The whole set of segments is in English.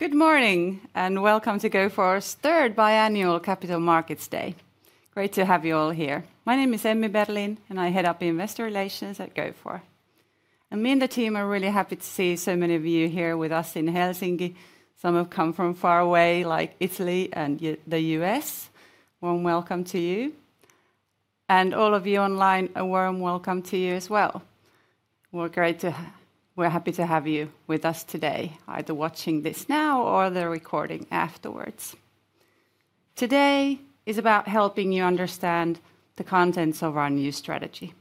Good morning and welcome to Gofore's third biannual Capital Markets Day. Great to have you all here. My name is Emmi Berlin, and I head up Investor Relations at Gofore. And me and the team are really happy to see so many of you here with us in Helsinki. Some have come from far away, like Italy and the U.S. Warm welcome to you. And all of you online, a warm welcome to you as well. We're happy to have you with us today, either watching this now or the recording afterwards. Today is about helping you understand the contents of our new strategy.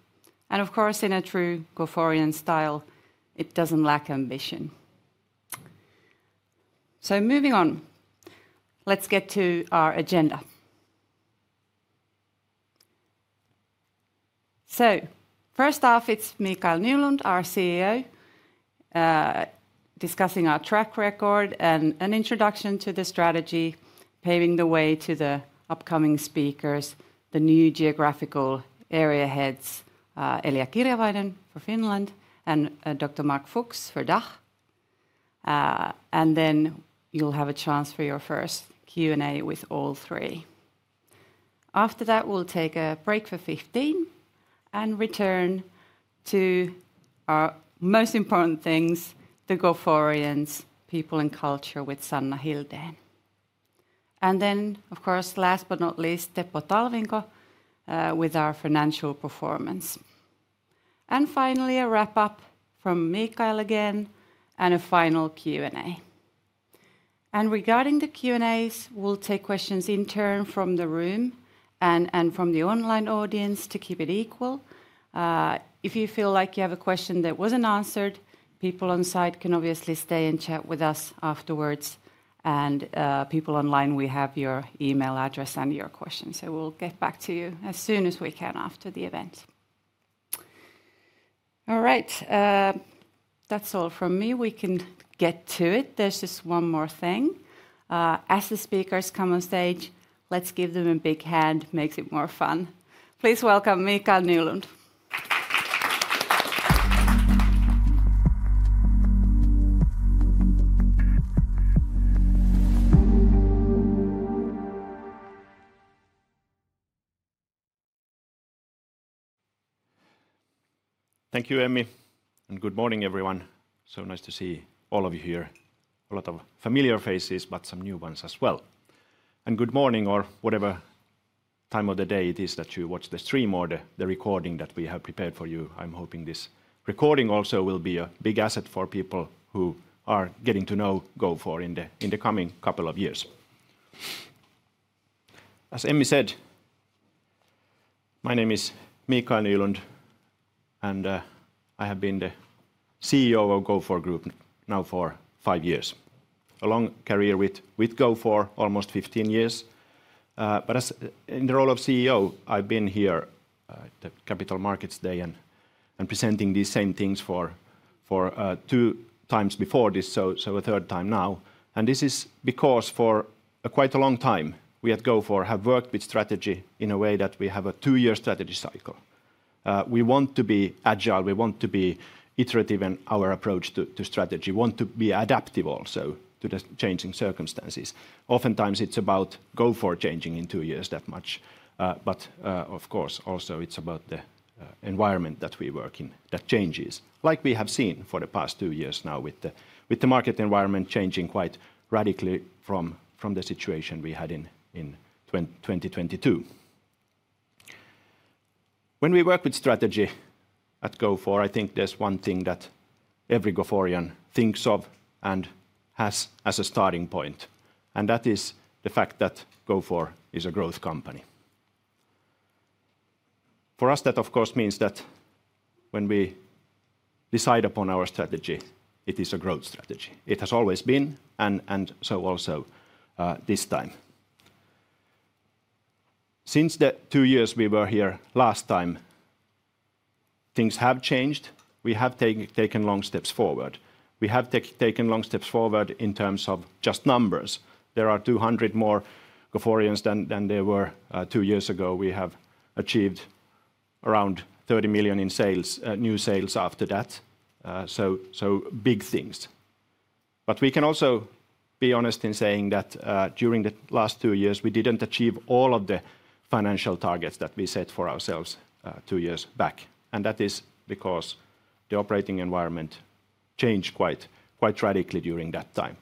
And of course, in a true Goforean style, it doesn't lack ambition. So moving on, let's get to our agenda. First off, it's Mikael Nylund, our CEO, discussing our track record and an introduction to the strategy, paving the way to the upcoming speakers, the new geographical area heads, Elja Kirjavainen, for Finland, and Dr. Marc Fuchs, for DACH. Then you'll have a chance for your first Q&A with all three. After that, we'll take a break for 15 and return to our most important things, the Goforeans' people and culture with Sanna Hildén. Then, of course, last but not least, Teppo Talvinko, with our financial performance. Finally, a wrap-up from Mikael again and a final Q&A. Regarding the Q&As, we'll take questions in turn from the room and from the online audience to keep it equal. If you feel like you have a question that wasn't answered, people on site can obviously stay and chat with us afterwards. And people online, we have your email address and your questions. So we'll get back to you as soon as we can after the event. All right, that's all from me. We can get to it. There's just one more thing. As the speakers come on stage, let's give them a big hand. Makes it more fun. Please welcome Mikael Nylund. Thank you, Emmi, and good morning, everyone. So nice to see all of you here. A lot of familiar faces, but some new ones as well. And good morning, or whatever time of the day it is that you watch the stream or the recording that we have prepared for you. I'm hoping this recording also will be a big asset for people who are getting to know Gofore in the coming couple of years. As Emmi said, my name is Mikael Nylund, and I have been the CEO of Gofore Group now for five years. A long career with Gofore, almost 15 years. But in the role of CEO, I've been here at the Capital Markets Day and presenting these same things two times before this, so a third time now. This is because for quite a long time, we at Gofore have worked with strategy in a way that we have a two-year strategy cycle. We want to be agile, we want to be iterative in our approach to strategy, want to be adaptive also to the changing circumstances. Oftentimes, it's about Gofore changing in two years that much. But of course, also it's about the environment that we work in that changes, like we have seen for the past two years now with the market environment changing quite radically from the situation we had in 2022. When we work with strategy at Gofore, I think there's one thing that every Goforean thinks of and has as a starting point, and that is the fact that Gofore is a growth company. For us, that of course means that when we decide upon our strategy, it is a growth strategy. It has always been, and so also this time. Since the two years we were here last time, things have changed. We have taken long steps forward. We have taken long steps forward in terms of just numbers. There are 200 more Goforeans than there were two years ago. We have achieved around 30 million in new sales after that. So big things, but we can also be honest in saying that during the last two years, we didn't achieve all of the financial targets that we set for ourselves two years back, and that is because the operating environment changed quite radically during that time.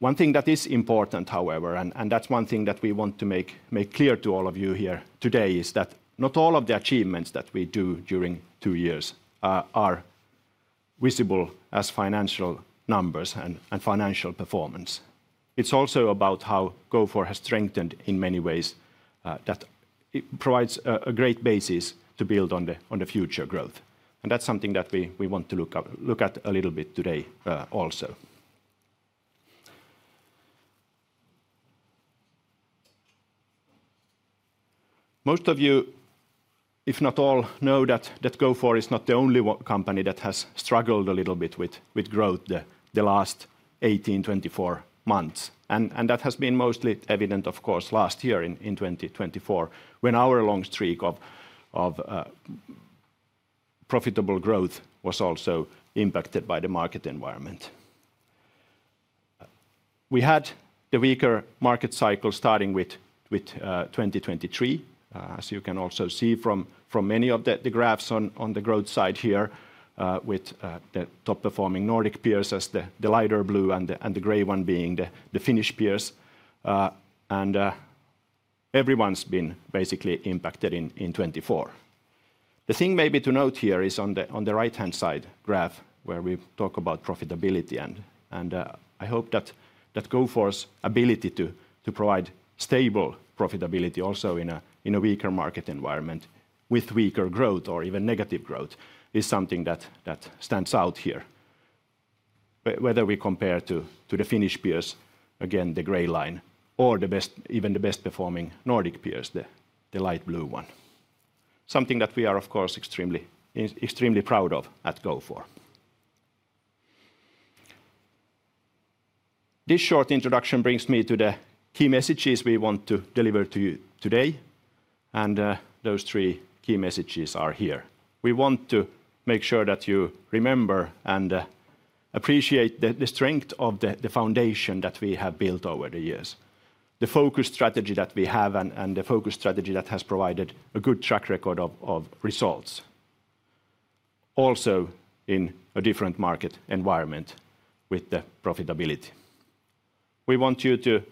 One thing that is important, however, and that's one thing that we want to make clear to all of you here today, is that not all of the achievements that we do during two years are visible as financial numbers and financial performance. It's also about how Gofore has strengthened in many ways that it provides a great basis to build on the future growth. That's something that we want to look at a little bit today also. Most of you, if not all, know that Gofore is not the only company that has struggled a little bit with growth the last 18-24 months. That has been mostly evident, of course, last year in 2024, when our long streak of profitable growth was also impacted by the market environment. We had the weaker market cycle starting with 2023, as you can also see from many of the graphs on the growth side here, with the top-performing Nordic peers as the lighter blue and the gray one being the Finnish peers. Everyone's been basically impacted in 2024. The thing maybe to note here is on the right-hand side graph where we talk about profitability, and I hope that Gofore's ability to provide stable profitability also in a weaker market environment with weaker growth or even negative growth is something that stands out here. Whether we compare to the Finnish peers, again, the gray line, or even the best-performing Nordic peers, the light blue one. Something that we are, of course, extremely proud of at Gofore. This short introduction brings me to the key messages we want to deliver to you today, and those three key messages are here. We want to make sure that you remember and appreciate the strength of the foundation that we have built over the years. The focus strategy that we have and the focus strategy that has provided a good track record of results, also in a different market environment with the profitability. We want you to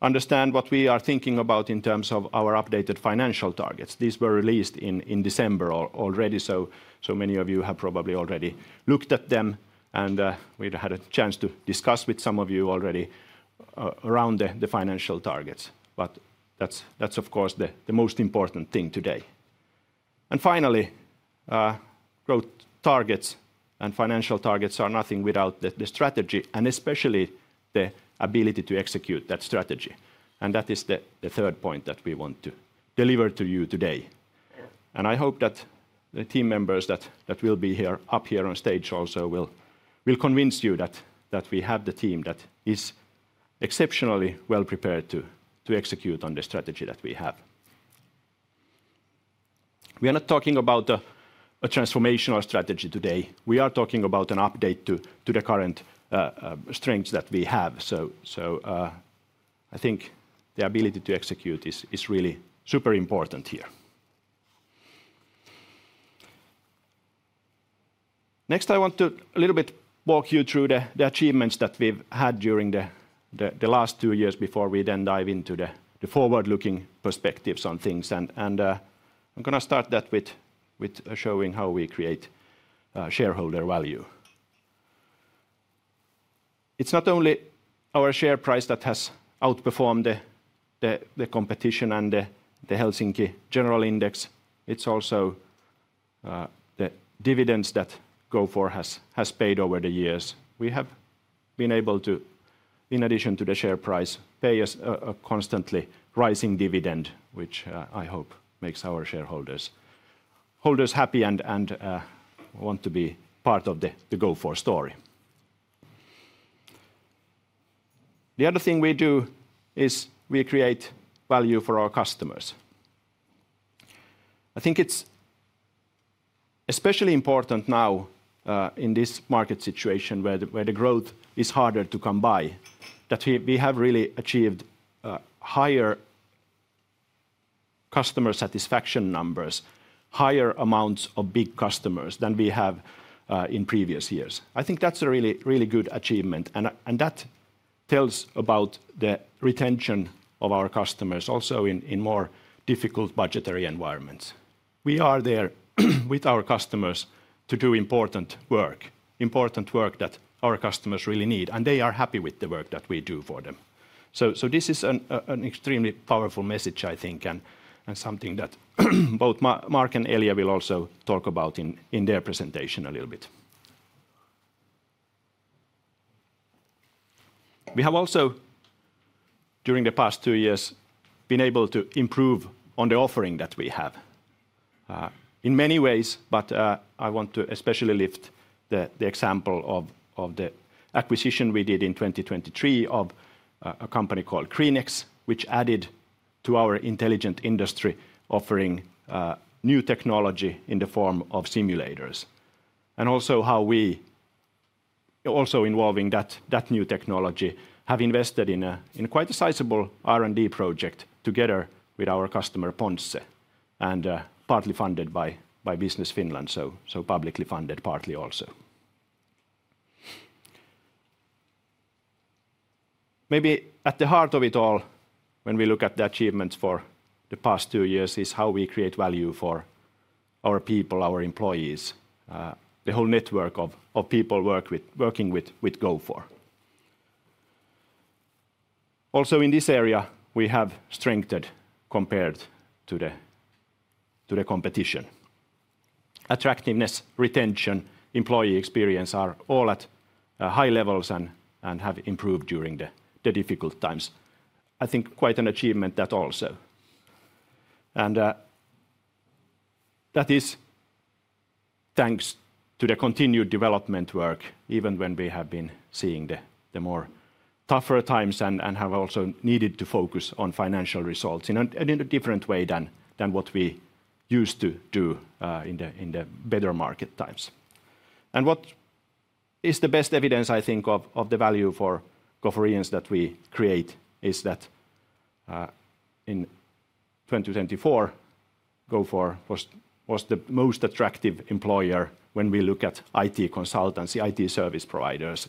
understand what we are thinking about in terms of our updated financial targets. These were released in December already, so many of you have probably already looked at them. And we had a chance to discuss with some of you already around the financial targets. But that's, of course, the most important thing today. And finally, growth targets and financial targets are nothing without the strategy, and especially the ability to execute that strategy. And that is the third point that we want to deliver to you today. I hope that the team members that will be up here on stage also will convince you that we have the team that is exceptionally well prepared to execute on the strategy that we have. We are not talking about a transformational strategy today. We are talking about an update to the current strengths that we have. So I think the ability to execute is really super important here. Next, I want to a little bit walk you through the achievements that we've had during the last two years before we then dive into the forward-looking perspectives on things. I'm going to start that with showing how we create shareholder value. It's not only our share price that has outperformed the competition and the Helsinki General Index. It's also the dividends that Gofore has paid over the years. We have been able to, in addition to the share price, pay a constantly rising dividend, which I hope makes our shareholders happy and want to be part of the Gofore story. The other thing we do is we create value for our customers. I think it's especially important now in this market situation where the growth is harder to come by, that we have really achieved higher customer satisfaction numbers, higher amounts of big customers than we have in previous years. I think that's a really good achievement, and that tells about the retention of our customers also in more difficult budgetary environments. We are there with our customers to do important work, important work that our customers really need, and they are happy with the work that we do for them. So this is an extremely powerful message, I think, and something that both Marc and Elja will also talk about in their presentation a little bit. We have also, during the past two years, been able to improve on the offering that we have. In many ways, but I want to especially lift the example of the acquisition we did in 2023 of a company called Creanex, which added to our Intelligent Industry offering new technology in the form of simulators. And also how we, also involving that new technology, have invested in quite a sizable R&D project together with our customer Ponsse, and partly funded by Business Finland, so publicly funded partly also. Maybe at the heart of it all, when we look at the achievements for the past two years, is how we create value for our people, our employees, the whole network of people working with Gofore. Also in this area, we have strengthened compared to the competition. Attractiveness, retention, employee experience are all at high levels and have improved during the difficult times. I think quite an achievement that also. And that is thanks to the continued development work, even when we have been seeing the more tougher times and have also needed to focus on financial results in a different way than what we used to do in the better market times. And what is the best evidence, I think, of the value for Goforeans that we create is that in 2024, Gofore was the most attractive employer when we look at IT consultancy, IT service providers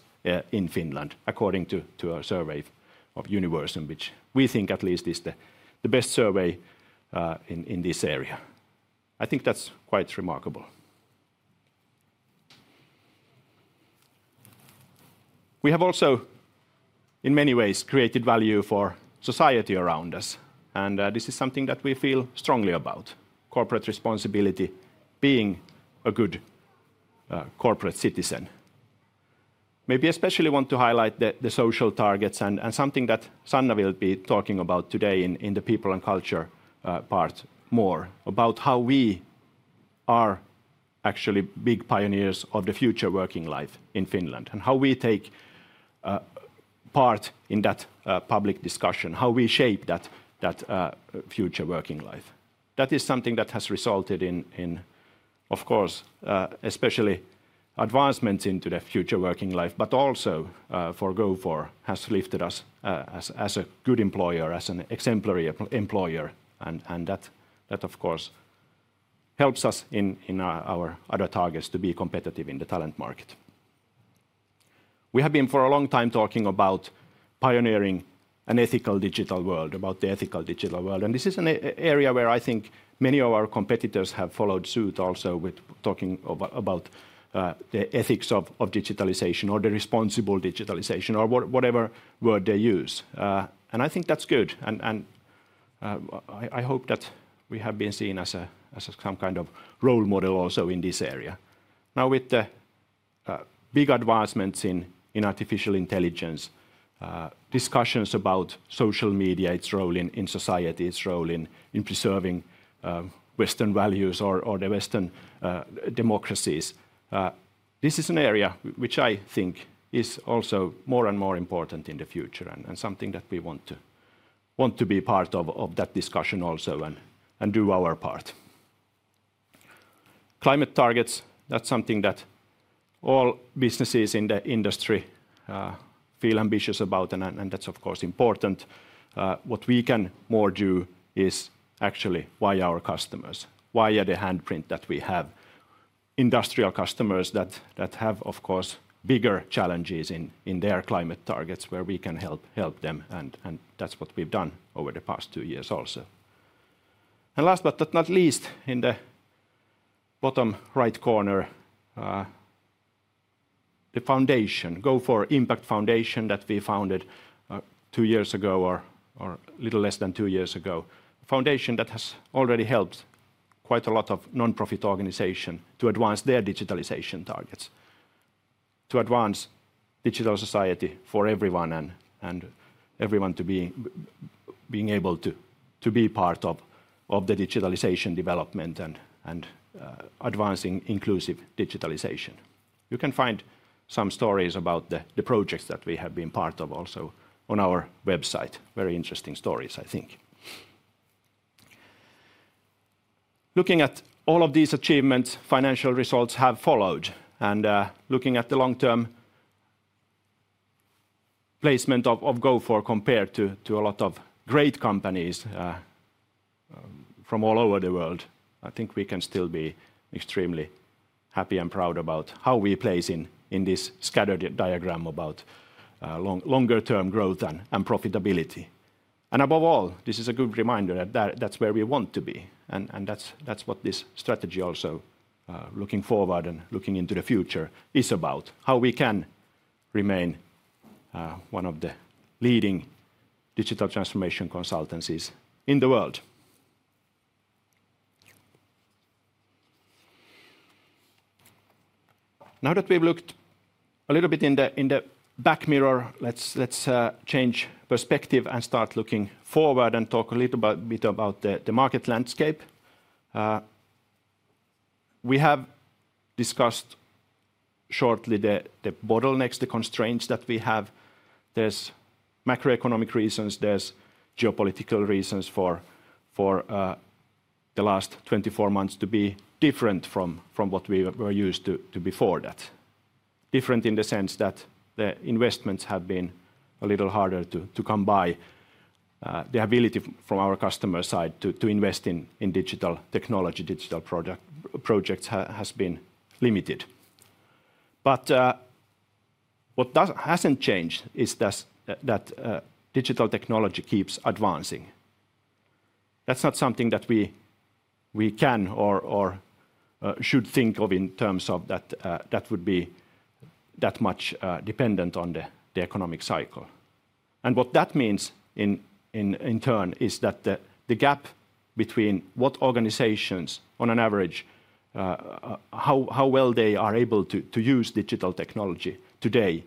in Finland, according to a survey of Universum, which we think at least is the best survey in this area. I think that's quite remarkable. We have also, in many ways, created value for society around us. This is something that we feel strongly about, corporate responsibility being a good corporate citizen. Maybe I especially want to highlight the social targets and something that Sanna will be talking about today in the people and culture part more, about how we are actually big pioneers of the future working life in Finland and how we take part in that public discussion, how we shape that future working life. That is something that has resulted in, of course, especially advancements into the future working life, but also for Gofore has lifted us as a good employer, as an exemplary employer. That, of course, helps us in our other targets to be competitive in the talent market. We have been for a long time talking about pioneering an ethical digital world, about the ethical digital world. This is an area where I think many of our competitors have followed suit also with talking about the ethics of digitalization or the responsible digitalization or whatever word they use. I think that's good. I hope that we have been seen as some kind of role model also in this area. Now, with the big advancements in artificial intelligence, discussions about social media, its role in society, its role in preserving Western values or the Western democracies, this is an area which I think is also more and more important in the future and something that we want to be part of that discussion also and do our part. Climate targets, that's something that all businesses in the industry feel ambitious about, and that's of course important. What we can more do is actually why our customers, why the handprint that we have industrial customers that have, of course, bigger challenges in their climate targets where we can help them. And that's what we've done over the past two years also. And last but not least, in the bottom right corner, the foundation, Gofore Impact Foundation that we founded two years ago or a little less than two years ago, a foundation that has already helped quite a lot of nonprofit organizations to advance their digitalization targets, to advance Digital Society for everyone and everyone being able to be part of the digitalization development and advancing inclusive digitalization. You can find some stories about the projects that we have been part of also on our website, very interesting stories, I think. Looking at all of these achievements, financial results have followed. Looking at the long-term placement of Gofore compared to a lot of great companies from all over the world, I think we can still be extremely happy and proud about how we place in this scatter diagram about longer-term growth and profitability. Above all, this is a good reminder that that's where we want to be. That's what this strategy also, looking forward and looking into the future, is about, how we can remain one of the leading digital transformation consultancies in the world. Now that we've looked a little bit in the rearview mirror, let's change perspective and start looking forward and talk a little bit about the market landscape. We have discussed shortly the bottlenecks, the constraints that we have. There are macroeconomic reasons, there are geopolitical reasons for the last 24 months to be different from what we were used to before that. Different in the sense that the investments have been a little harder to come by. The ability from our customer side to invest in digital technology, digital projects has been limited. But what hasn't changed is that digital technology keeps advancing. That's not something that we can or should think of in terms of that would be that much dependent on the economic cycle. And what that means in turn is that the gap between what organizations on an average, how well they are able to use digital technology today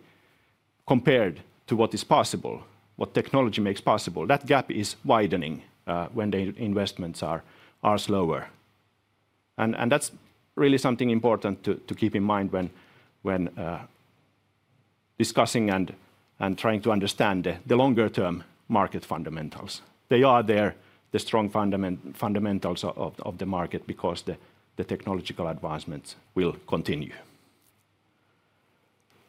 compared to what is possible, what technology makes possible, that gap is widening when the investments are slower. And that's really something important to keep in mind when discussing and trying to understand the longer-term market fundamentals. They are there, the strong fundamentals of the market because the technological advancements will continue.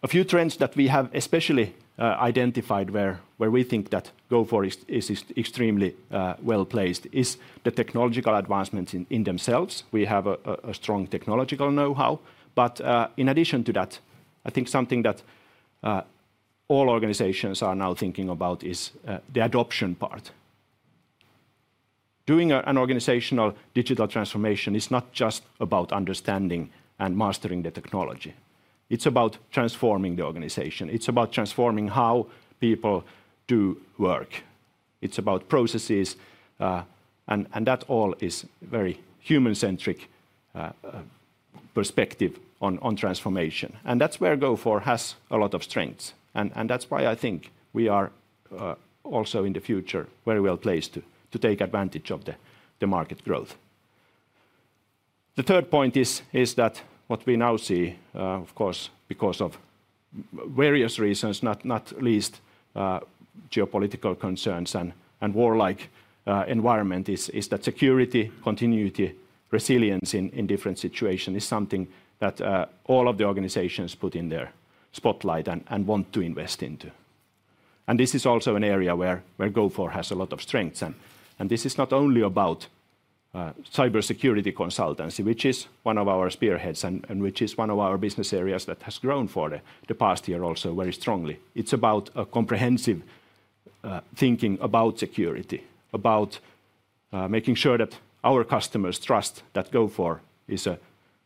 A few trends that we have especially identified where we think that Gofore is extremely well placed is the technological advancements in themselves. We have a strong technological know-how. But in addition to that, I think something that all organizations are now thinking about is the adoption part. Doing an organizational digital transformation is not just about understanding and mastering the technology. It's about transforming the organization. It's about transforming how people do work. It's about processes. And that all is a very human-centric perspective on transformation. And that's where Gofore has a lot of strengths. And that's why I think we are also in the future very well placed to take advantage of the market growth. The third point is that what we now see, of course, because of various reasons, not least geopolitical concerns and war-like environment, is that security, continuity, resilience in different situations is something that all of the organizations put in their spotlight and want to invest into. And this is also an area where Gofore has a lot of strengths. And this is not only about cybersecurity consultancy, which is one of our spearheads and which is one of our business areas that has grown for the past year also very strongly. It's about comprehensive thinking about security, about making sure that our customers trust that Gofore is a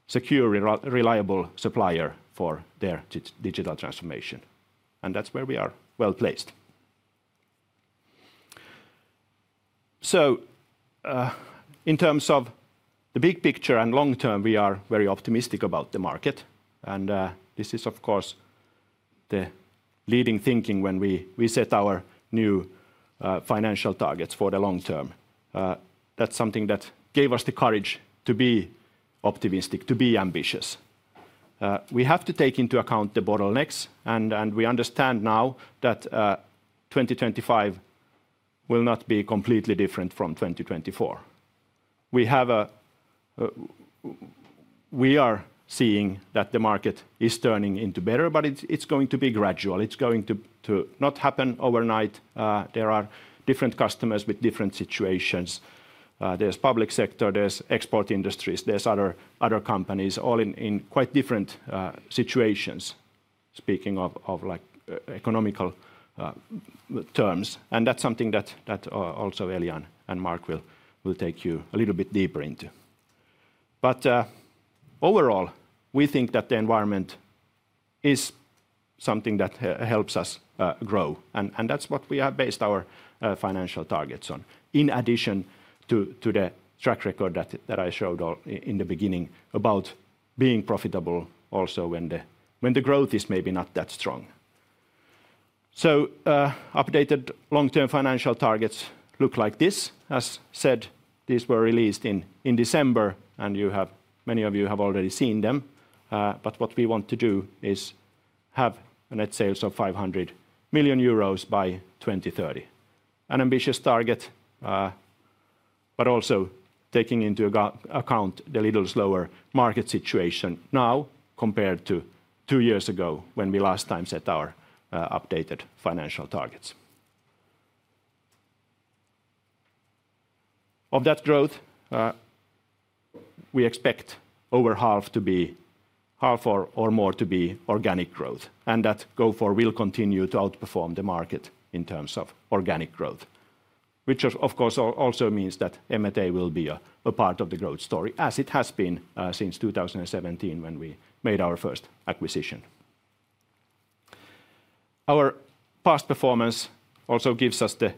secure, reliable supplier for their digital transformation. And that's where we are well placed. So in terms of the big picture and long term, we are very optimistic about the market. And this is, of course, the leading thinking when we set our new financial targets for the long term. That's something that gave us the courage to be optimistic, to be ambitious. We have to take into account the bottlenecks. And we understand now that 2025 will not be completely different from 2024. We are seeing that the market is turning into better, but it's going to be gradual. It's going to not happen overnight. There are different customers with different situations. There's public sector, there's export industries, there's other companies, all in quite different situations, speaking of economical terms. And that's something that also Elja and Marc will take you a little bit deeper into. But overall, we think that the environment is something that helps us grow. That's what we have based our financial targets on, in addition to the track record that I showed in the beginning about being profitable also when the growth is maybe not that strong. Updated long-term financial targets look like this. As said, these were released in December, and many of you have already seen them. But what we want to do is have net sales of 500 million euros by 2030. An ambitious target, but also taking into account the little slower market situation now compared to two years ago when we last time set our updated financial targets. Of that growth, we expect over half to be half or more to be organic growth. That Gofore will continue to outperform the market in terms of organic growth, which of course also means that M&A will be a part of the growth story, as it has been since 2017 when we made our first acquisition. Our past performance also gives us the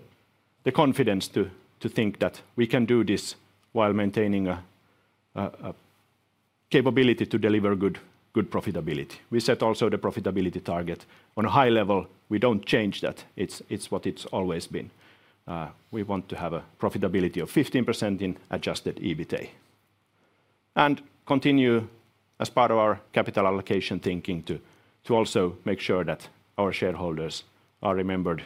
confidence to think that we can do this while maintaining a capability to deliver good profitability. We set also the profitability target on a high level. We don't change that. It's what it's always been. We want to have a profitability of 15% in adjusted EBITDA and continue as part of our capital allocation thinking to also make sure that our shareholders are remembered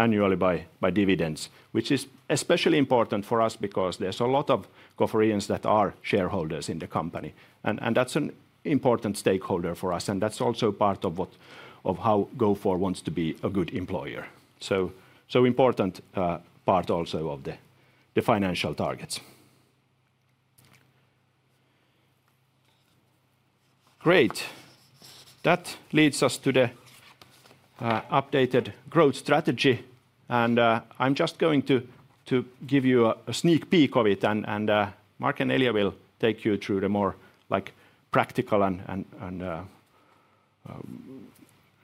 annually by dividends, which is especially important for us because there's a lot of Goforeans that are shareholders in the company, and that's an important stakeholder for us. That's also part of how Gofore wants to be a good employer. Important part also of the financial targets. Great. That leads us to the updated growth strategy. I'm just going to give you a sneak peek of it. Marc and Elja will take you through the more practical and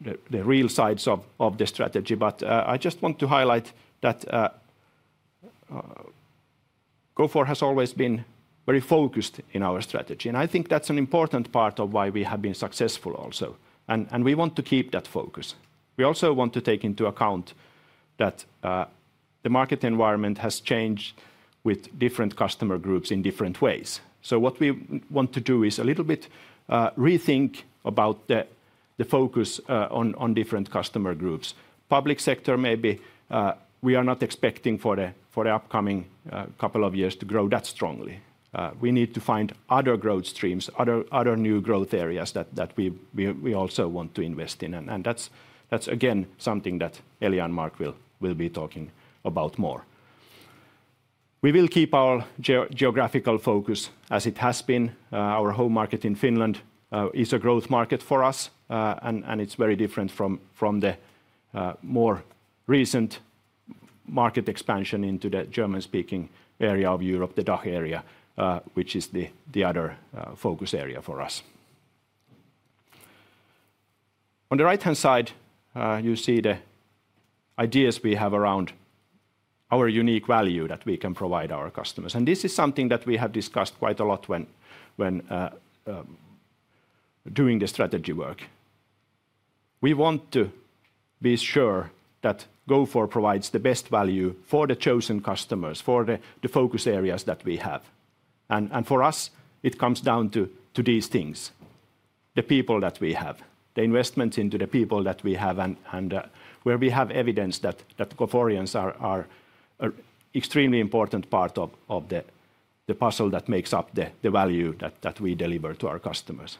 the real sides of the strategy. I just want to highlight that Gofore has always been very focused in our strategy. I think that's an important part of why we have been successful also. We want to keep that focus. We also want to take into account that the market environment has changed with different customer groups in different ways. What we want to do is a little bit rethink about the focus on different customer groups. Public sector, maybe we are not expecting for the upcoming couple of years to grow that strongly. We need to find other growth streams, other new growth areas that we also want to invest in, and that's again something that Elja and Marc will be talking about more. We will keep our geographical focus as it has been. Our home market in Finland is a growth market for us, and it's very different from the more recent market expansion into the German-speaking area of Europe, the DACH area, which is the other focus area for us. On the right-hand side, you see the ideas we have around our unique value that we can provide our customers, and this is something that we have discussed quite a lot when doing the strategy work. We want to be sure that Gofore provides the best value for the chosen customers, for the focus areas that we have, and for us, it comes down to these things, the people that we have, the investments into the people that we have, and where we have evidence that Goforeans are an extremely important part of the puzzle that makes up the value that we deliver to our customers.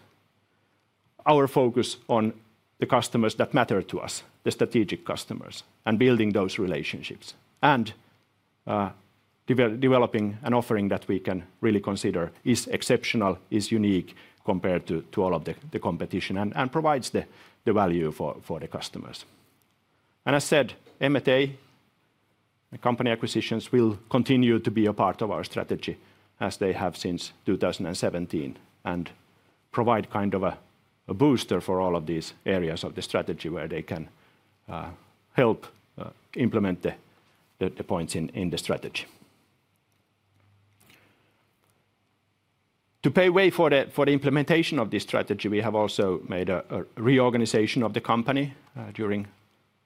Our focus on the customers that matter to us, the strategic customers, and building those relationships and developing an offering that we can really consider is exceptional, is unique compared to all of the competition and provides the value for the customers. As said, M&A and company acquisitions will continue to be a part of our strategy as they have since 2017 and provide kind of a booster for all of these areas of the strategy where they can help implement the points in the strategy. To pay way for the implementation of this strategy, we have also made a reorganization of the company during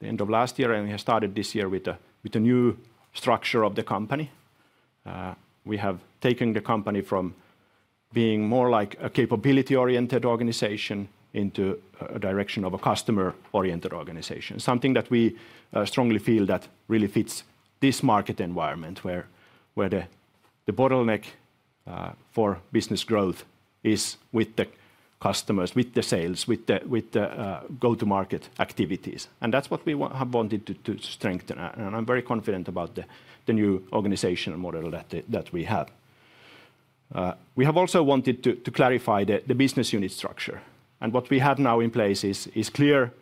the end of last year. We have started this year with a new structure of the company. We have taken the company from being more like a capability-oriented organization into a direction of a customer-oriented organization, something that we strongly feel that really fits this market environment where the bottleneck for business growth is with the customers, with the sales, with the go-to-market activities. That's what we have wanted to strengthen. I'm very confident about the new organizational model that we have. We have also wanted to clarify the business unit structure, and what we have now in place is clear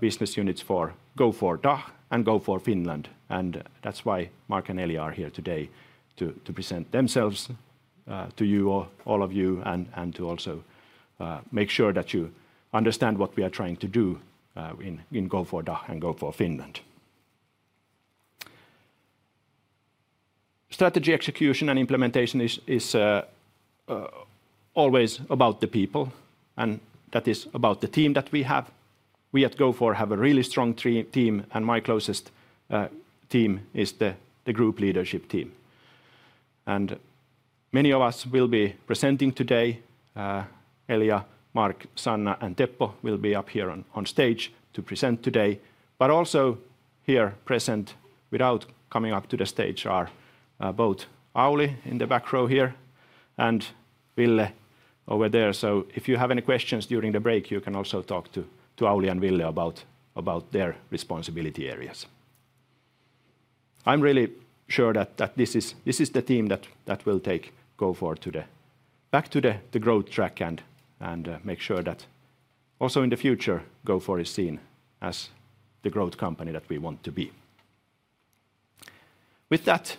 business units for Gofore DACH, and Gofore Finland, and that's why Marc and Elja are here today to present themselves to you, all of you, and to also make sure that you understand what we are trying to do in Gofore DACH, and Gofore Finland. Strategy execution and implementation is always about the people, and that is about the team that we have. We at Gofore have a really strong team, and my closest team is the group leadership team, and many of us will be presenting today. Elja, Marc, Sanna, and Teppo will be up here on stage to present today, but also here present without coming up to the stage are both Auli in the back row here and Ville over there. So if you have any questions during the break, you can also talk to Auli and Ville about their responsibility areas. I'm really sure that this is the team that will take Gofore back to the growth track and make sure that also in the future, Gofore is seen as the growth company that we want to be. With that,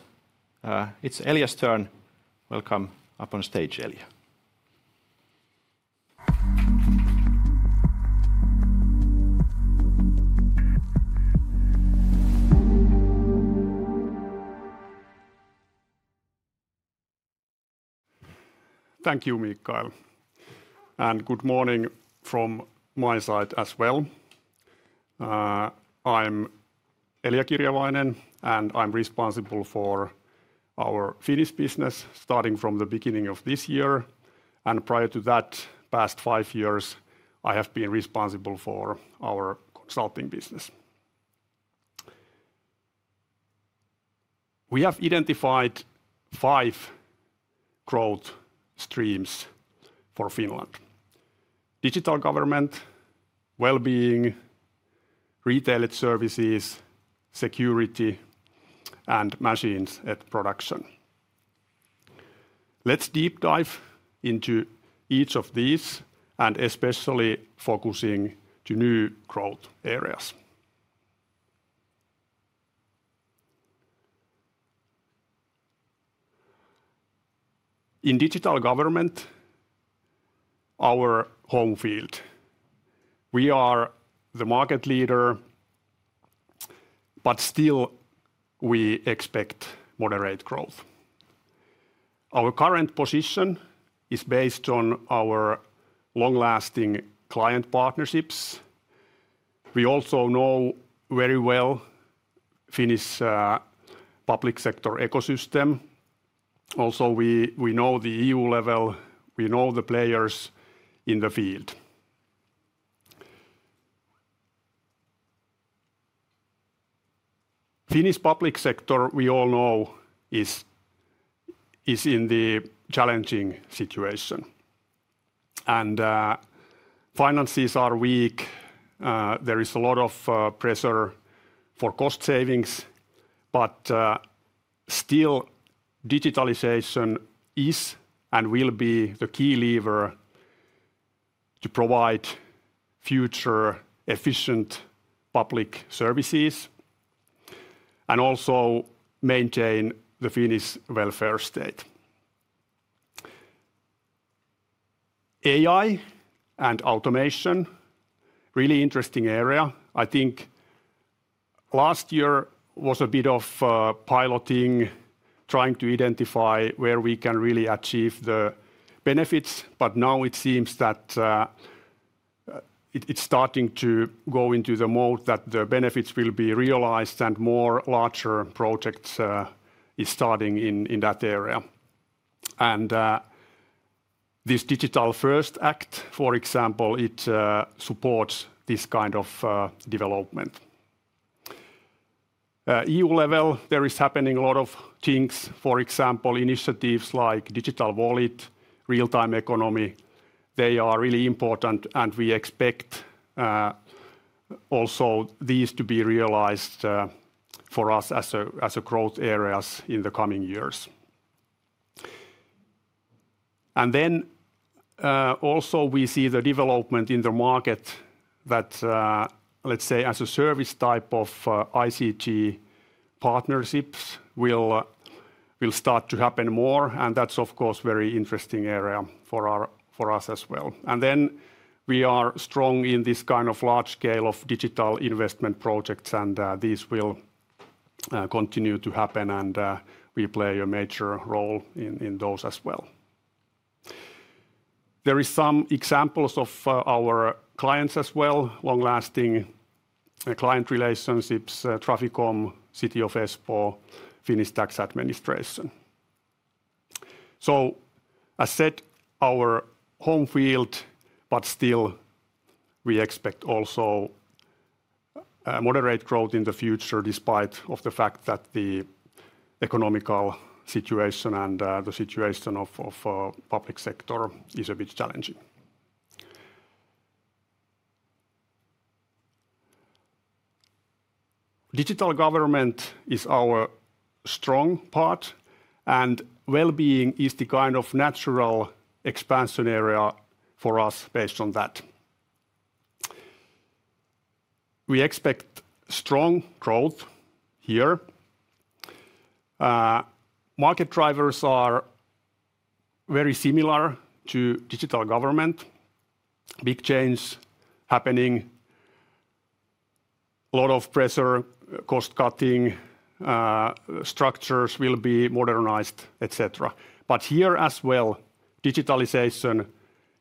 it's Elja's turn. Welcome up on stage, Elja. Thank you, Mikael. And good morning from my side as well. I'm Elja Kirjavainen, and I'm responsible for our Finnish business starting from the beginning of this year. And prior to that, past five years, I have been responsible for our consulting business. We have identified five growth streams for Finland: digital government, well-being, retail services, security, and machines at production. Let's deep dive into each of these and especially focusing on new growth areas. In digital government, our home field, we are the market leader, but still we expect moderate growth. Our current position is based on our long-lasting client partnerships. We also know very well Finnish public sector ecosystem. Also, we know the EU level. We know the players in the field. Finnish public sector, we all know, is in the challenging situation and finances are weak. There is a lot of pressure for cost savings, but still, digitalization is and will be the key lever to provide future efficient public services and also maintain the Finnish welfare state. AI and automation, really interesting area. I think last year was a bit of piloting, trying to identify where we can really achieve the benefits, but now it seems that it's starting to go into the mode that the benefits will be realized and more larger projects are starting in that area. This Digital First Act, for example, supports this kind of development. At EU level, there is happening a lot of things. For example, initiatives like Digital Wallet, Real-time Economy. They are really important. We expect also these to be realized for us as growth areas in the coming years. Then also we see the development in the market that, let's say, as a service type of ICT partnerships will start to happen more. That's, of course, a very interesting area for us as well. Then we are strong in this kind of large scale of digital investment projects. These will continue to happen. We play a major role in those as well. There are some examples of our clients as well, long-lasting client relationships, Traficom, City of Espoo, Finnish Tax Administration. So, as said, our home field, but still we expect also moderate growth in the future despite the fact that the economic situation and the situation of the public sector is a bit challenging. Digital government is our strong part. And well-being is the kind of natural expansion area for us based on that. We expect strong growth here. Market drivers are very similar to digital government. Big change happening. A lot of pressure, cost-cutting structures will be modernized, etc. But here as well, digitalization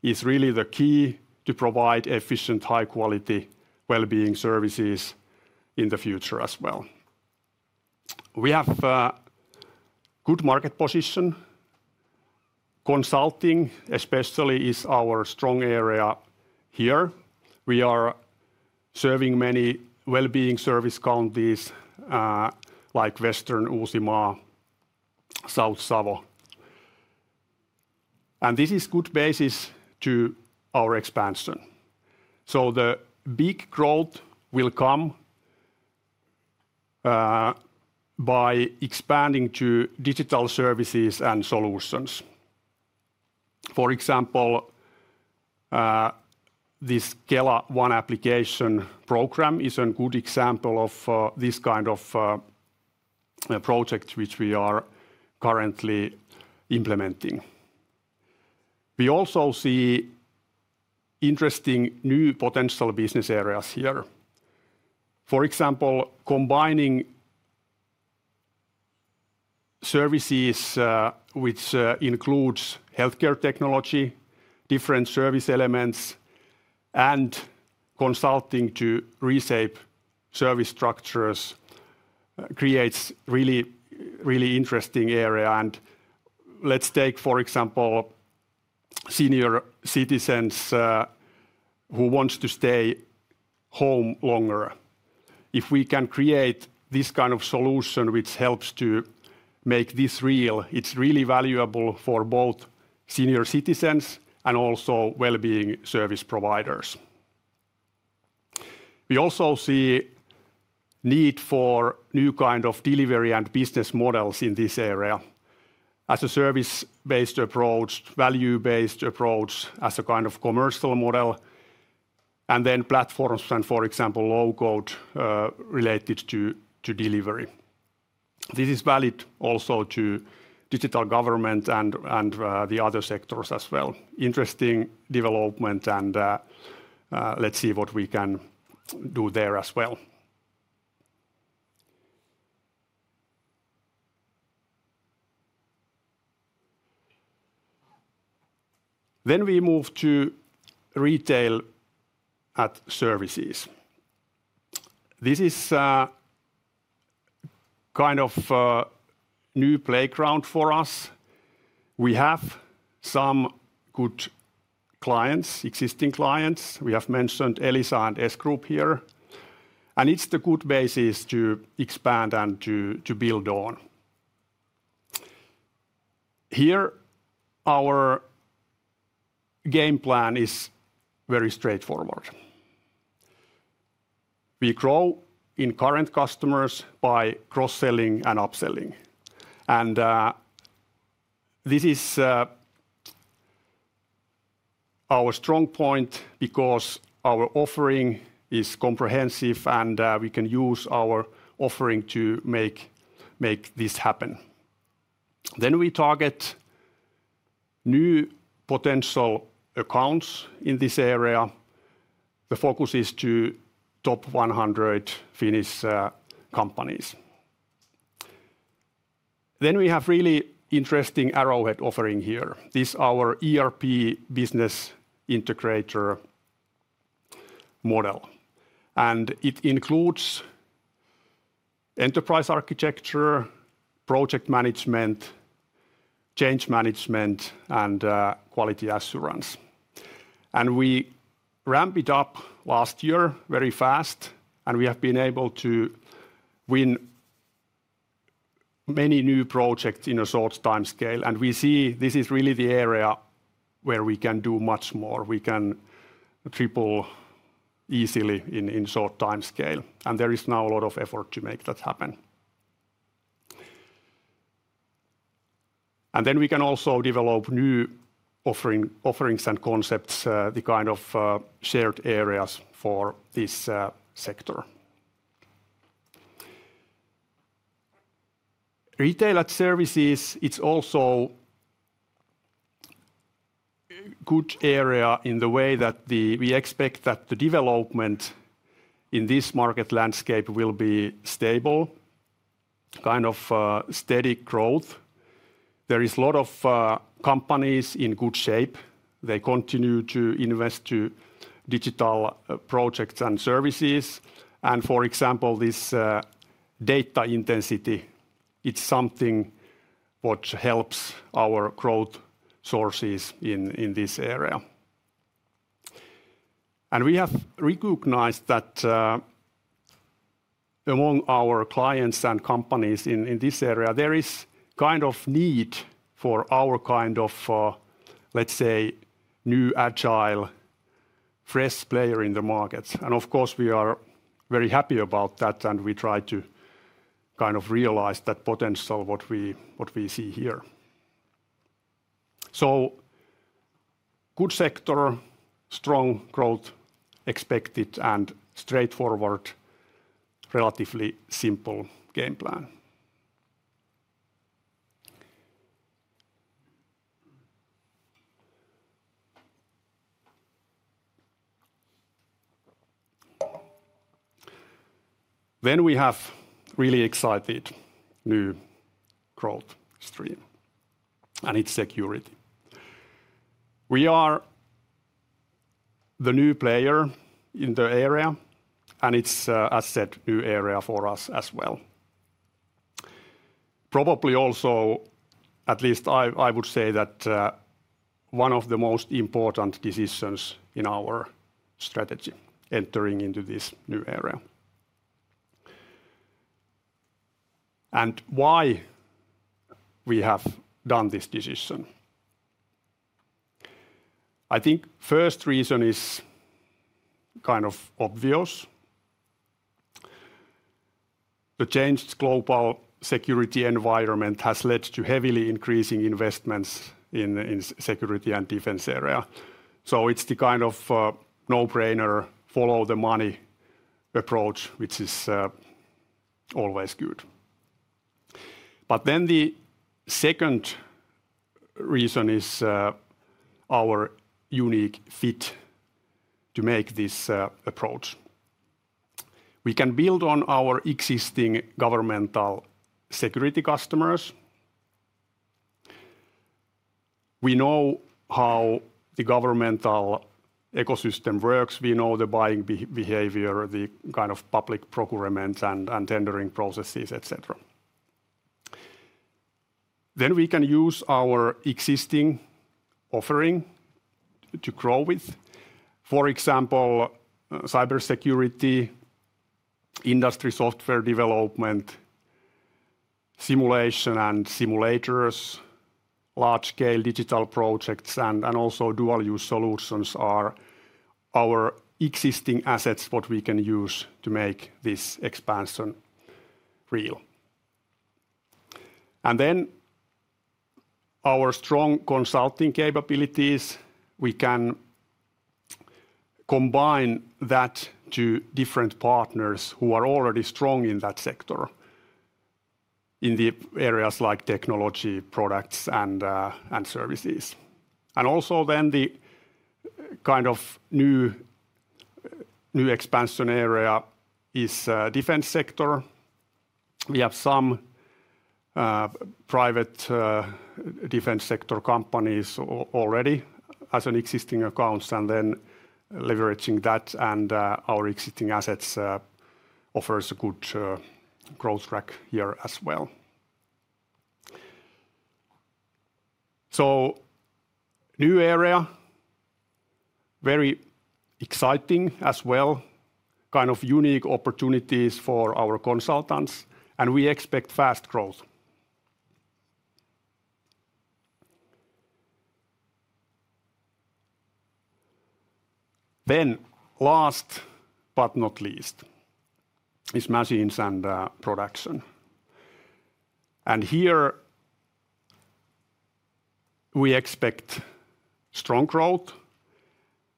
is really the key to provide efficient, high-quality well-being services in the future as well. We have a good market position. Consulting, especially, is our strong area here. We are serving many well-being service counties like Western Uusimaa, South Savo. And this is a good basis to our expansion. So the big growth will come by expanding to digital services and solutions. For example, this Kela One application program is a good example of this kind of project which we are currently implementing. We also see interesting new potential business areas here. For example, combining services which include healthcare technology, different service elements, and consulting to reshape service structures creates a really interesting area. Let's take, for example, senior citizens who want to stay home longer. If we can create this kind of solution which helps to make this real, it's really valuable for both senior citizens and also well-being service providers. We also see a need for new kinds of delivery and business models in this area as a service-based approach, value-based approach as a kind of commercial model, and then platforms and, for example, low-code related to delivery. This is valid also to digital government and the other sectors as well. Interesting development. Let's see what we can do there as well. We move to retail and services. This is a kind of new playground for us. We have some good clients, existing clients. We have mentioned Elisa and S-Group here. It's a good basis to expand and to build on. Here, our game plan is very straightforward. We grow in current customers by cross-selling and upselling. This is our strong point because our offering is comprehensive and we can use our offering to make this happen. We target new potential accounts in this area. The focus is the top 100 Finnish companies. We have a really interesting Arrowhead offering here. This is our ERP business integrator model. It includes enterprise architecture, project management, change management, and quality assurance. We ramped it up last year very fast. We have been able to win many new projects in a short time scale. We see this is really the area where we can do much more. We can triple easily in short time scale. There is now a lot of effort to make that happen. We can also develop new offerings and concepts, the kind of shared areas for this sector. Retail and services, it's also a good area in the way that we expect that the development in this market landscape will be stable, kind of steady growth. There are a lot of companies in good shape. They continue to invest in digital projects and services. For example, this data intensity, it's something which helps our growth sources in this area. And we have recognized that among our clients and companies in this area, there is a kind of need for our kind of, let's say, new agile, fresh player in the markets. And of course, we are very happy about that. And we try to kind of realize that potential what we see here. So good sector, strong growth expected, and straightforward, relatively simple game plan. Then we have really excited new growth stream and its security. We are the new player in the area. And it's, as said, a new area for us as well. Probably also, at least I would say that one of the most important decisions in our strategy entering into this new area. And why we have done this decision? I think the first reason is kind of obvious. The changed global security environment has led to heavily increasing investments in the security and defense area. So it's the kind of no-brainer, follow the money approach, which is always good. But then the second reason is our unique fit to make this approach. We can build on our existing governmental security customers. We know how the governmental ecosystem works. We know the buying behavior, the kind of public procurement and tendering processes, etc. Then we can use our existing offering to grow with. For example, cybersecurity, industry software development, simulation and simulators, large-scale digital projects, and also dual-use solutions are our existing assets what we can use to make this expansion real. And then our strong consulting capabilities, we can combine that to different partners who are already strong in that sector in the areas like technology, products, and services. And also then the kind of new expansion area is the defense sector. We have some private defense sector companies already as existing accounts. And then leveraging that and our existing assets offers a good growth track here as well. So new area, very exciting as well, kind of unique opportunities for our consultants. And we expect fast growth. Then last but not least is machines and production. And here we expect strong growth.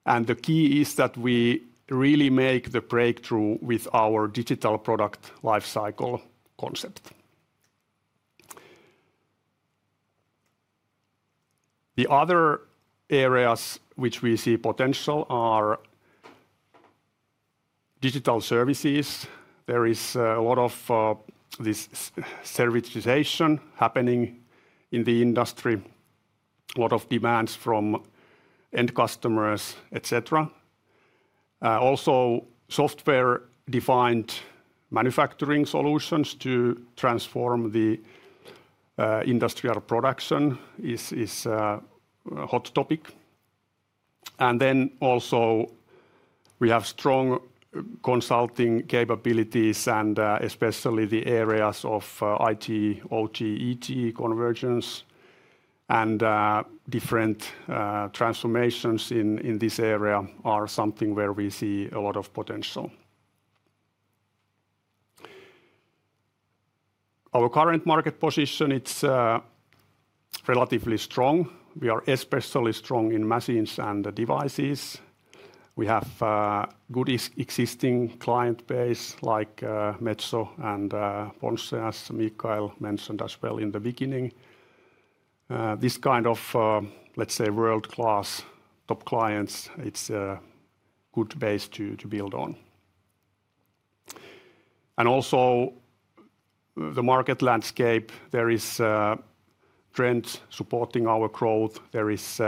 And the key is that we really make the breakthrough with our digital product lifecycle concept. The other areas which we see potential are digital services. There is a lot of this servitization happening in the industry, a lot of demands from end customers, etc. Also software-defined manufacturing solutions to transform the industrial production is a hot topic. And then also we have strong consulting capabilities and especially the areas of IT, OT, ET convergence. Different transformations in this area are something where we see a lot of potential. Our current market position, it's relatively strong. We are especially strong in machines and devices. We have a good existing client base like Metso and Ponsse, Mikael mentioned as well in the beginning. This kind of, let's say, world-class top clients, it's a good base to build on. Also the market landscape, there is a trend supporting our growth. There is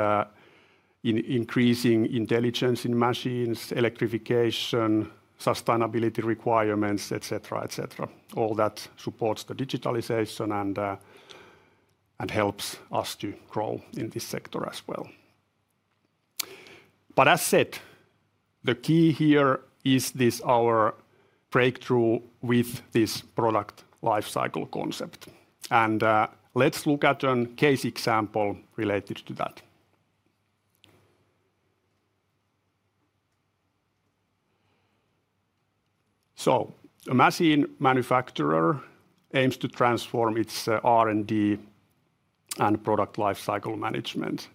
increasing intelligence in machines, electrification, sustainability requirements, etc., etc. All that supports the digitalization and helps us to grow in this sector as well. As said, the key here is our breakthrough with this product lifecycle concept. Let's look at a case example related to that. A machine manufacturer aims to transform its R&D and product lifecycle management.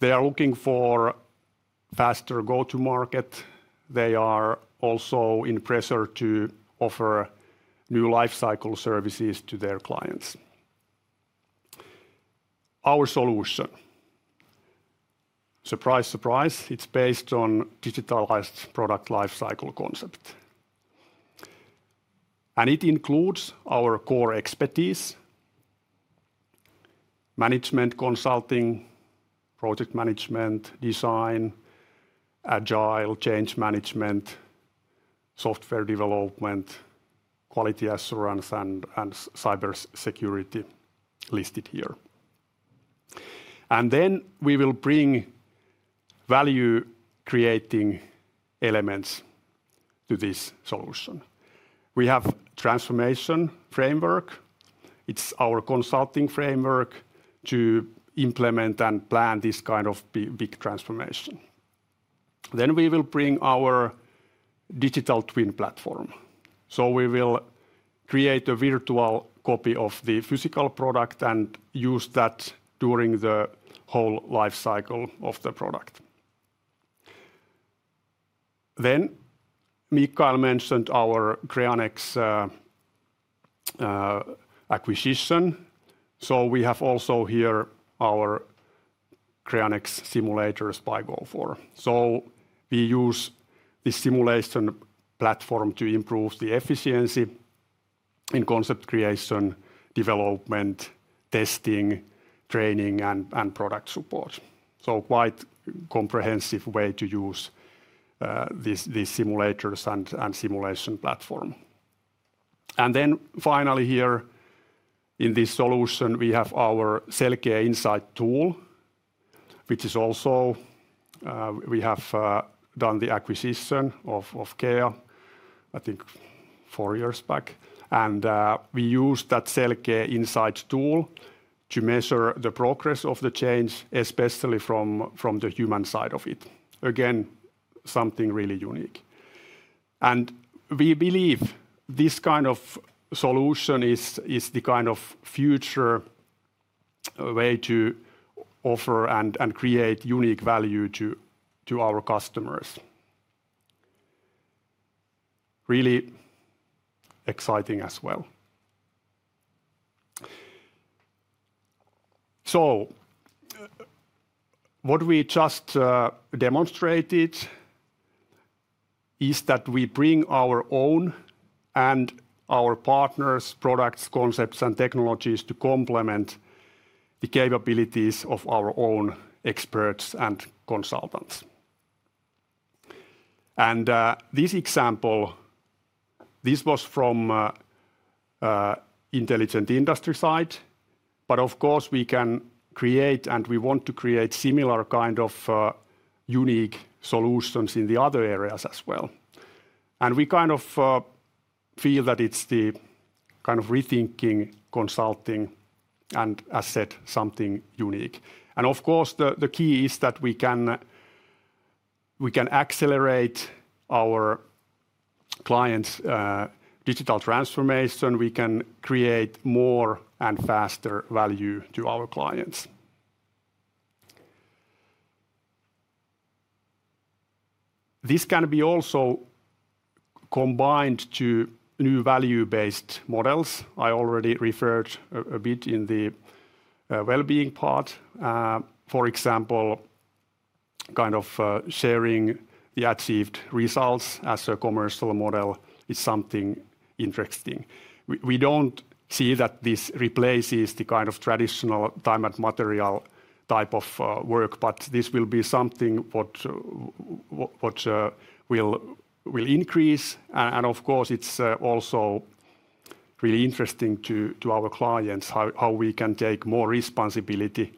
They are looking for faster go-to-market. They are also under pressure to offer new lifecycle services to their clients. Our solution, surprise, surprise, it's based on a digitalized product lifecycle concept, and it includes our core expertise: management consulting, project management, design, agile change management, software development, quality assurance, and cybersecurity listed here, and then we will bring value-creating elements to this solution. We have a transformation framework. It's our consulting framework to implement and plan this kind of big transformation, then we will bring our digital twin platform, so we will create a virtual copy of the physical product and use that during the whole lifecycle of the product, then Mikael mentioned our Creanex acquisition, so we have also here our Creanex simulators by Gofore, so we use this simulation platform to improve the efficiency in concept creation, development, testing, training, and product support. So, quite a comprehensive way to use these simulators and simulation platform. And then finally here in this solution, we have our Celkee Insight tool, which is also we have done the acquisition of CCEA, I think four years back. And we use that Celkee Insight tool to measure the progress of the change, especially from the human side of it. Again, something really unique. And we believe this kind of solution is the kind of future way to offer and create unique value to our customers. Really exciting as well. So what we just demonstrated is that we bring our own and our partners' products, concepts, and technologies to complement the capabilities of our own experts and consultants. And this example, this was from the Intelligent Industry side. But of course, we can create and we want to create similar kind of unique solutions in the other areas as well. And we kind of feel that it's the kind of rethinking consulting and, as said, something unique. And of course, the key is that we can accelerate our clients' digital transformation. We can create more and faster value to our clients. This can be also combined to new value-based models. I already referred a bit in the well-being part. For example, kind of sharing the achieved results as a commercial model is something interesting. We don't see that this replaces the kind of traditional time and material type of work, but this will be something which will increase. And of course, it's also really interesting to our clients how we can take more responsibility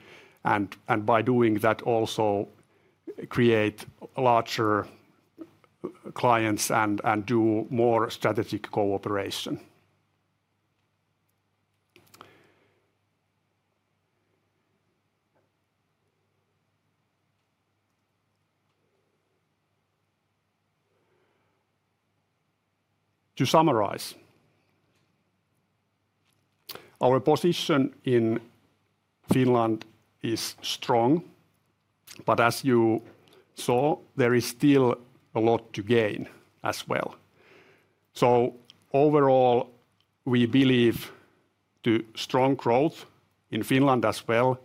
and by doing that also create larger clients and do more strategic cooperation. To summarize, our position in Finland is strong, but as you saw, there is still a lot to gain as well, so overall, we believe in strong growth in Finland as well.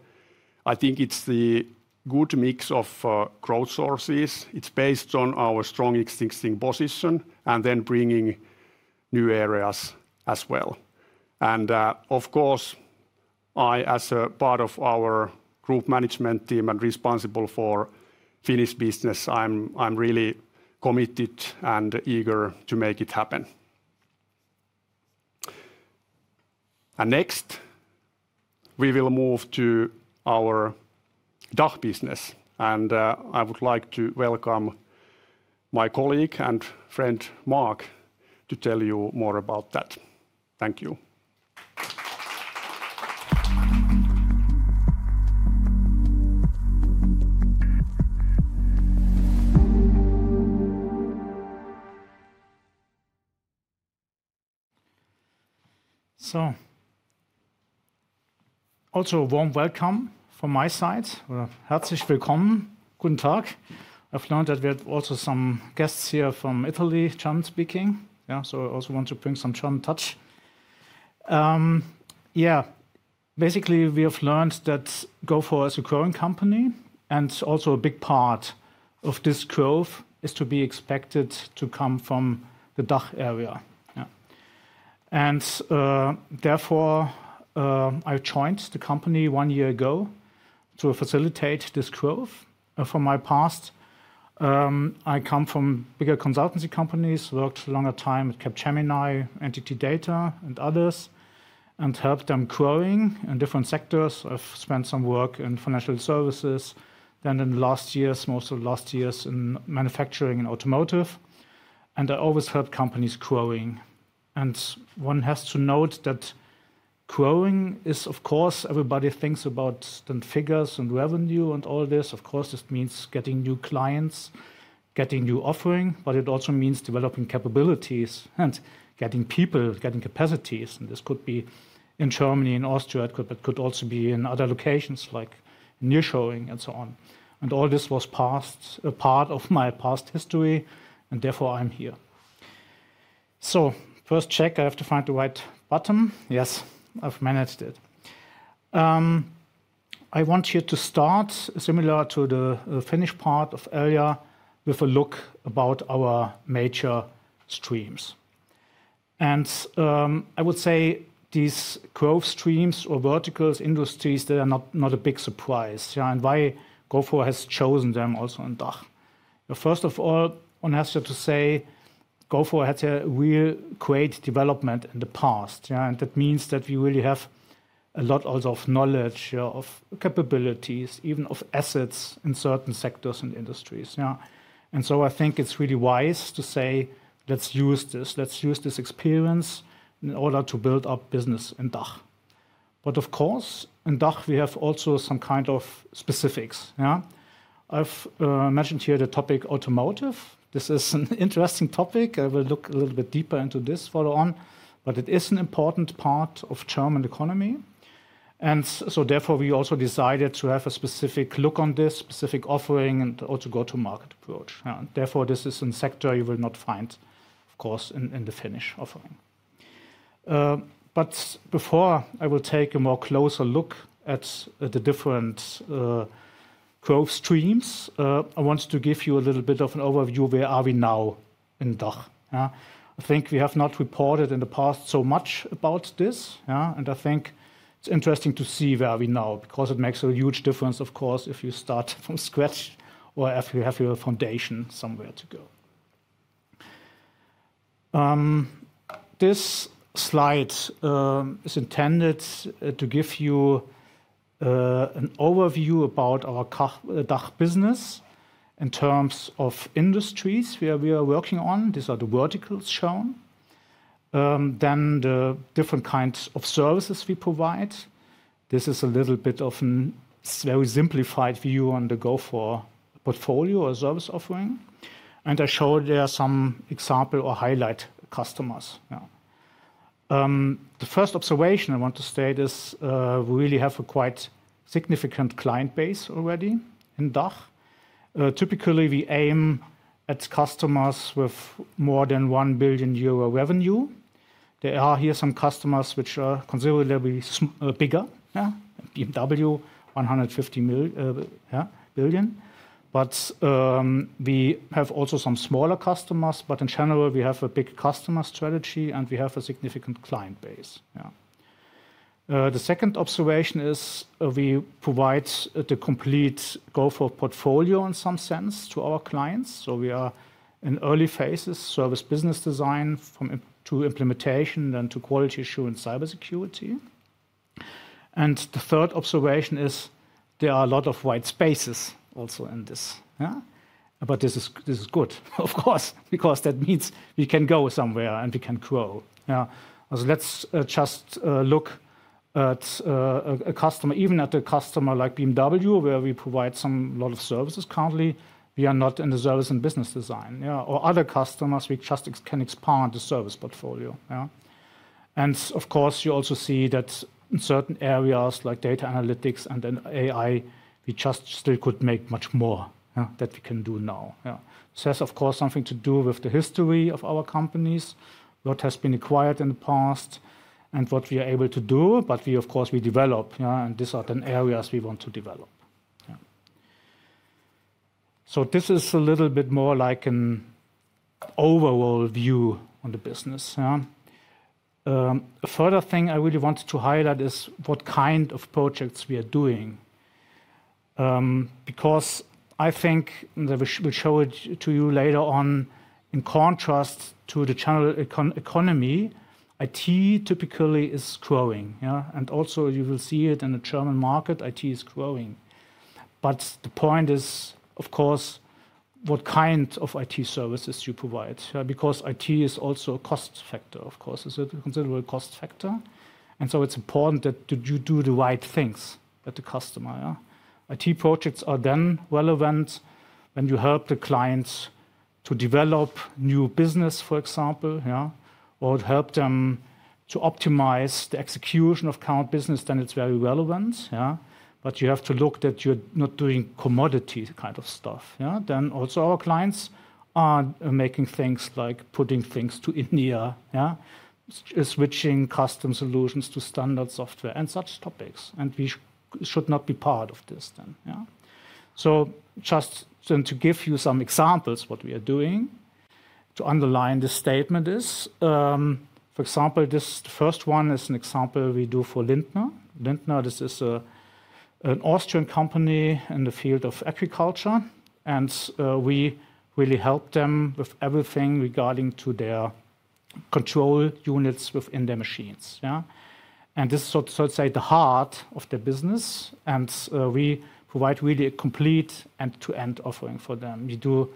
I think it's the good mix of growth sources. It's based on our strong existing position and then bringing new areas as well, and of course, I as a part of our group management team and responsible for Finnish business, I'm really committed and eager to make it happen, and next, we will move to our DACH business, and I would like to welcome my colleague and friend Marc to tell you more about that. Thank you. Also warm welcome from my side. Herzlich willkommen. Guten Tag. I've learned that we have also some guests here from Italy joining us, so I also want to bring some German touch. Yeah, basically we have learned that Gofore is a growing company and also a big part of this growth is to be expected to come from the DACH area. And therefore I joined the company one year ago to facilitate this growth. From my past, I come from bigger consultancy companies, worked a longer time at Capgemini, NTT DATA, and others, and helped them growing in different sectors. I've spent some work in financial services, then in the last years, most of the last years in manufacturing and automotive. And I always help companies growing. And one has to note that growing is, of course, everybody thinks about the figures and revenue and all this. Of course, this means getting new clients, getting new offering, but it also means developing capabilities and getting people, getting capacities. And this could be in Germany, in Austria. It could also be in other locations like nearshoring and so on. And all this was part of my past history, and therefore I'm here. So first check, I have to find the right button. Yes, I've managed it. I want you to start similar to the Finnish part of earlier with a look about our major streams. And I would say these growth streams or verticals, industries, they are not a big surprise. And why Gofore has chosen them also in DACH. First of all, I want to ask you to say Gofore has a real great development in the past. And that means that we really have a lot also of knowledge, of capabilities, even of assets in certain sectors and industries. I think it's really wise to say, let's use this, let's use this experience in order to build up business in DACH. But of course, in DACH, we have also some kind of specifics. I've mentioned here the topic automotive. This is an interesting topic. I will look a little bit deeper into this further on, but it is an important part of the German economy. Therefore we also decided to have a specific look on this, specific offering and also go-to-market approach. Therefore, this is a sector you will not find, of course, in the Finnish offering. But before I will take a more closer look at the different growth streams, I want to give you a little bit of an overview. Where are we now in DACH? I think we have not reported in the past so much about this. I think it's interesting to see where we are now because it makes a huge difference, of course, if you start from scratch or if you have your foundation somewhere to go. This slide is intended to give you an overview about our DACH business in terms of industries where we are working on. These are the verticals shown. Then the different kinds of services we provide. This is a little bit of a very simplified view on the Gofore portfolio or service offering. And I showed there some example or highlight customers. The first observation I want to state is we really have a quite significant client base already in DACH. Typically, we aim at customers with more than 1 billion euro revenue. There are here some customers which are considerably bigger, BMW, 150 billion. But we have also some smaller customers. But in general, we have a big customer strategy and we have a significant client base. The second observation is we provide the complete Gofore portfolio in some sense to our clients. So we are in early phases, service business design from implementation then to quality assurance, cybersecurity. And the third observation is there are a lot of white spaces also in this. But this is good, of course, because that means we can go somewhere and we can grow. So let's just look at a customer, even at a customer like BMW, where we provide a lot of services currently. We are not in the service and business design. Or other customers, we just can expand the service portfolio. And of course, you also see that in certain areas like data analytics and then AI, we just still could make much more than we can do now. So that's, of course, something to do with the history of our companies, what has been acquired in the past and what we are able to do. But we, of course, we develop, and these are the areas we want to develop. So this is a little bit more like an overall view on the business. A further thing I really wanted to highlight is what kind of projects we are doing. Because I think we'll show it to you later on. In contrast to the general economy, IT typically is growing. And also you will see it in the German market, IT is growing. But the point is, of course, what kind of IT services you provide. Because IT is also a cost factor, of course, is a considerable cost factor. And so it's important that you do the right things with the customer. IT projects are then relevant when you help the clients to develop new business, for example, or help them to optimize the execution of current business. Then it's very relevant. But you have to look that you're not doing commodity kind of stuff. Then also our clients are making things like putting things to India, switching custom solutions to standard software and such topics. And we should not be part of this then. So just to give you some examples of what we are doing to underline the statement is, for example, this first one is an example we do for Lindner. Lindner, this is an Austrian company in the field of agriculture. And we really help them with everything regarding their control units within their machines. And this is, so to say, the heart of their business. And we provide really a complete end-to-end offering for them. We do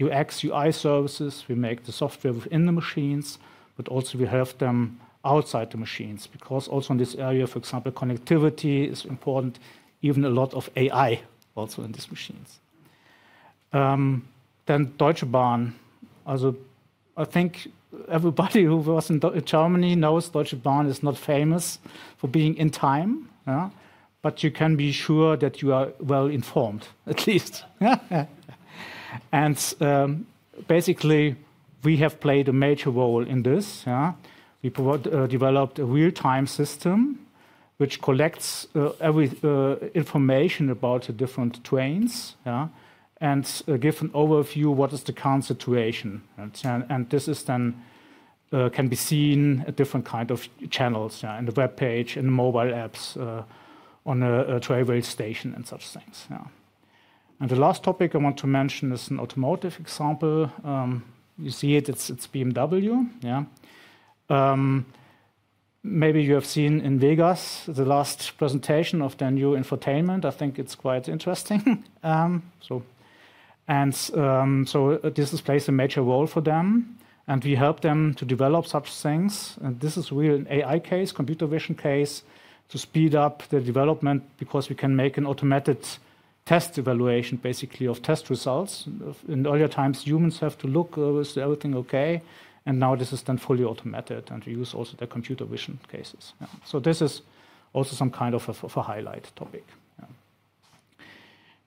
UX, UI services. We make the software within the machines, but also we help them outside the machines. Because also in this area, for example, connectivity is important, even a lot of AI also in these machines. Then Deutsche Bahn. I think everybody who was in Germany knows Deutsche Bahn is not famous for being in time. But you can be sure that you are well informed, at least. And basically, we have played a major role in this. We developed a real-time system which collects information about the different trains and gives an overview of what is the current situation. And this can be seen in different kinds of channels in the webpage, in the mobile apps, on a railway station and such things. And the last topic I want to mention is an automotive example. You see it, it's BMW. Maybe you have seen in Vegas the last presentation of their new infotainment. I think it's quite interesting, and so this plays a major role for them, and we help them to develop such things, and this is really an AI case, computer vision case, to speed up the development because we can make an automated test evaluation, basically, of test results. In earlier times, humans have to look, is everything okay? Now this is then fully automated and we use also the computer vision cases, so this is also some kind of a highlight topic.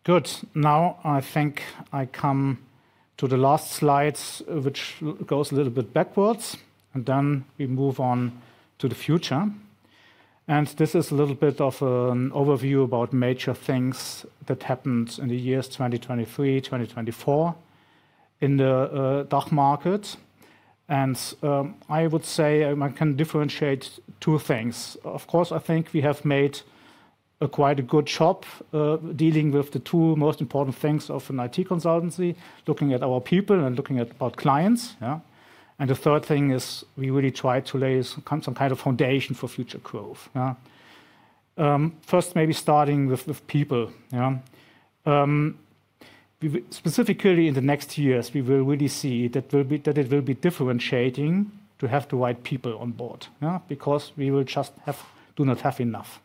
Good. Now I think I come to the last slides, which goes a little bit backwards, and then we move on to the future, and this is a little bit of an overview about major things that happened in the years 2023, 2024 in the DACH market. I would say I can differentiate two things. Of course, I think we have made quite a good job dealing with the two most important things of an IT consultancy, looking at our people and looking at our clients. The third thing is we really try to lay some kind of foundation for future growth. First, maybe starting with people. Specifically in the next years, we will really see that it will be differentiating to have the right people on board because we will just do not have enough.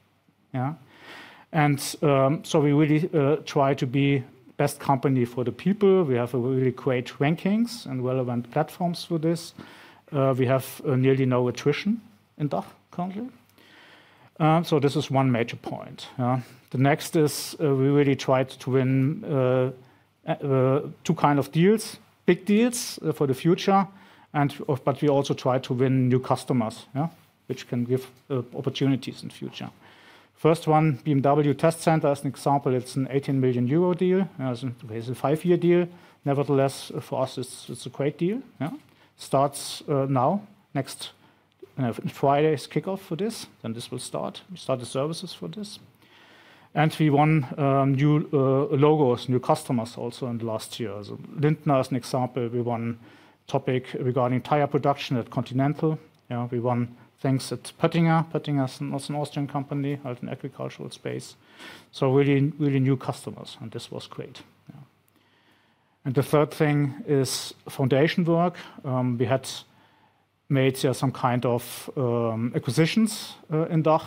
And so we really try to be the best company for the people. We have really great rankings and relevant platforms for this. We have nearly no attrition in DACH currently. So this is one major point. The next is we really tried to win two kinds of deals, big deals for the future. But we also tried to win new customers, which can give opportunities in the future. First one, BMW Test Center as an example, it's an 18 million euro deal. It's a five-year deal. Nevertheless, for us, it's a great deal. Starts now. Next Friday is kickoff for this. Then this will start. We start the services for this. And we won new logos, new customers also in the last year. Lindner as an example, we won a topic regarding tire production at Continental. We won things at Pöttinger. Pöttinger is also an Austrian company in the agricultural space. So really new customers. And this was great. And the third thing is foundation work. We had made some kind of acquisitions in DACH.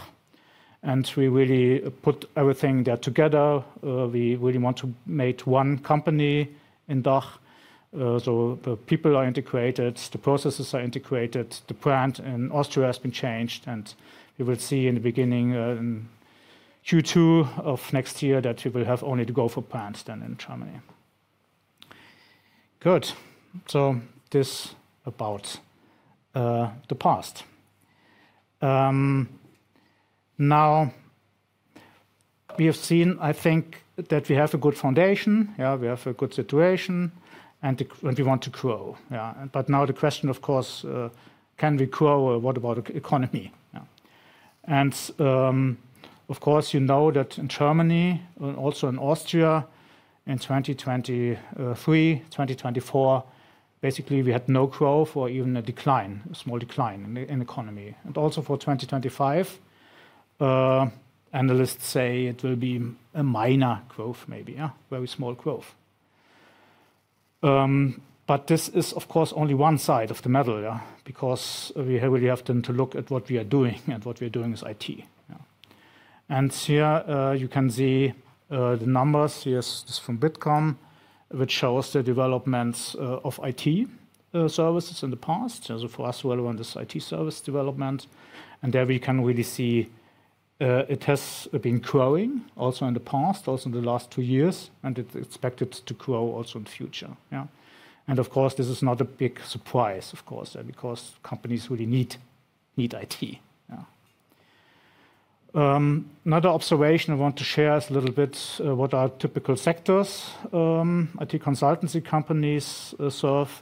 And we really put everything there together. We really want to make one company in DACH. So the people are integrated, the processes are integrated, the brand in Austria has been changed. And you will see in the beginning in Q2 of next year that we will have only the Gofore brand then in Germany. Good. So this about the past. Now we have seen, I think, that we have a good foundation. We have a good situation. And we want to grow. But now the question, of course, can we grow? What about the economy? And of course, you know that in Germany and also in Austria in 2023, 2024, basically we had no growth or even a decline, a small decline in the economy. And also for 2025, analysts say it will be a minor growth, maybe very small growth. But this is, of course, only one side of the medal because we really have to look at what we are doing and what we are doing as IT. And here you can see the numbers. Here's this from Bitkom, which shows the developments of IT services in the past. So for us, we're on this IT service development. And there we can really see it has been growing also in the past, also in the last two years, and it's expected to grow also in the future. And of course, this is not a big surprise, of course, because companies really need IT. Another observation I want to share is a little bit what are typical sectors IT consultancy companies serve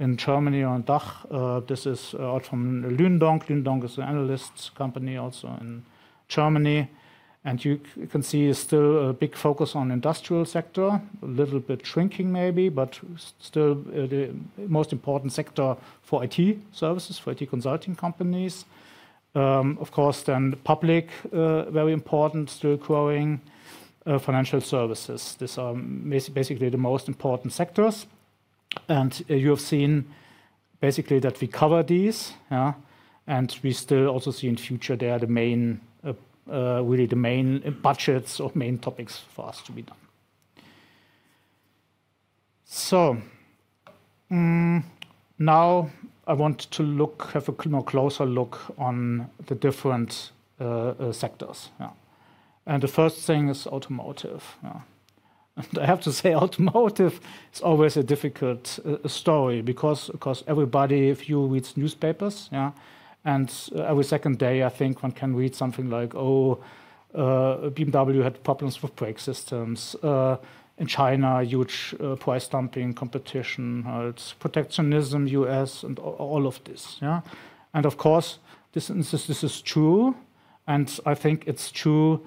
in Germany or in DACH. This is from Lünendonk. Lünendonk is an analyst company also in Germany. And you can see still a big focus on the industrial sector, a little bit shrinking maybe, but still the most important sector for IT services, for IT consulting companies. Of course, then public, very important, still growing, financial services. These are basically the most important sectors. And you have seen basically that we cover these. And we still also see in the future they are really the main budgets or main topics for us to be done. So now I want to have a closer look on the different sectors. And the first thing is automotive. And I have to say automotive is always a difficult story because everybody, if you read newspapers, and every second day, I think one can read something like, oh, BMW had problems with brake systems. In China, huge price dumping, competition, protectionism, U.S., and all of this. And of course, this is true. I think it's true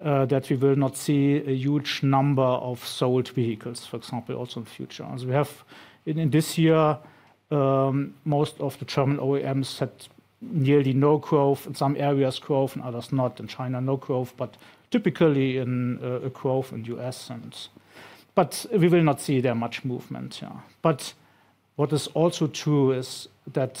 that we will not see a huge number of sold vehicles, for example, also in the future. We have in this year, most of the German OEMs had nearly no growth. In some areas, growth, in others not. In China, no growth, but typically a growth in the U.S. sense. But we will not see that much movement. But what is also true is that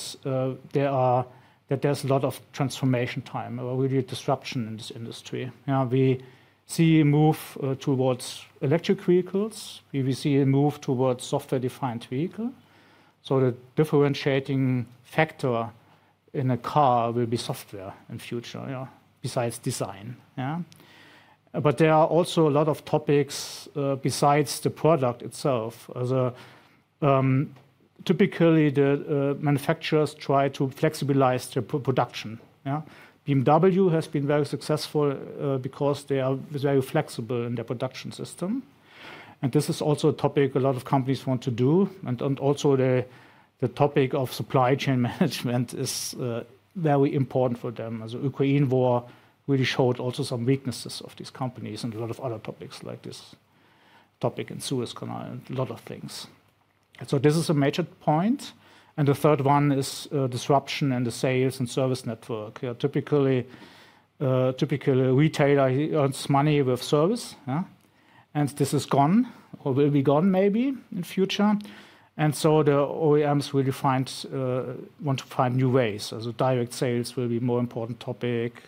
there's a lot of transformation time, really disruption in this industry. We see a move towards electric vehicles. We see a move towards software-defined vehicles. So the differentiating factor in a car will be software in the future, besides design. But there are also a lot of topics besides the product itself. Typically, the manufacturers try to flexibilize their production. BMW has been very successful because they are very flexible in their production system. And this is also a topic a lot of companies want to do. And also the topic of supply chain management is very important for them. The Ukraine war really showed also some weaknesses of these companies and a lot of other topics like this topic in Suez Canal, a lot of things. So this is a major point. And the third one is disruption in the sales and service network. Typically, a retailer earns money with service. And this is gone or will be gone maybe in the future. And so the OEMs really want to find new ways. So direct sales will be a more important topic,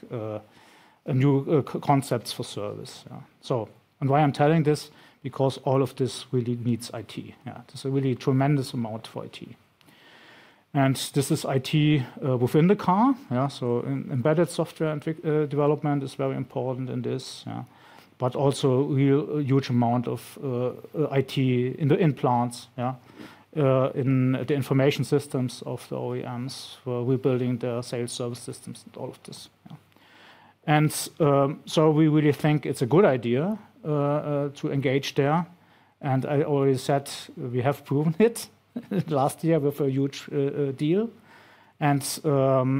new concepts for service. And why I'm telling this? Because all of this really needs IT. There's a really tremendous amount for IT. And this is IT within the car. So embedded software development is very important in this. But also a huge amount of IT in the plants, in the information systems of the OEMs for rebuilding their sales service systems and all of this. And so we really think it's a good idea to engage there. And I already said we have proven it last year with a huge deal. And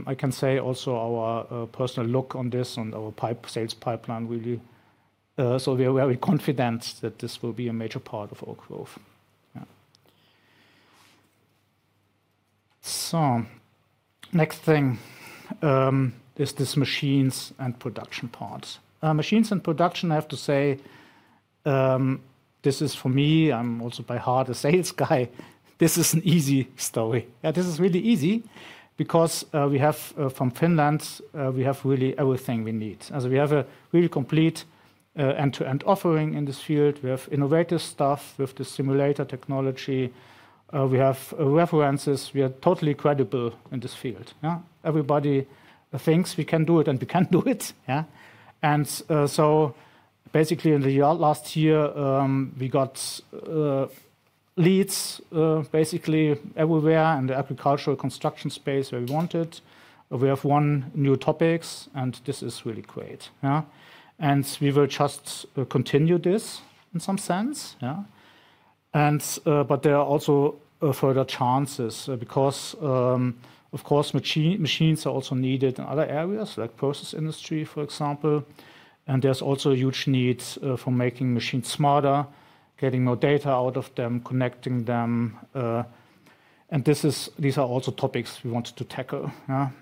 I can say also our personal look on this and our sales pipeline really. So we are very confident that this will be a major part of our growth. So next thing is this machines and production parts. Machines and production, I have to say, this is for me. I'm also at heart a sales guy. This is really easy because we have from Finland. We have really everything we need. We have a really complete end-to-end offering in this field. We have innovative stuff with the simulator technology. We have references. We are totally credible in this field. Everybody thinks we can do it and we can do it, and so basically in the last year, we got leads basically everywhere in the agricultural construction space where we wanted. We have one new topic and this is really great, and we will just continue this in some sense, but there are also further chances because, of course, machines are also needed in other areas like process industry, for example, and there's also a huge need for making machines smarter, getting more data out of them, connecting them, and these are also topics we want to tackle,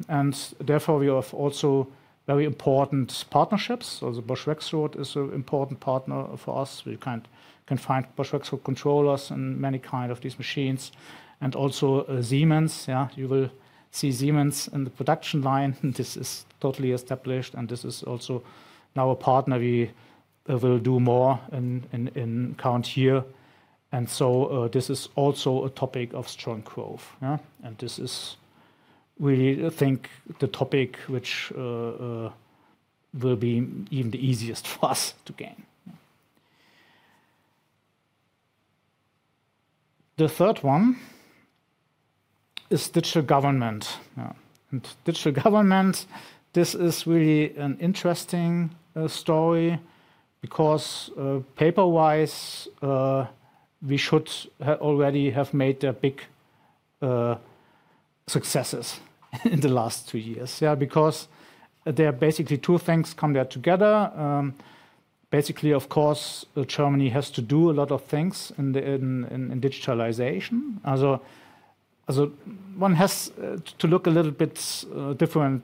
and therefore we have also very important partnerships, so the Bosch Rexroth is an important partner for us. We can find Bosch Rexroth controllers in many kinds of these machines, and also Siemens. You will see Siemens in the production line. This is totally established, and this is also now a partner we will do more in current year, and so this is also a topic of strong growth, and this is really, I think, the topic which will be even the easiest for us to gain. The third one is digital government. Digital government, this is really an interesting story because paper-wise, we should already have made their big successes in the last two years. Because there are basically two things come there together. Basically, of course, Germany has to do a lot of things in digitalization. One has to look a little bit different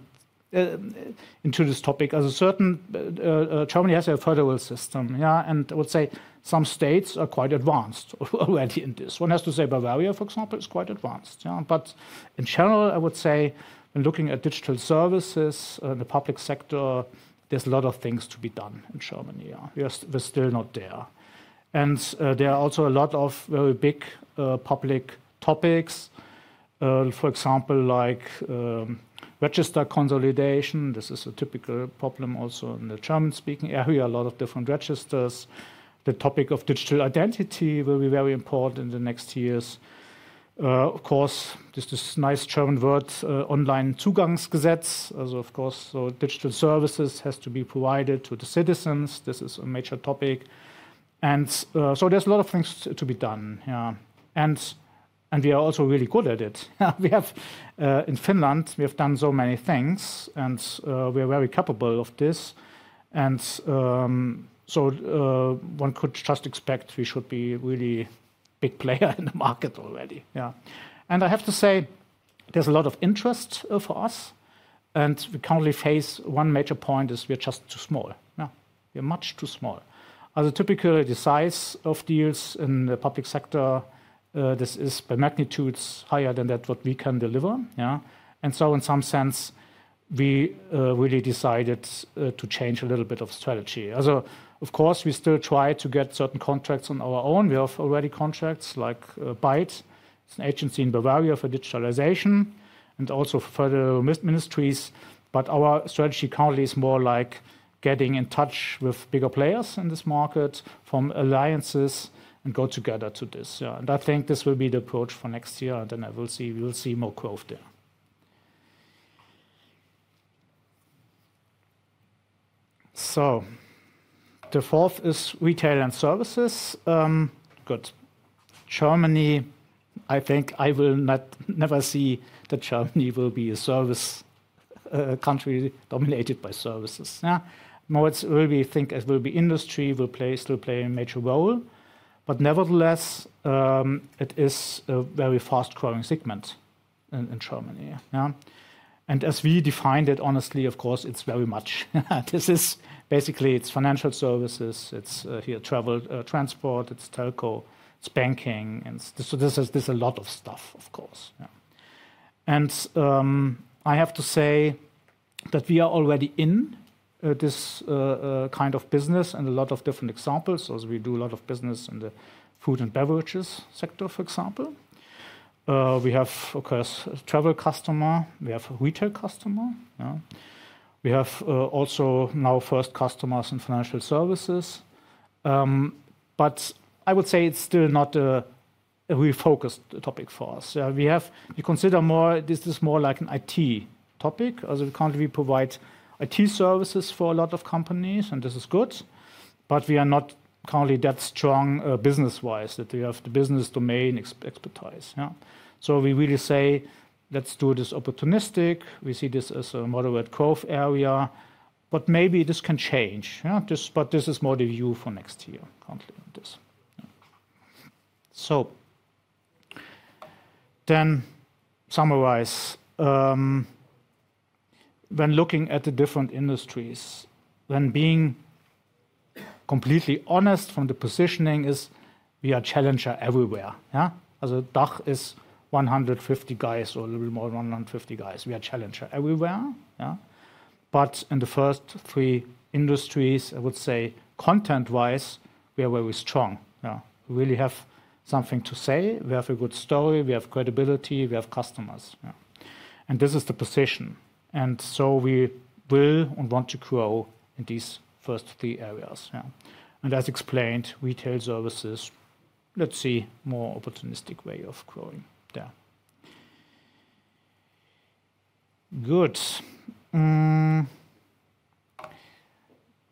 into this topic. Germany has a federal system, and I would say some states are quite advanced already in this. One has to say Bavaria, for example, is quite advanced. But in general, I would say looking at digital services in the public sector, there's a lot of things to be done in Germany. We're still not there. And there are also a lot of very big public topics, for example, like register consolidation. This is a typical problem also in the German-speaking area. A lot of different registers. The topic of digital identity will be very important in the next years. Of course, there's this nice German word, Onlinezugangsgesetz. Of course, digital services has to be provided to the citizens. This is a major topic. And so there's a lot of things to be done. And we are also really good at it. In Finland, we have done so many things. And we are very capable of this. And so one could just expect we should be a really big player in the market already. I have to say there's a lot of interest for us. We currently face one major point is we're just too small. We're much too small. Typically, the size of deals in the public sector, this is by magnitudes higher than that what we can deliver. In some sense, we really decided to change a little bit of strategy. Of course, we still try to get certain contracts on our own. We have already contracts like byte. It's an agency in Bavaria for digitalization and also for federal ministries. Our strategy currently is more like getting in touch with bigger players in this market from alliances and go together to this. I think this will be the approach for next year. We will see more growth there. The fourth is retail and services. Good. Germany, I think I will never see that Germany will be a service country dominated by services. We think it will be industry, will play a major role. But nevertheless, it is a very fast-growing segment in Germany. And as we defined it, honestly, of course, it's very much. This is basically it's financial services. It's here travel transport, it's telco, it's banking. So this is a lot of stuff, of course. And I have to say that we are already in this kind of business and a lot of different examples. So we do a lot of business in the food and beverages sector, for example. We have, of course, travel customer. We have a retail customer. We have also now first customers in financial services. But I would say it's still not a really focused topic for us. We consider more this is more like an IT topic. Currently, we provide IT services for a lot of companies. And this is good. But we are not currently that strong business-wise that we have the business domain expertise. So we really say, let's do this opportunistic. We see this as a moderate growth area. But maybe this can change. But this is more the view for next year currently on this. So then summarize. When looking at the different industries, when being completely honest from the positioning is we are a challenger everywhere. DACH is 150 guys or a little more than 150 guys. We are a challenger everywhere. But in the first three industries, I would say content-wise, we are very strong. We really have something to say. We have a good story. We have credibility. We have customers. And this is the position. And so we will and want to grow in these first three areas. As explained, retail services, let's see a more opportunistic way of growing there. Good.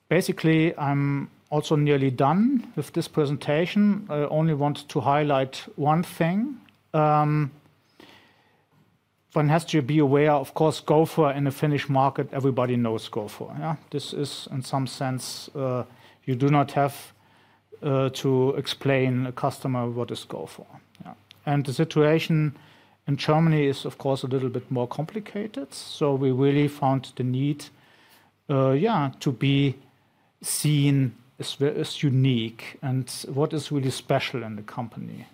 Basically, I'm also nearly done with this presentation. I only want to highlight one thing. One has to be aware, of course, Gofore in the Finnish market, everybody knows Gofore. This is in some sense, you do not have to explain a customer what is Gofore. The situation in Germany is, of course, a little bit more complicated. We really found the need to be seen as unique and what is really special in the company.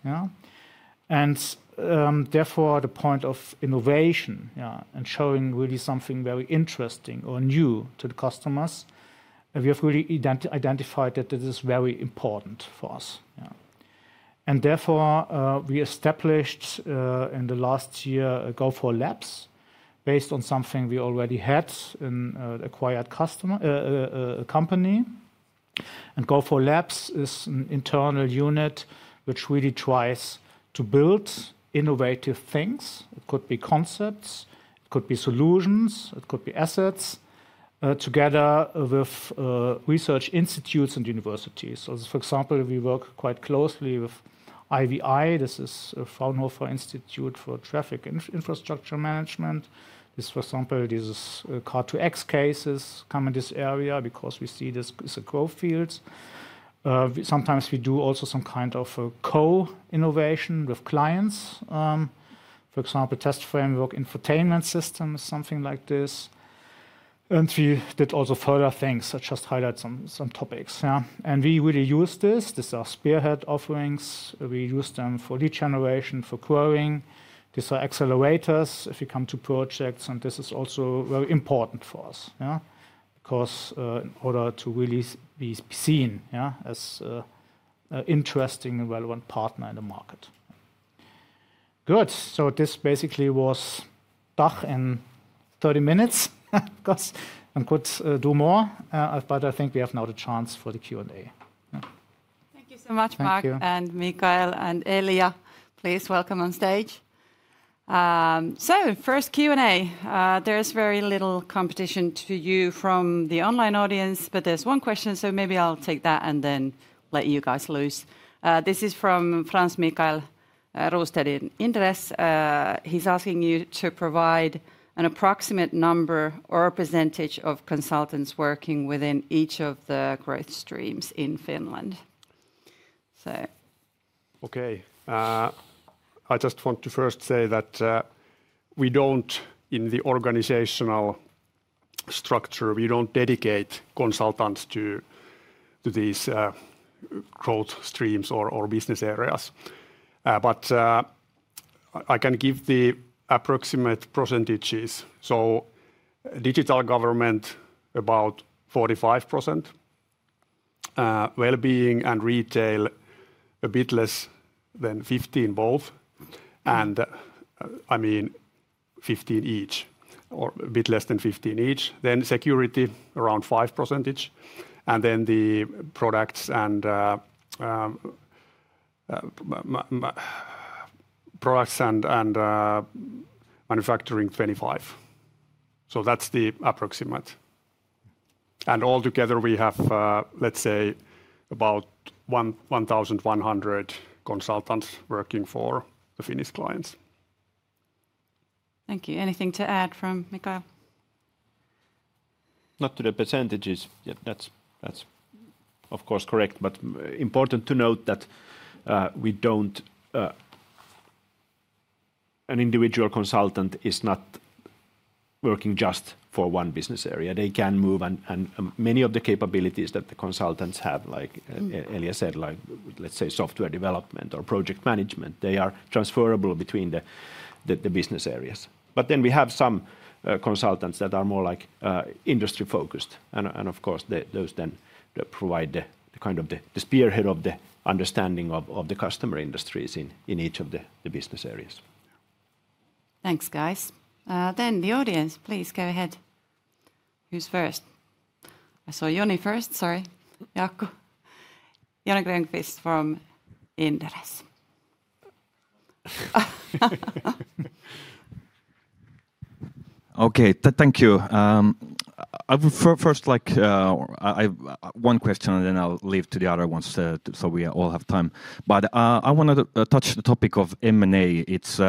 Therefore, the point of innovation and showing really something very interesting or new to the customers, we have really identified that this is very important for us. Therefore, we established in the last year Gofore Labs based on something we already had in an acquired company. Gofore Labs is an internal unit which really tries to build innovative things. It could be concepts, it could be solutions, it could be assets together with research institutes and universities. For example, we work quite closely with IVI. This is Fraunhofer Institute for Transportation and Infrastructure Systems IVI. For example, these Car2X cases come in this area because we see this is a growth field. Sometimes we do also some kind of co-innovation with clients. For example, test framework, infotainment systems, something like this. We did also further things such as highlight some topics. We really use this. These are spearhead offerings. We use them for lead generation, for growing. These are accelerators if we come to projects. This is also very important for us because in order to really be seen as an interesting and relevant partner in the market. Good. So this basically was DACH in 30 minutes. Of course, I could do more. But I think we have now the chance for the Q&A. Thank you so much, Marc and Mikael and Elja. Please welcome on stage. So first Q&A. There is very little competition to you from the online audience, but there's one question. So maybe I'll take that and then let you guys loose. This is from Frans-Mikael Rastas in Inderes. He's asking you to provide an approximate number or percentage of consultants working within each of the growth streams in Finland. Okay. I just want to first say that we don't, in the organizational structure, we don't dedicate consultants to these growth streams or business areas. But I can give the approximate percentages. So digital government about 45%, well-being and retail a bit less than 15% both. I mean 15% each or a bit less than 15% each. Then security around 5% each. And then the products and manufacturing 25%. So that's the approximate. And all together we have, let's say, about 1,100 consultants working for the Finnish clients. Thank you. Anything to add from Mikael? Not to the percentages. That's of course correct. But important to note that we don't, an individual consultant is not working just for one business area. They can move and many of the capabilities that the consultants have, like Elja said, like let's say software development or project management, they are transferable between the business areas. But then we have some consultants that are more like industry-focused. And of course, those then provide the kind of the spearhead of the understanding of the customer industries in each of the business areas. Thanks, guys. Then the audience, please go ahead. Who's first? I saw Joni first. Sorry, Jaakko. Joni Grönqvist from Inderes. Okay, thank you. I would first like one question and then I'll leave to the other ones so we all have time. But I want to touch the topic of M&A. It's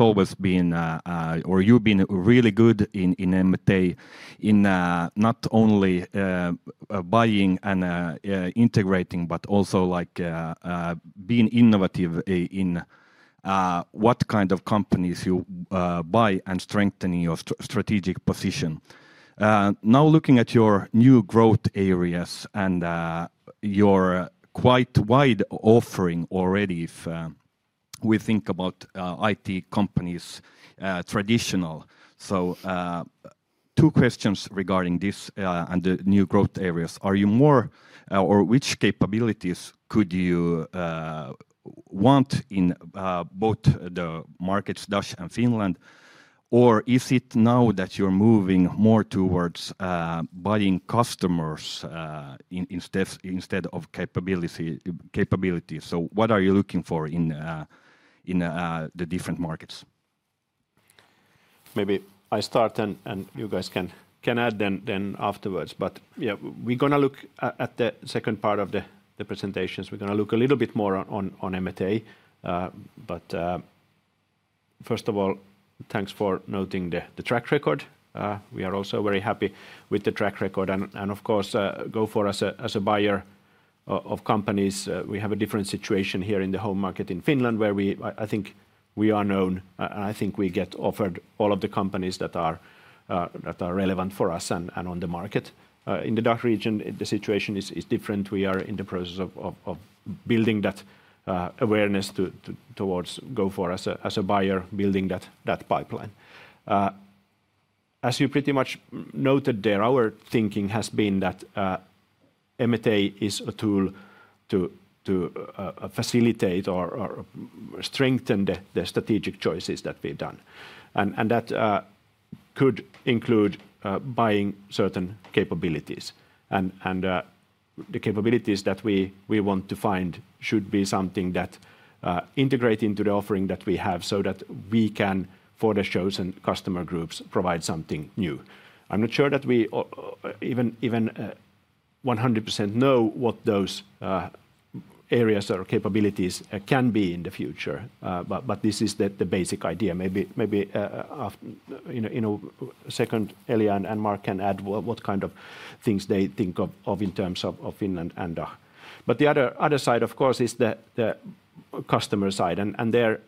always been, or you've been really good in M&A in not only buying and integrating, but also being innovative in what kind of companies you buy and strengthening your strategic position. Now looking at your new growth areas and your quite wide offering already, if we think about IT companies traditional. So two questions regarding this and the new growth areas. Are you more or which capabilities could you want in both the markets, DACH and Finland? Or is it now that you're moving more towards buying customers instead of capability? So what are you looking for in the different markets? Maybe I start and you guys can add then afterwards. But we're going to look at the second part of the presentations. We're going to look a little bit more on M&A. But first of all, thanks for noting the track record. We are also very happy with the track record. And of course, Gofore as a buyer of companies, we have a different situation here in the home market in Finland where I think we are known. And I think we get offered all of the companies that are relevant for us and on the market. In the DACH region, the situation is different. We are in the process of building that awareness towards Gofore as a buyer, building that pipeline. As you pretty much noted there, our thinking has been that M&A is a tool to facilitate or strengthen the strategic choices that we've done. That could include buying certain capabilities. The capabilities that we want to find should be something that integrates into the offering that we have so that we can, for the chosen customer groups, provide something new. I'm not sure that we even 100% know what those areas or capabilities can be in the future. This is the basic idea. Maybe in a second, Elja and Marc can add what kind of things they think of in terms of Finland and DACH. The other side, of course, is the customer side. There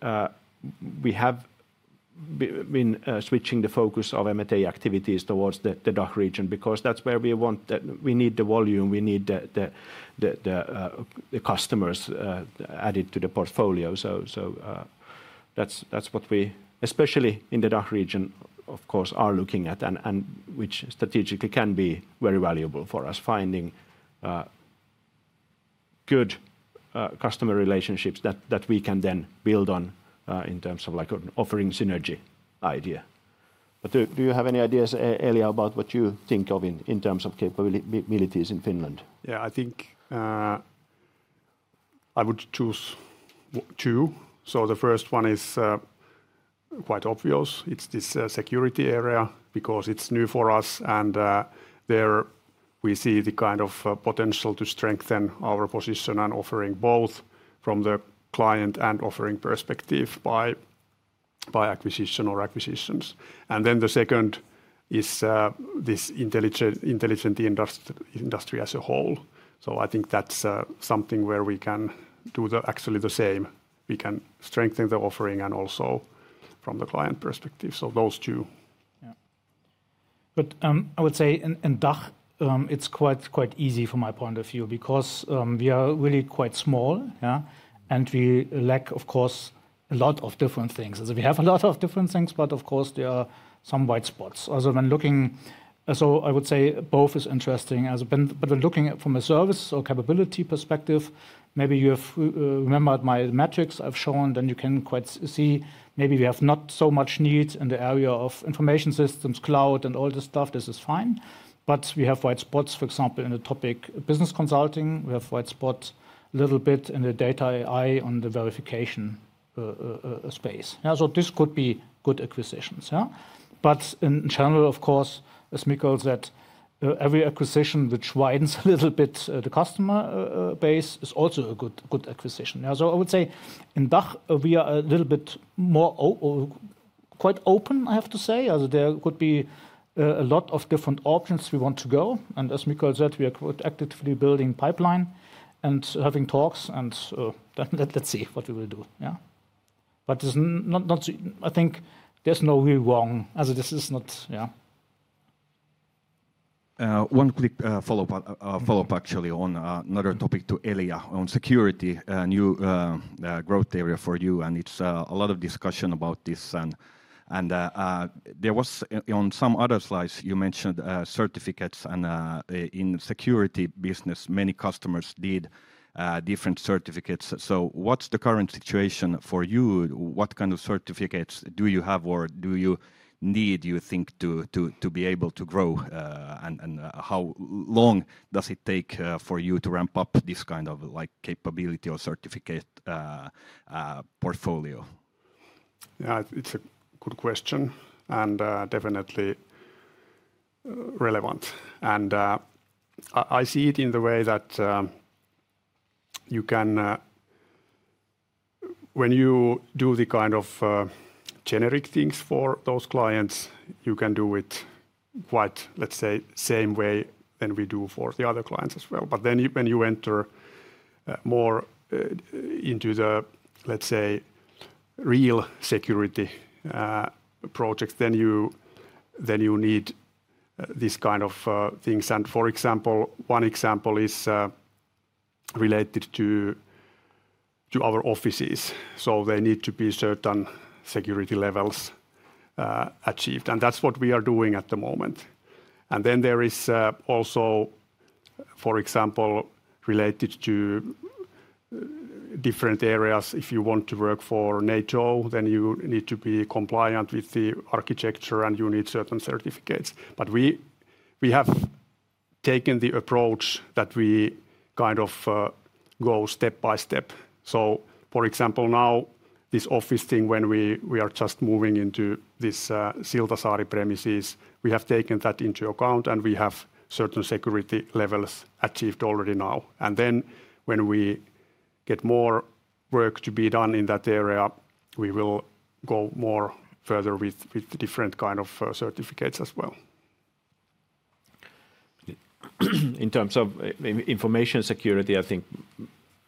we have been switching the focus of M&A activities towards the DACH region because that's where we need the volume. We need the customers added to the portfolio. So that's what we, especially in the DACH region, of course, are looking at and which strategically can be very valuable for us, finding good customer relationships that we can then build on in terms of offering synergy idea. But do you have any ideas, Elja, about what you think of in terms of capabilities in Finland? Yeah, I think I would choose two. The first one is quite obvious. It's this security area because it's new for us. And there we see the kind of potential to strengthen our position and offering both from the client and offering perspective by acquisition or acquisitions. And then the second is this Intelligent Industry as a whole. I think that's something where we can do actually the same. We can strengthen the offering and also from the client perspective. Those two. But I would say in DACH, it's quite easy from my point of view because we are really quite small. And we lack, of course, a lot of different things. We have a lot of different things, but of course, there are some white spots. So when looking, so I would say both is interesting. But when looking from a service or capability perspective, maybe you have remembered my metrics I've shown, then you can quite see maybe we have not so much needs in the area of information systems, cloud, and all this stuff. This is fine. But we have white spots, for example, in the topic business consulting. We have white spots a little bit in the data AI on the verification space. So this could be good acquisitions. But in general, of course, as Mikael said, every acquisition which widens a little bit the customer base is also a good acquisition. So I would say in DACH, we are a little bit more quite open, I have to say. There could be a lot of different options we want to go. And as Mikael said, we are actively building pipeline and having talks. And let's see what we will do. But I think there's no real wrong. One quick follow-up actually on another topic to Elja on security, a new growth area for you. And it's a lot of discussion about this. And there was on some other slides, you mentioned certificates. And in the security business, many customers need different certificates. So what's the current situation for you? What kind of certificates do you have or do you need, you think, to be able to grow? And how long does it take for you to ramp up this kind of capability or certificate portfolio? Yeah, it's a good question and definitely relevant. And I see it in the way that you can, when you do the kind of generic things for those clients, you can do it quite, let's say, same way than we do for the other clients as well. But then when you enter more into the, let's say, real security projects, then you need this kind of things. And for example, one example is related to our offices. So they need to be certain security levels achieved. And that's what we are doing at the moment. And then there is also, for example, related to different areas. If you want to work for NATO, then you need to be compliant with the architecture and you need certain certificates. But we have taken the approach that we kind of go step by step. So for example, now this office thing, when we are just moving into this Siltasaari premises, we have taken that into account and we have certain security levels achieved already now. And then when we get more work to be done in that area, we will go more further with different kind of certificates as well. In terms of information security, I think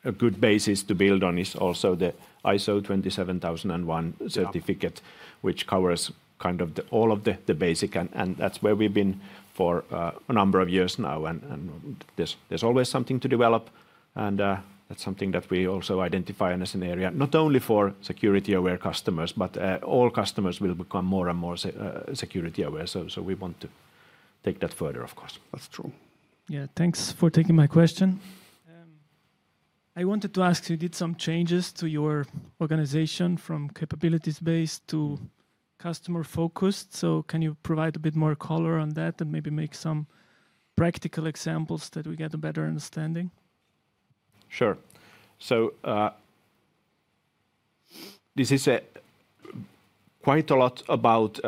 a good basis to build on is also the ISO 27001 certificate, which covers kind of all of the basic. And that's where we've been for a number of years now. And there's always something to develop. And that's something that we also identify as an area, not only for security-aware customers, but all customers will become more and more security-aware. So we want to take that further, of course. That's true. Yeah, thanks for taking my question. I wanted to ask you, did some changes to your organization from capabilities-based to customer-focused? So can you provide a bit more color on that and maybe make some practical examples that we get a better understanding? Sure. So this is quite a lot about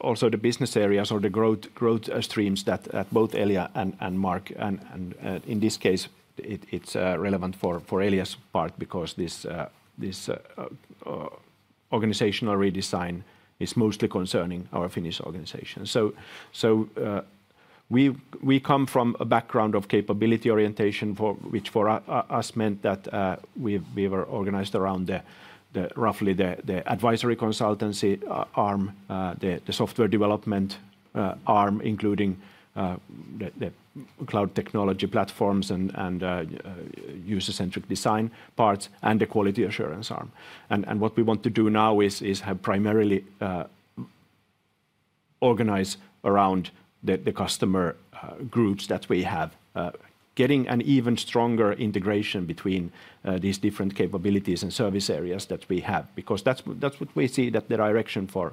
also the business areas or the growth streams that both Elja and Marc, and in this case, it's relevant for Elja's part because this organizational redesign is mostly concerning our Finnish organization. So we come from a background of capability orientation, which for us meant that we were organized around roughly the advisory consultancy arm, the software development arm, including the cloud technology platforms and user-centric design parts, and the quality assurance arm. And what we want to do now is have primarily organize around the customer groups that we have, getting an even stronger integration between these different capabilities and service areas that we have. Because that's what we see that the direction for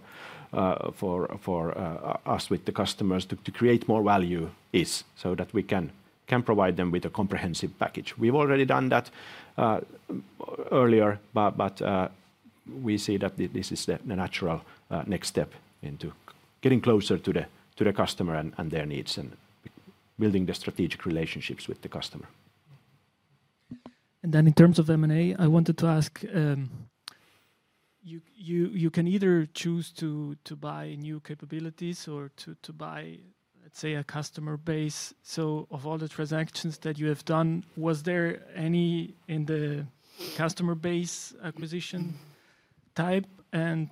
us with the customers to create more value is so that we can provide them with a comprehensive package. We've already done that earlier, but we see that this is the natural next step into getting closer to the customer and their needs and building the strategic relationships with the customer. And then in terms of M&A, I wanted to ask, you can either choose to buy new capabilities or to buy, let's say, a customer base. So of all the transactions that you have done, was there any in the customer base acquisition type? And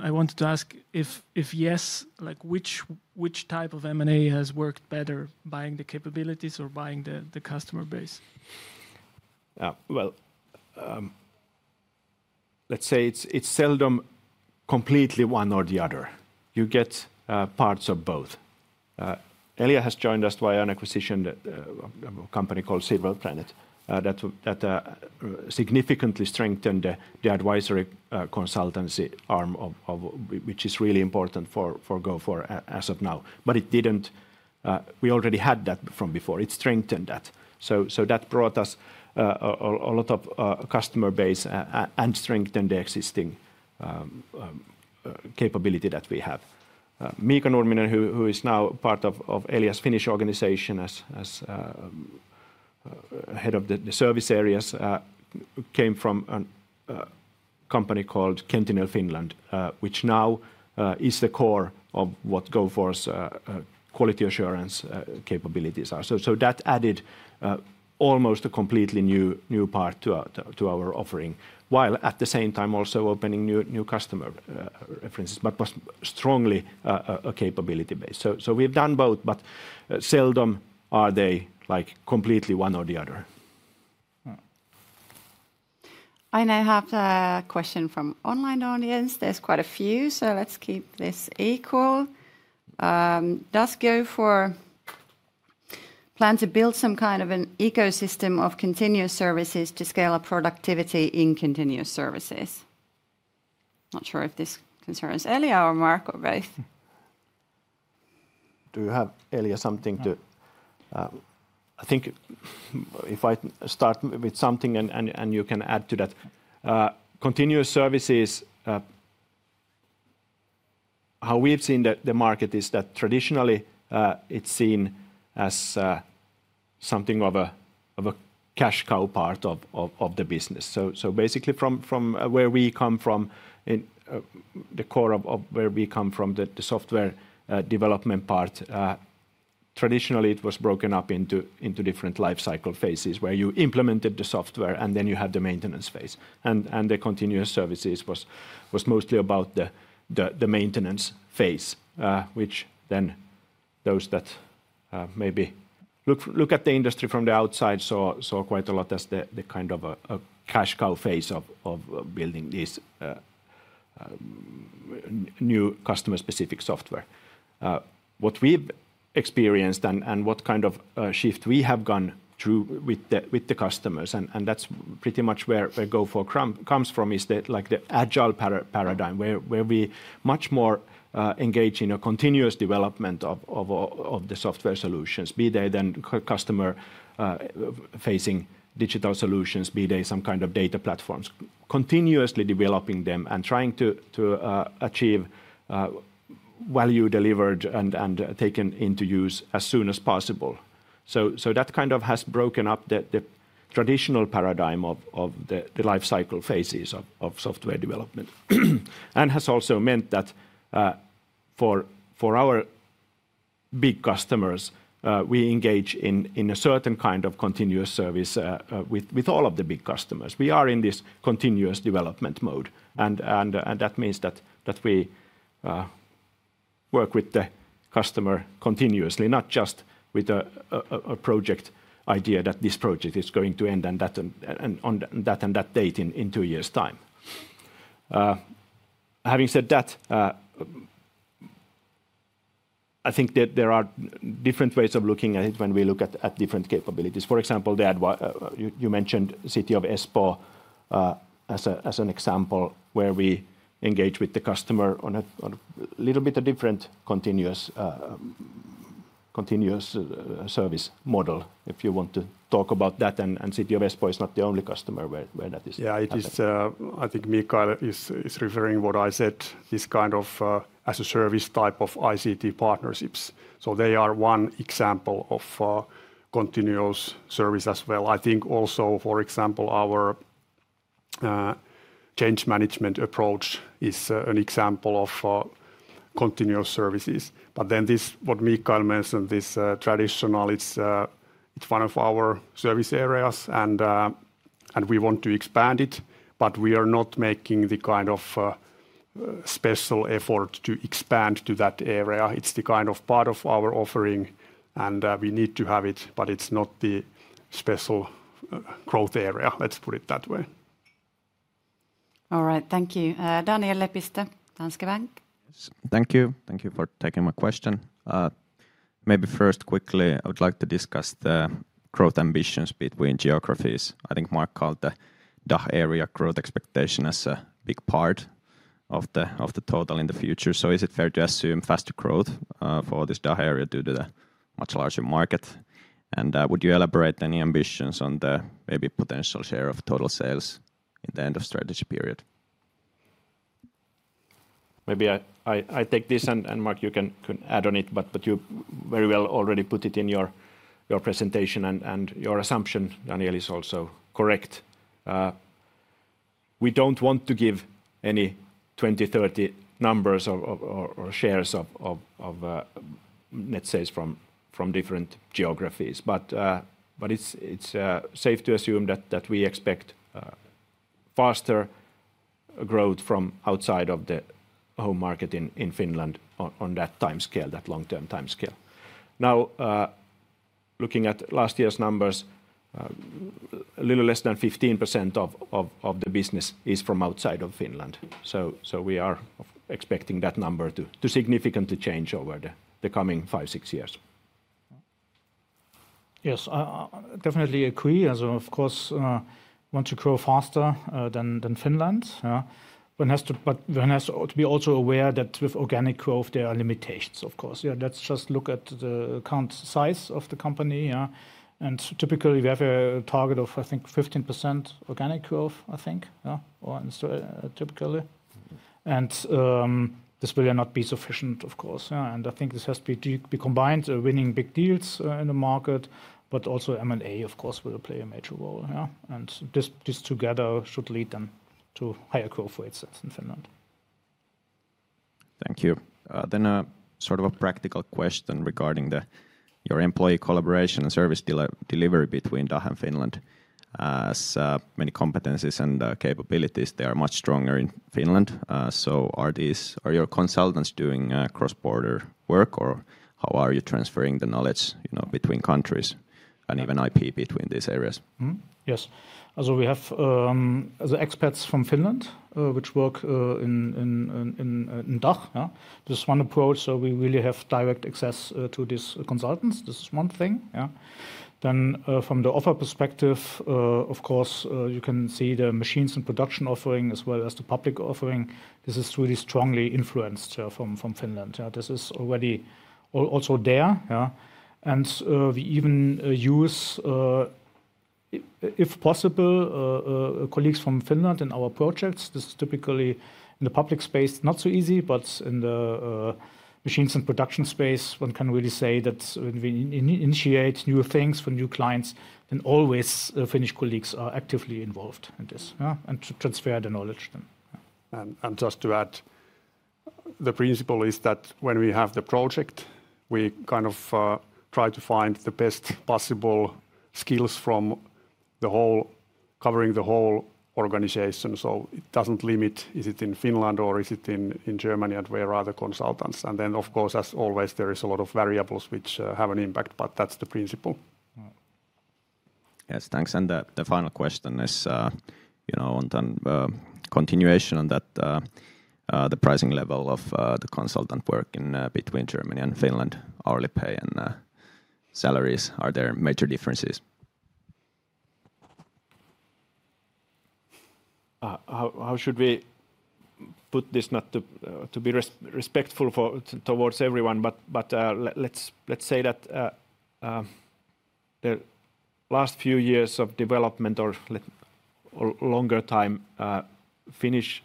I wanted to ask if yes, which type of M&A has worked better, buying the capabilities or buying the customer base? Well, let's say it's seldom completely one or the other. You get parts of both. Elja has joined us via an acquisition company called Silver Planet that significantly strengthened the advisory consultancy arm, which is really important for Gofore as of now. But we already had that from before. It strengthened that. So that brought us a lot of customer base and strengthened the existing capability that we have. Mikael Nurminen, who is now part of Elja's Finnish organization as head of the service areas, came from a company called Qentinel Finland, which now is the core of what Gofore's quality assurance capabilities are. So that added almost a completely new part to our offering, while at the same time also opening new customer references, but strongly a capability base. So we've done both, but seldom are they completely one or the other. I have a question from the online audience. There's quite a few, so let's keep this equal. Does Gofore plan to build some kind of an ecosystem of continuous services to scale up productivity in continuous services? Not sure if this concerns Elja or Marc or both. Do you have, Elja, something to? I think if I start with something and you can add to that. Continuous services, how we've seen the market is that traditionally it's seen as something of a cash cow part of the business. So basically from where we come from, the core of where we come from, the software development part, traditionally it was broken up into different life cycle phases where you implemented the software and then you had the maintenance phase. And the continuous services was mostly about the maintenance phase, which then those that maybe look at the industry from the outside saw quite a lot as the kind of a cash cow phase of building this new customer-specific software. What we've experienced and what kind of shift we have gone through with the customers, and that's pretty much where Gofore comes from, is the agile paradigm where we much more engage in a continuous development of the software solutions, be they then customer-facing digital solutions, be they some kind of data platforms, continuously developing them and trying to achieve value delivered and taken into use as soon as possible. So that kind of has broken up the traditional paradigm of the life cycle phases of software development, and has also meant that for our big customers, we engage in a certain kind of continuous service with all of the big customers. We are in this continuous development mode. And that means that we work with the customer continuously, not just with a project idea that this project is going to end on that and that date in two years' time. Having said that, I think there are different ways of looking at it when we look at different capabilities. For example, you mentioned City of Espoo as an example where we engage with the customer on a little bit of different continuous service model. If you want to talk about that, and City of Espoo is not the only customer where that is. Yeah, I think Mikael is referring to what I said, this kind of as a service type of ICT partnerships. So they are one example of continuous service as well. I think also, for example, our change management approach is an example of continuous services. But then this, what Mikael mentioned, this traditional, it's one of our service areas and we want to expand it, but we are not making the kind of special effort to expand to that area. It's the kind of part of our offering and we need to have it, but it's not the special growth area, let's put it that way. All right, thank you. Daniel Lepistö, Danske Bank. Thank you. Thank you for taking my question. Maybe first quickly, I would like to discuss the growth ambitions between geographies. I think Marc called the DACH area growth expectation as a big part of the total in the future. So is it fair to assume faster growth for this DACH area due to the much larger market? And would you elaborate any ambitions on the maybe potential share of total sales in the end of strategy period? Maybe I take this and Marc, you can add on it, but you very well already put it in your presentation and your assumption, Daniel, is also correct. We don't want to give any 2030 numbers or shares of net sales from different geographies, but it's safe to assume that we expect faster growth from outside of the home market in Finland on that time scale, that long-term time scale. Now, looking at last year's numbers, a little less than 15% of the business is from outside of Finland. So we are expecting that number to significantly change over the coming five, six years. Yes, I definitely agree, and of course, we want to grow faster than Finland, but one has to be also aware that with organic growth, there are limitations, of course. Let's just look at the account size of the company. And typically, we have a target of, I think, 15% organic growth, I think, typically. And this will not be sufficient, of course. And I think this has to be combined, winning big deals in the market, but also M&A, of course, will play a major role. And this together should lead them to higher growth rates in Finland. Thank you. Then a sort of a practical question regarding your employee collaboration and service delivery between DACH and Finland. As many competencies and capabilities, they are much stronger in Finland. So are your consultants doing cross-border work or how are you transferring the knowledge between countries and even IP between these areas? Yes. So we have experts from Finland which work in DACH. This is one approach. So we really have direct access to these consultants. This is one thing. Then from the offering perspective, of course, you can see the machines and production offering as well as the public offering. This is really strongly influenced from Finland. This is already also there. And we even use, if possible, colleagues from Finland in our projects. This is typically in the public space, not so easy, but in the machines and production space, one can really say that when we initiate new things for new clients, then always Finnish colleagues are actively involved in this and to transfer the knowledge then. And just to add, the principle is that when we have the project, we kind of try to find the best possible skills from covering the whole organization. So it doesn't limit [to whether] it's in Finland or is it in Germany and where are the consultants. And then, of course, as always, there is a lot of variables which have an impact, but that's the principle. Yes, thanks. And the final question is on continuation on that, the pricing level of the consultant work between Germany and Finland, hourly pay and salaries, are there major differences? How should we put this not to be disrespectful towards everyone, but let's say that the last few years of development or longer time, Finnish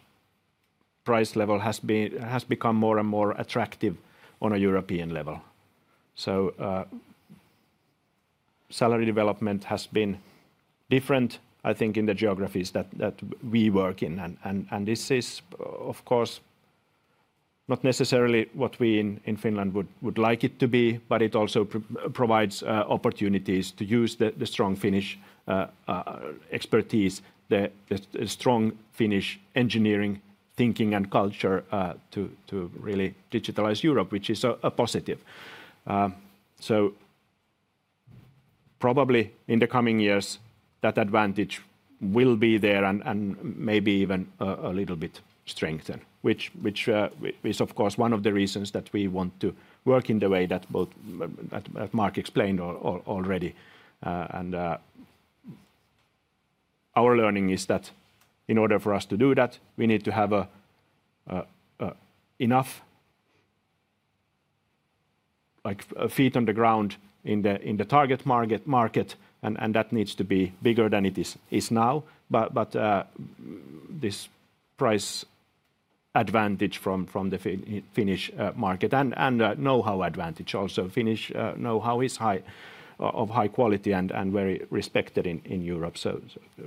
price level has become more and more attractive on a European level. So salary development has been different, I think, in the geographies that we work in. And this is, of course, not necessarily what we in Finland would like it to be, but it also provides opportunities to use the strong Finnish expertise, the strong Finnish engineering thinking and culture to really digitalize Europe, which is a positive. So probably in the coming years, that advantage will be there and maybe even a little bit strengthened, which is, of course, one of the reasons that we want to work in the way that Marc explained already. And our learning is that in order for us to do that, we need to have enough feet on the ground in the target market, and that needs to be bigger than it is now. But this price advantage from the Finnish market and know-how advantage also, Finnish know-how is of high quality and very respected in Europe. So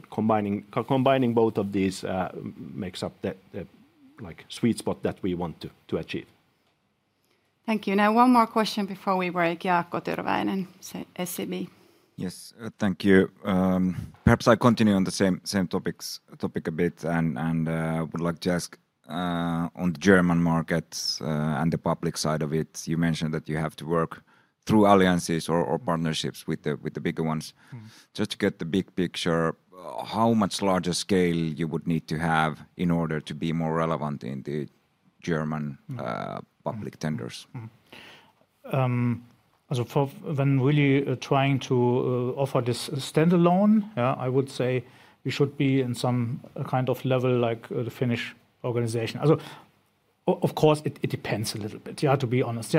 combining both of these makes up the sweet spot that we want to achieve. Thank you. Now, one more question before we break. Jaakko Tyrväinen, SEB. Yes, thank you. Perhaps I continue on the same topic a bit and would like to ask on the German markets and the public side of it. You mentioned that you have to work through alliances or partnerships with the bigger ones. Just to get the big picture, how much larger scale you would need to have in order to be more relevant in the German public tenders? When really trying to offer this standalone, I would say we should be in some kind of level like the Finnish organization. Of course, it depends a little bit, to be honest.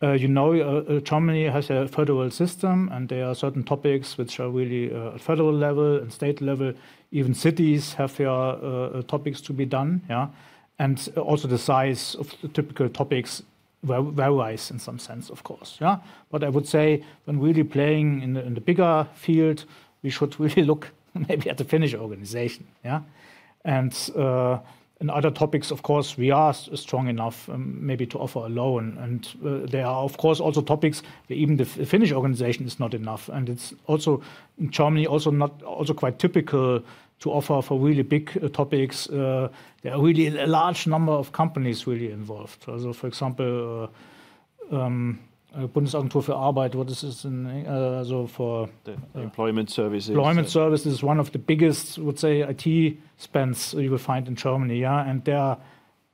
Germany has a federal system and there are certain topics which are really at federal level and state level. Even cities have their topics to be done, and also the size of typical topics varies in some sense, of course, but I would say when really playing in the bigger field, we should really look maybe at the Finnish organization, and in other topics, of course, we are strong enough maybe to offer alone. And there are, of course, also topics where even the Finnish organization is not enough. And it's also in Germany also not quite typical to offer for really big topics. There are really a large number of companies really involved. For example, Bundesagentur für Arbeit, what is this? Employment services. Employment services is one of the biggest, I would say, IT spends you will find in Germany. And there are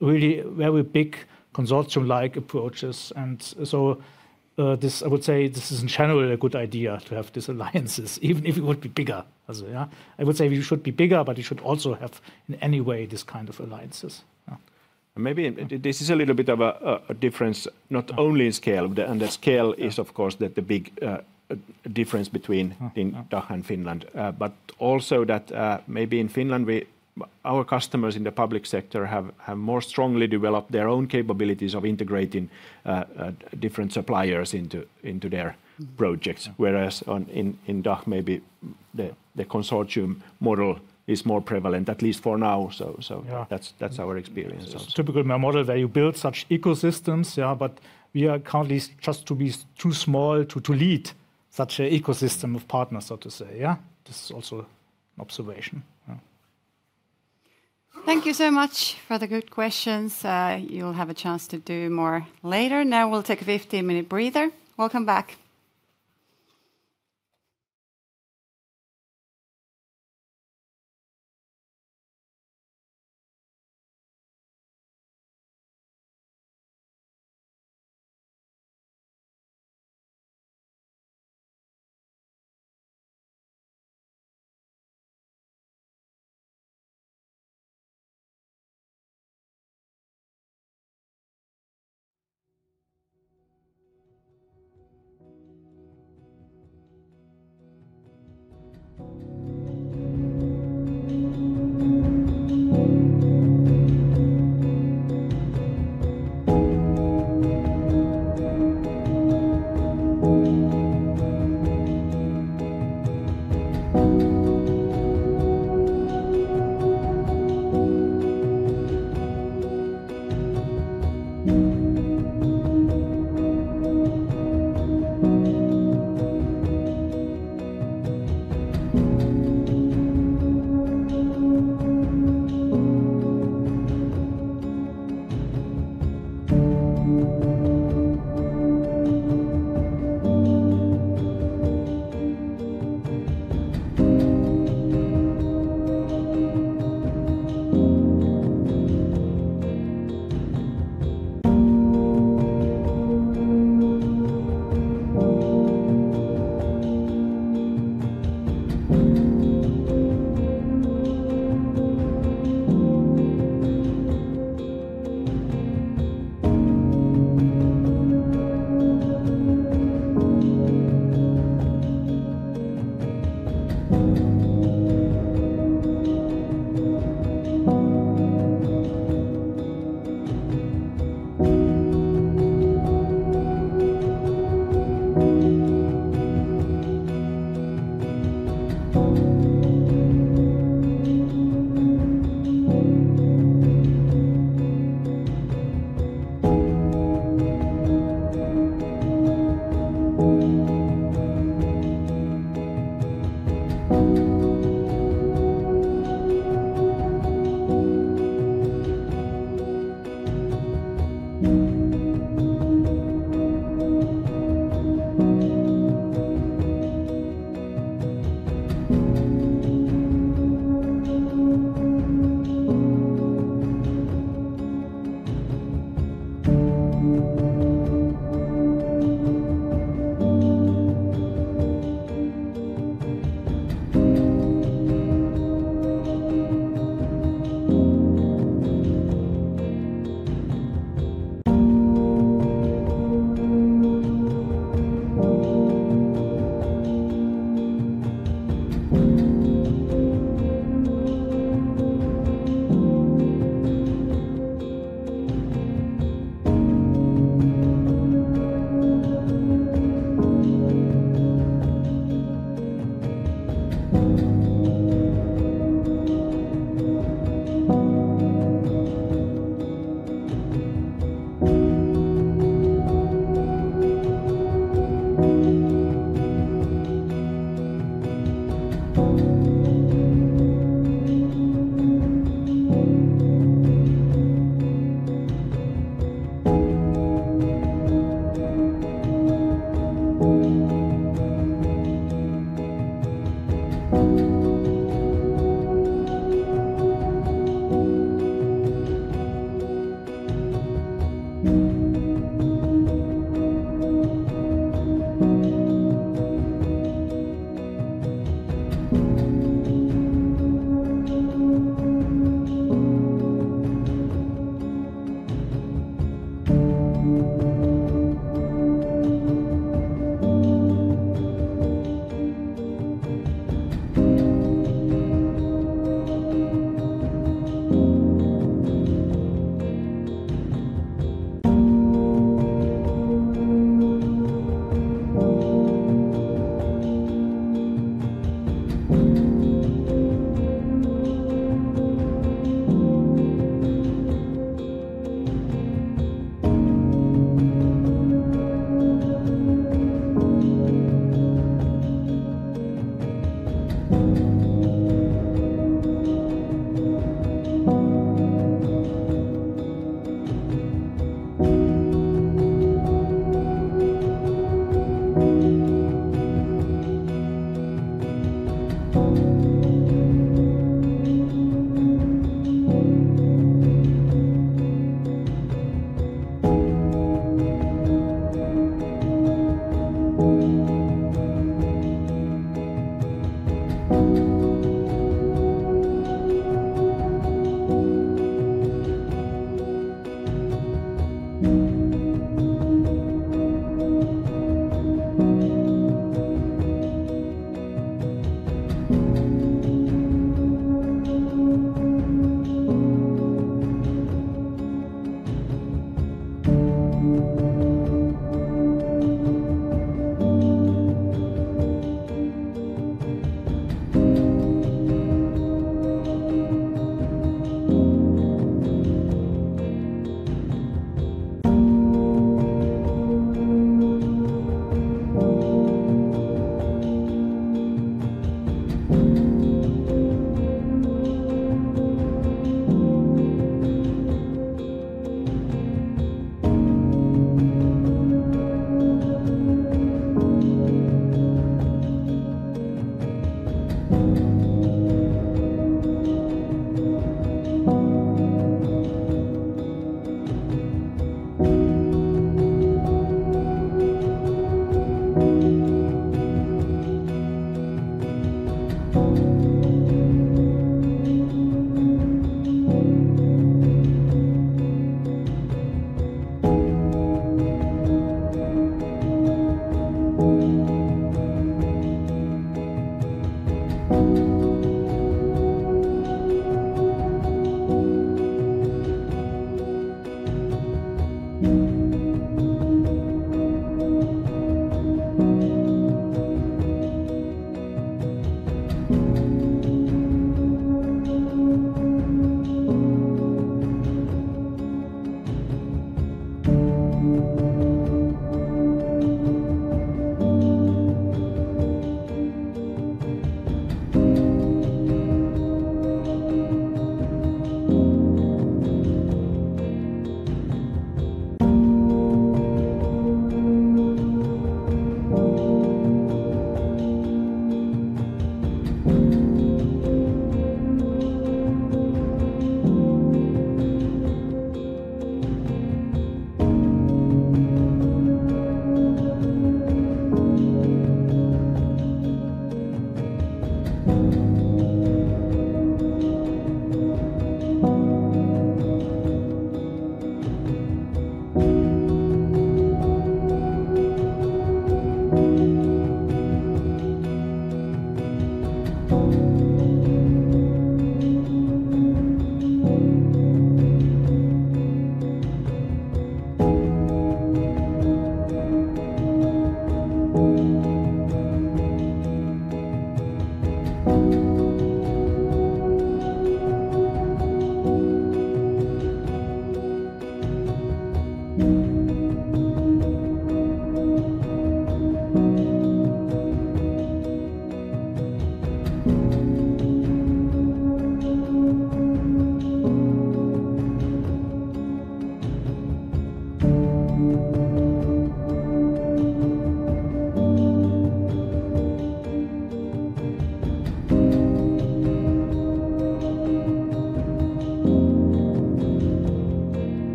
really very big consortium-like approaches. And so I would say this is in general a good idea to have these alliances, even if it would be bigger. I would say we should be bigger, but we should also have in any way this kind of alliances. Maybe this is a little bit of a difference, not only in scale. And the scale is, of course, the big difference between DACH and Finland. But also that maybe in Finland, our customers in the public sector have more strongly developed their own capabilities of integrating different suppliers into their projects. Whereas in DACH, maybe the consortium model is more prevalent, at least for now. So that's our experience. Typical model that you build such ecosystems, but we are currently just too small to lead such an ecosystem of partners, so to say. This is also an observation. Thank you so much for the good questions. You'll have a chance to do more later. Now we'll take a 15-minute breather. Welcome back.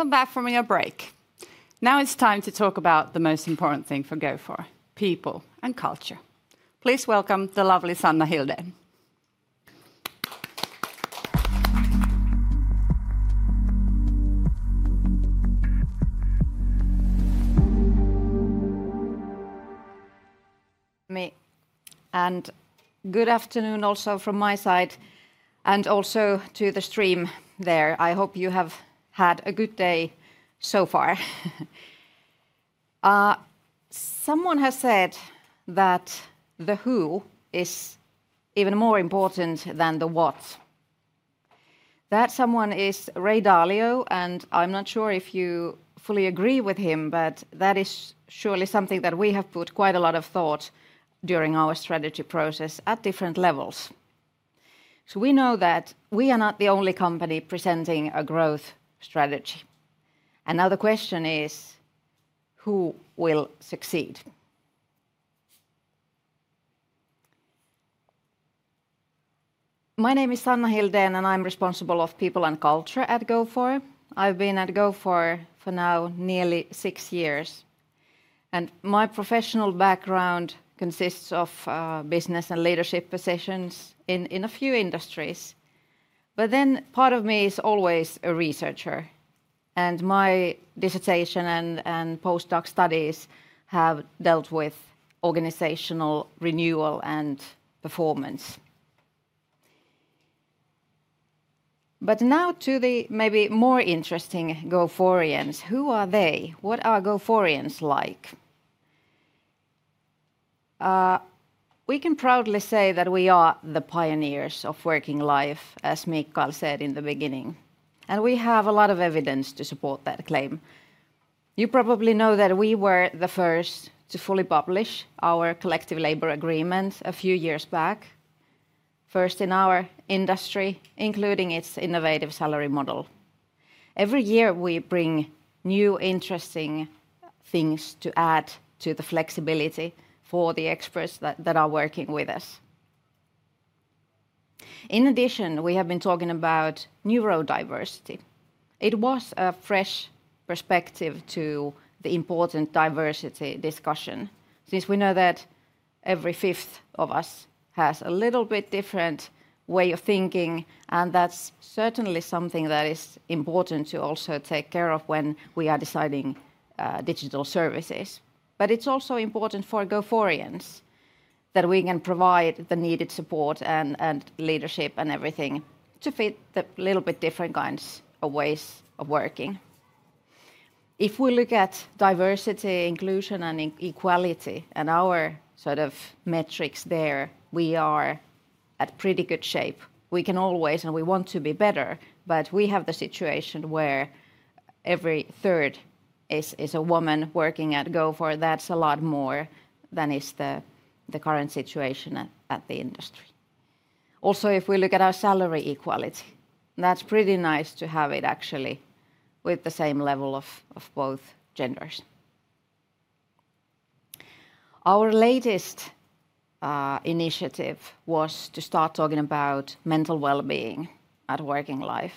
Welcome back from your break. Now it's time to talk about the most important thing for Gofore: people and culture. Please welcome the lovely Sanna Hildén. And good afternoon also from my side, and also to the stream there. I hope you have had a good day so far. Someone has said that the who is even more important than the what. That someone is Ray Dalio, and I'm not sure if you fully agree with him, but that is surely something that we have put quite a lot of thought to during our strategy process at different levels. So we know that we are not the only company presenting a growth strategy. And now the question is: who will succeed? My name is Sanna Hildén, and I'm responsible for people and culture at Gofore. I've been at Gofore for now nearly six years, and my professional background consists of business and leadership positions in a few industries. But then part of me is always a researcher, and my dissertation and postdoc studies have dealt with organizational renewal and performance. But now to the maybe more interesting Goforians. Who are they? What are Goforians like? We can proudly say that we are the pioneers of working life, as Mikael said in the beginning, and we have a lot of evidence to support that claim. You probably know that we were the first to fully publish our collective labor agreement a few years back, first in our industry, including its innovative salary model. Every year we bring new, interesting things to add to the flexibility for the experts that are working with us. In addition, we have been talking about neurodiversity. It was a fresh perspective to the important diversity discussion since we know that every fifth of us has a little bit different way of thinking, and that's certainly something that is important to also take care of when we are deciding digital services. But it's also important for Goforians that we can provide the needed support and leadership and everything to fit the little bit different kinds of ways of working. If we look at diversity, inclusion, and equality, and our sort of metrics there, we are at pretty good shape. We can always, and we want to be better, but we have the situation where every third is a woman working at Gofore. That's a lot more than is the current situation at the industry. Also, if we look at our salary equality, that's pretty nice to have it actually with the same level of both genders. Our latest initiative was to start talking about mental well-being at working life.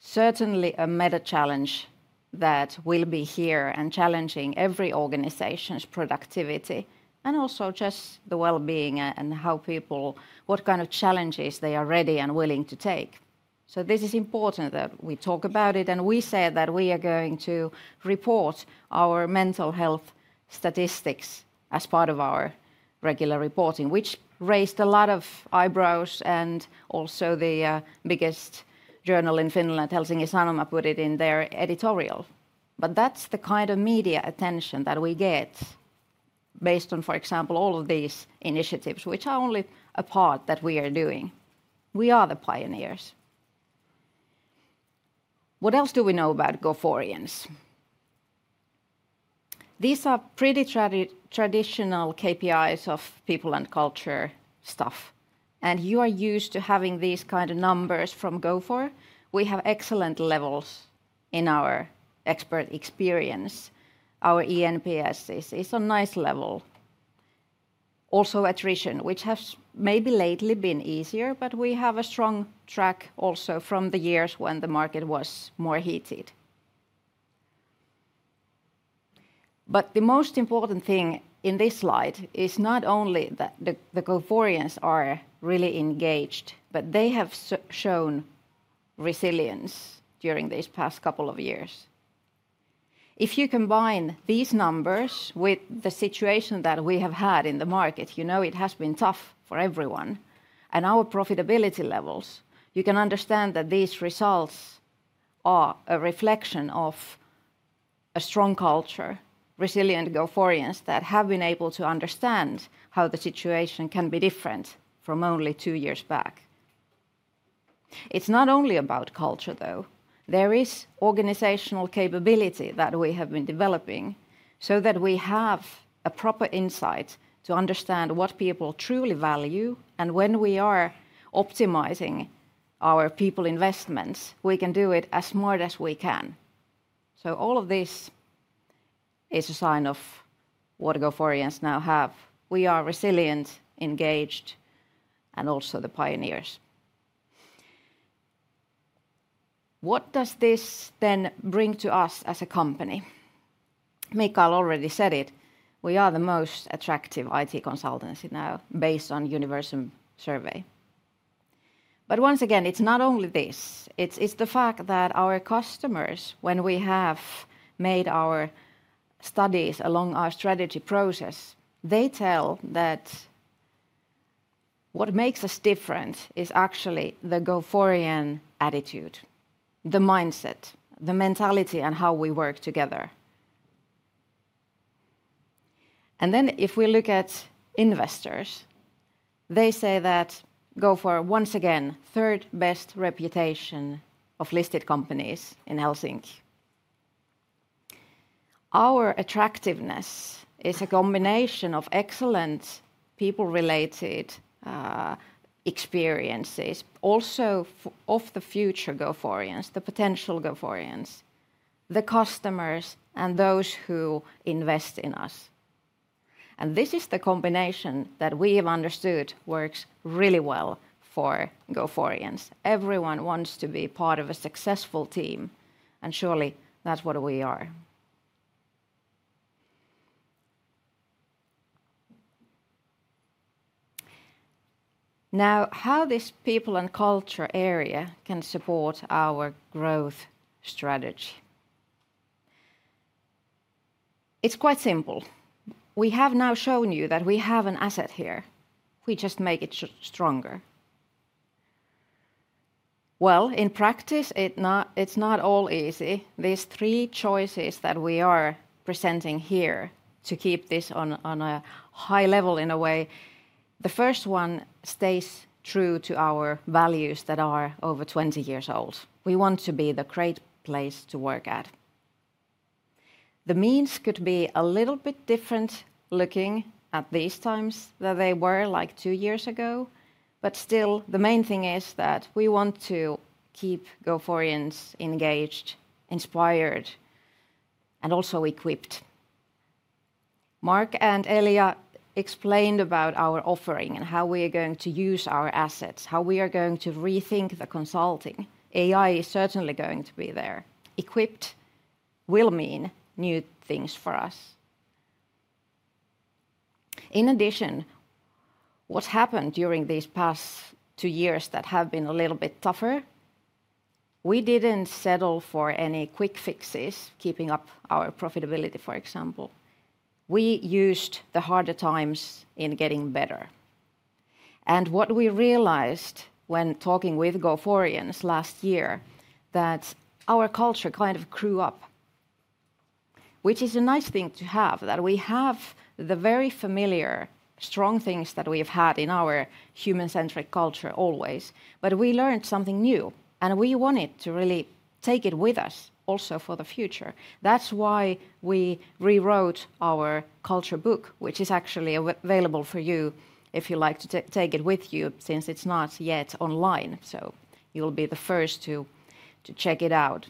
Certainly a meta challenge that will be here and challenging every organization's productivity and also just the well-being and how people, what kind of challenges they are ready and willing to take. This is important that we talk about it, and we said that we are going to report our mental health statistics as part of our regular reporting, which raised a lot of eyebrows. Also, the biggest journal in Finland, Helsingin Sanomat, put it in their editorial. But that's the kind of media attention that we get based on, for example, all of these initiatives, which are only a part that we are doing. We are the pioneers. What else do we know about Goforians? These are pretty traditional KPIs of people and culture stuff, and you are used to having these kinds of numbers from Gofore. We have excellent levels in our expert experience. Our eNPS is a nice level. Also attrition, which has maybe lately been easier, but we have a strong track also from the years when the market was more heated. But the most important thing in this slide is not only that the Goforians are really engaged, but they have shown resilience during these past couple of years. If you combine these numbers with the situation that we have had in the market, you know it has been tough for everyone and our profitability levels, you can understand that these results are a reflection of a strong culture, resilient Goforians that have been able to understand how the situation can be different from only two years back. It's not only about culture, though. There is organizational capability that we have been developing so that we have a proper insight to understand what people truly value, and when we are optimizing our people investments, we can do it as smart as we can. So all of this is a sign of what Goforians now have. We are resilient, engaged, and also the pioneers. What does this then bring to us as a company? Mikael already said it. We are the most attractive IT consultancy now based on Universum survey. But once again, it's not only this. It's the fact that our customers, when we have made our studies along our strategy process, they tell that what makes us different is actually the Goforian attitude, the mindset, the mentality, and how we work together. And then if we look at investors, they say that Gofore, once again, third best reputation of listed companies in Helsinki. Our attractiveness is a combination of excellent people-related experiences, also of the future Goforians, the potential Goforians, the customers, and those who invest in us. And this is the combination that we have understood works really well for Goforians. Everyone wants to be part of a successful team, and surely that's what we are. Now, how this people and culture area can support our growth strategy? It's quite simple. We have now shown you that we have an asset here. We just make it stronger. In practice, it's not all easy. These three choices that we are presenting here to keep this on a high level in a way, the first one stays true to our values that are over 20 years old. We want to be the great place to work at. The means could be a little bit different looking at these times than they were like two years ago, but still the main thing is that we want to keep Goforians engaged, inspired, and also equipped. Marc and Elja explained about our offering and how we are going to use our assets, how we are going to rethink the consulting. AI is certainly going to be there. Equipped will mean new things for us. In addition, what's happened during these past two years that have been a little bit tougher, we didn't settle for any quick fixes, keeping up our profitability, for example. We used the harder times in getting better, and what we realized when talking with Goforians last year is that our culture kind of grew up, which is a nice thing to have, that we have the very familiar strong things that we have had in our human-centric culture always, but we learned something new, and we wanted to really take it with us also for the future. That's why we rewrote our Culture Book, which is actually available for you if you'd like to take it with you since it's not yet online, so you'll be the first to check it out.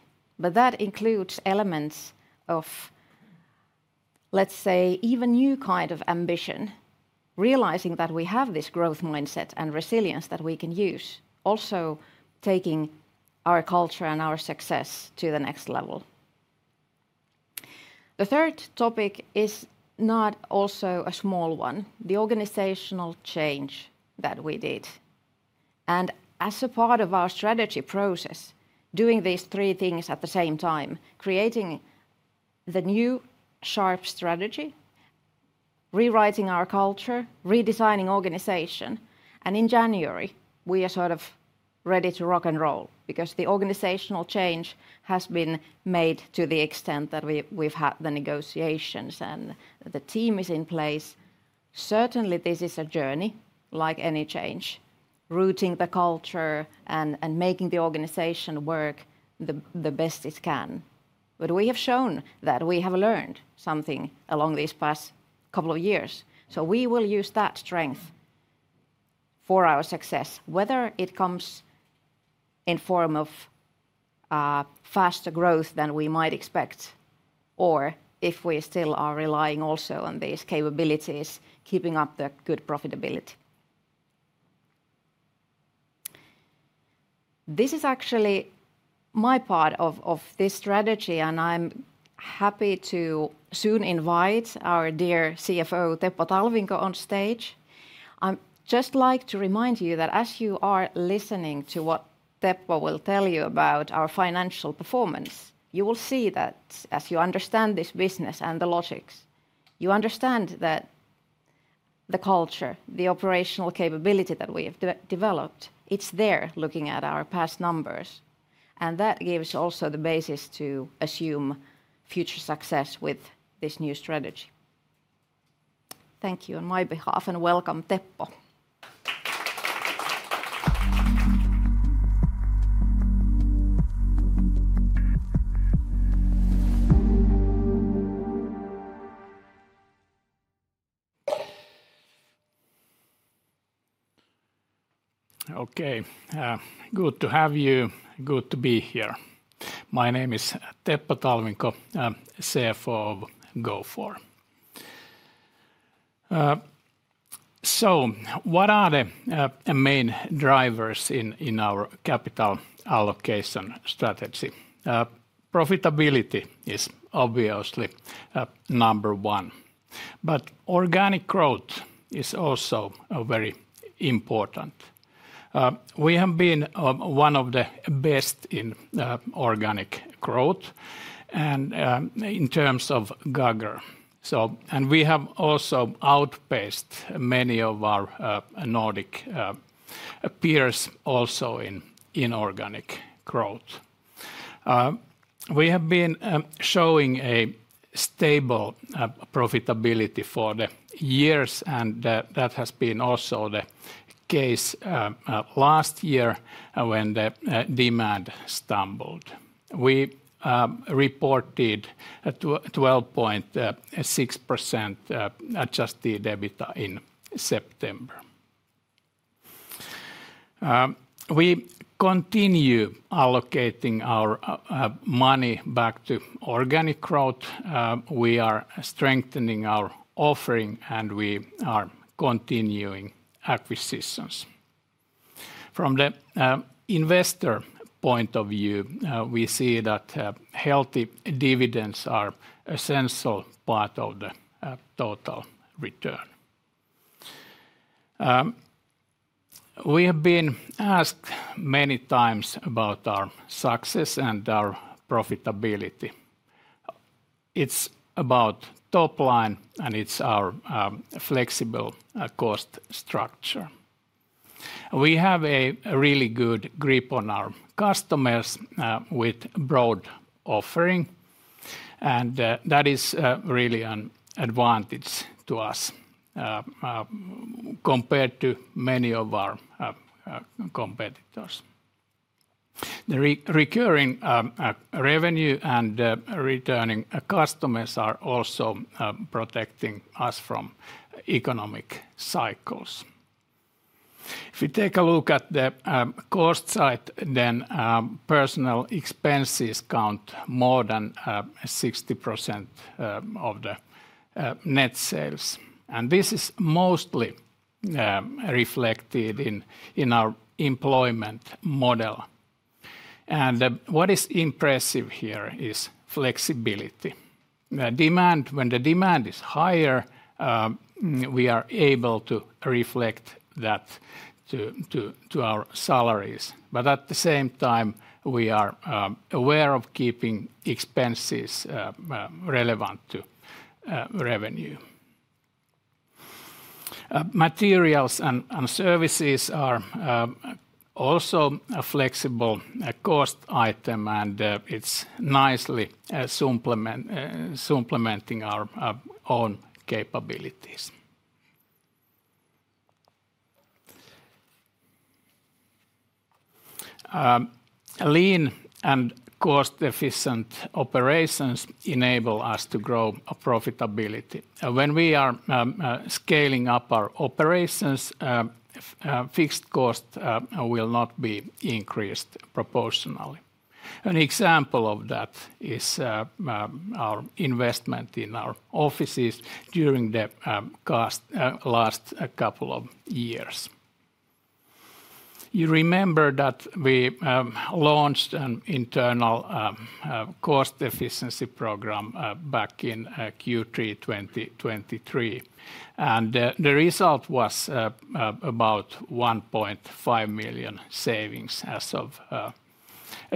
But that includes elements of, let's say, even new kind of ambition, realizing that we have this growth mindset and resilience that we can use, also taking our culture and our success to the next level. The third topic is not also a small one, the organizational change that we did. And as a part of our strategy process, doing these three things at the same time, creating the new sharp strategy, rewriting our culture, redesigning organization, and in January, we are sort of ready to rock and roll because the organizational change has been made to the extent that we've had the negotiations and the team is in place. Certainly, this is a journey like any change, rooting the culture and making the organization work the best it can. But we have shown that we have learned something along these past couple of years, so we will use that strength for our success, whether it comes in form of faster growth than we might expect, or if we still are relying also on these capabilities, keeping up the good profitability. This is actually my part of this strategy, and I'm happy to soon invite our dear CFO, Teppo Talvinko, on stage. I'd just like to remind you that as you are listening to what Teppo will tell you about our financial performance, you will see that as you understand this business and the logics, you understand that the culture, the operational capability that we have developed, it's there looking at our past numbers, and that gives also the basis to assume future success with this new strategy. Thank you on my behalf, and welcome Teppo. Okay, good to have you, good to be here. My name is Teppo Talvinko, CFO of Gofore. So what are the main drivers in our capital allocation strategy? Profitability is obviously number one, but organic growth is also very important. We have been one of the best in organic growth and in terms of CAGR. We have also outpaced many of our Nordic peers also in organic growth. We have been showing a stable profitability for the years, and that has been also the case last year when the demand stumbled. We reported 12.6% Adjusted EBITDA in September. We continue allocating our money back to organic growth. We are strengthening our offering, and we are continuing acquisitions. From the investor point of view, we see that healthy dividends are an essential part of the total return. We have been asked many times about our success and our profitability. It's about top line, and it's our flexible cost structure. We have a really good grip on our customers with broad offering, and that is really an advantage to us compared to many of our competitors. The recurring revenue and returning customers are also protecting us from economic cycles. If we take a look at the cost side, then personnel expenses count more than 60% of the net sales, and this is mostly reflected in our employment model. And what is impressive here is flexibility. When the demand is higher, we are able to reflect that to our salaries, but at the same time, we are aware of keeping expenses relevant to revenue. Materials and services are also a flexible cost item, and it's nicely supplementing our own capabilities. Lean and cost-efficient operations enable us to grow profitability. When we are scaling up our operations, fixed cost will not be increased proportionally. An example of that is our investment in our offices during the last couple of years. You remember that we launched an internal cost efficiency program back in Q3 2023, and the result was about 1.5 million savings as of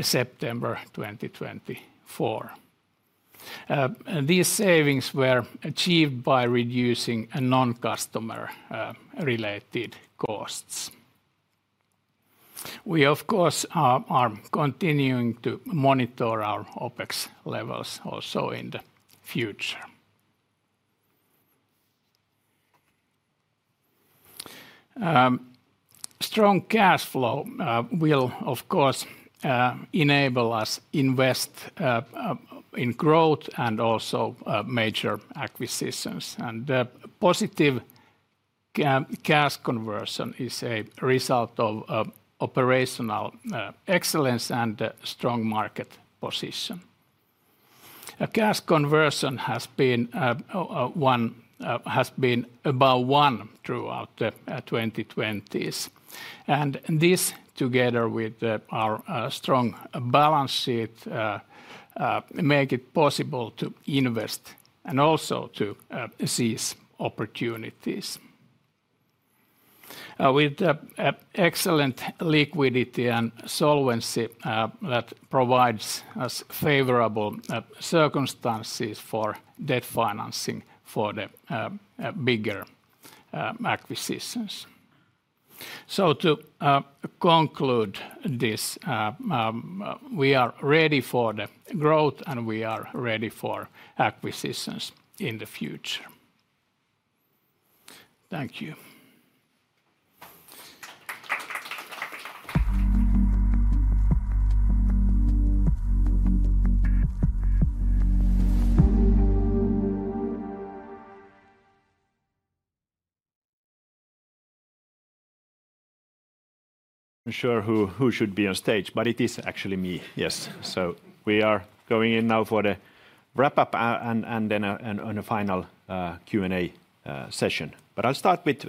September 2024. These savings were achieved by reducing non-customer-related costs. We, of course, are continuing to monitor our OpEx levels also in the future. Strong cash flow will, of course, enable us to invest in growth and also major acquisitions, and the positive cash conversion is a result of operational excellence and a strong market position. Cash conversion has been about one throughout the 2020s, and this, together with our strong balance sheet, makes it possible to invest and also to seize opportunities. With excellent liquidity and solvency that provides us favorable circumstances for debt financing for the bigger acquisitions. So, to conclude this, we are ready for the growth, and we are ready for acquisitions in the future. Thank you. I'm not sure who should be on stage, but it is actually me. Yes, so we are going in now for the wrap-up and then a final Q&A session. But I'll start with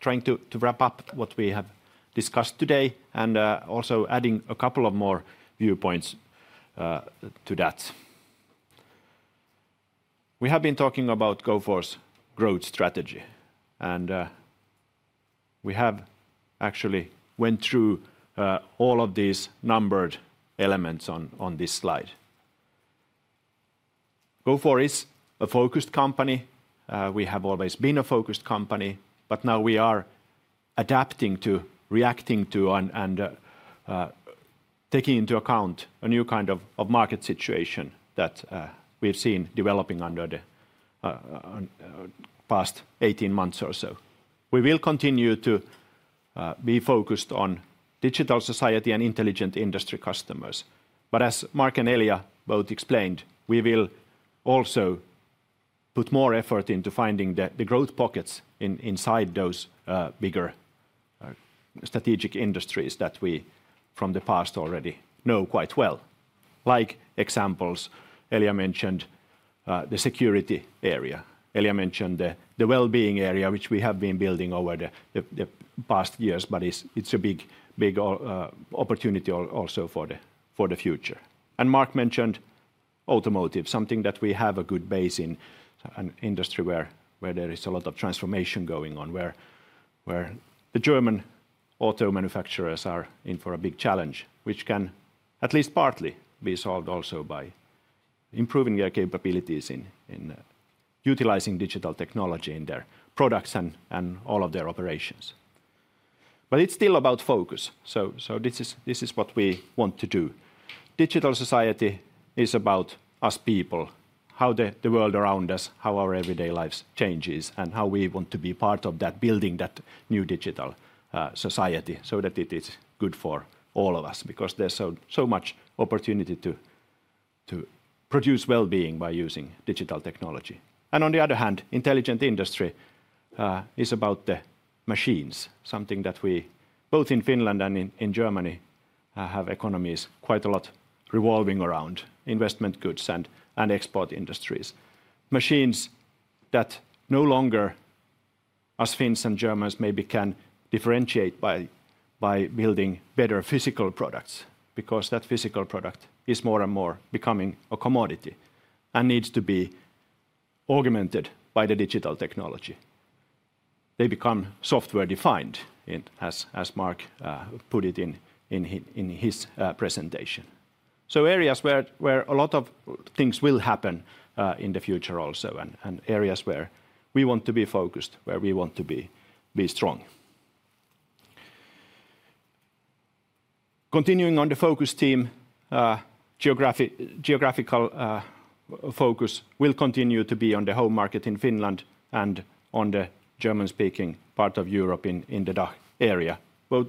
trying to wrap up what we have discussed today and also adding a couple of more viewpoints to that. We have been talking about Gofore's growth strategy, and we have actually gone through all of these numbered elements on this slide. Gofore is a focused company. We have always been a focused company, but now we are adapting to, reacting to, and taking into account a new kind of market situation that we've seen developing under the past 18 months or so. We will continue to be focused on Digital Society and Intelligent Industry customers, but as Marc and Elja both explained, we will also put more effort into finding the growth pockets inside those bigger strategic industries that we from the past already know quite well. Like examples, Elja mentioned the security area. Elja mentioned the well-being area, which we have been building over the past years, but it's a big opportunity also for the future, and Marc mentioned automotive, something that we have a good base in, an industry where there is a lot of transformation going on, where the German auto manufacturers are in for a big challenge, which can at least partly be solved also by improving their capabilities in utilizing digital technology in their products and all of their operations, but it's still about focus, so this is what we want to do. Digital Society is about us people, how the world around us, how our everyday lives change, and how we want to be part of that, building that new Digital Society so that it is good for all of us because there's so much opportunity to produce well-being by using digital technology. And on the other hand, Intelligent Industry is about the machines, something that we, both in Finland and in Germany, have economies quite a lot revolving around investment goods and export industries. Machines that no longer us Finns and Germans maybe can differentiate by building better physical products because that physical product is more and more becoming a commodity and needs to be augmented by the digital technology. They become software-defined, as Marc put it in his presentation. So, areas where a lot of things will happen in the future also and areas where we want to be focused, where we want to be strong. Continuing on the focus theme, geographical focus will continue to be on the home market in Finland and on the German-speaking part of Europe in the DACH area, both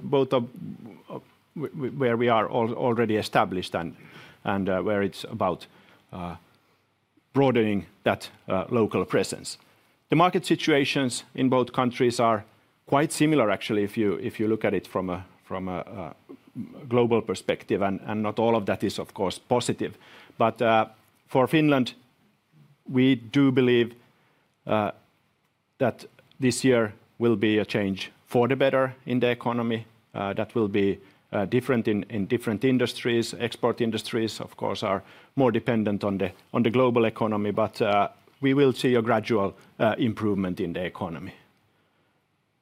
where we are already established and where it's about broadening that local presence. The market situations in both countries are quite similar, actually, if you look at it from a global perspective, and not all of that is, of course, positive. But for Finland, we do believe that this year will be a change for the better in the economy. That will be different in different industries. Export industries, of course, are more dependent on the global economy, but we will see a gradual improvement in the economy.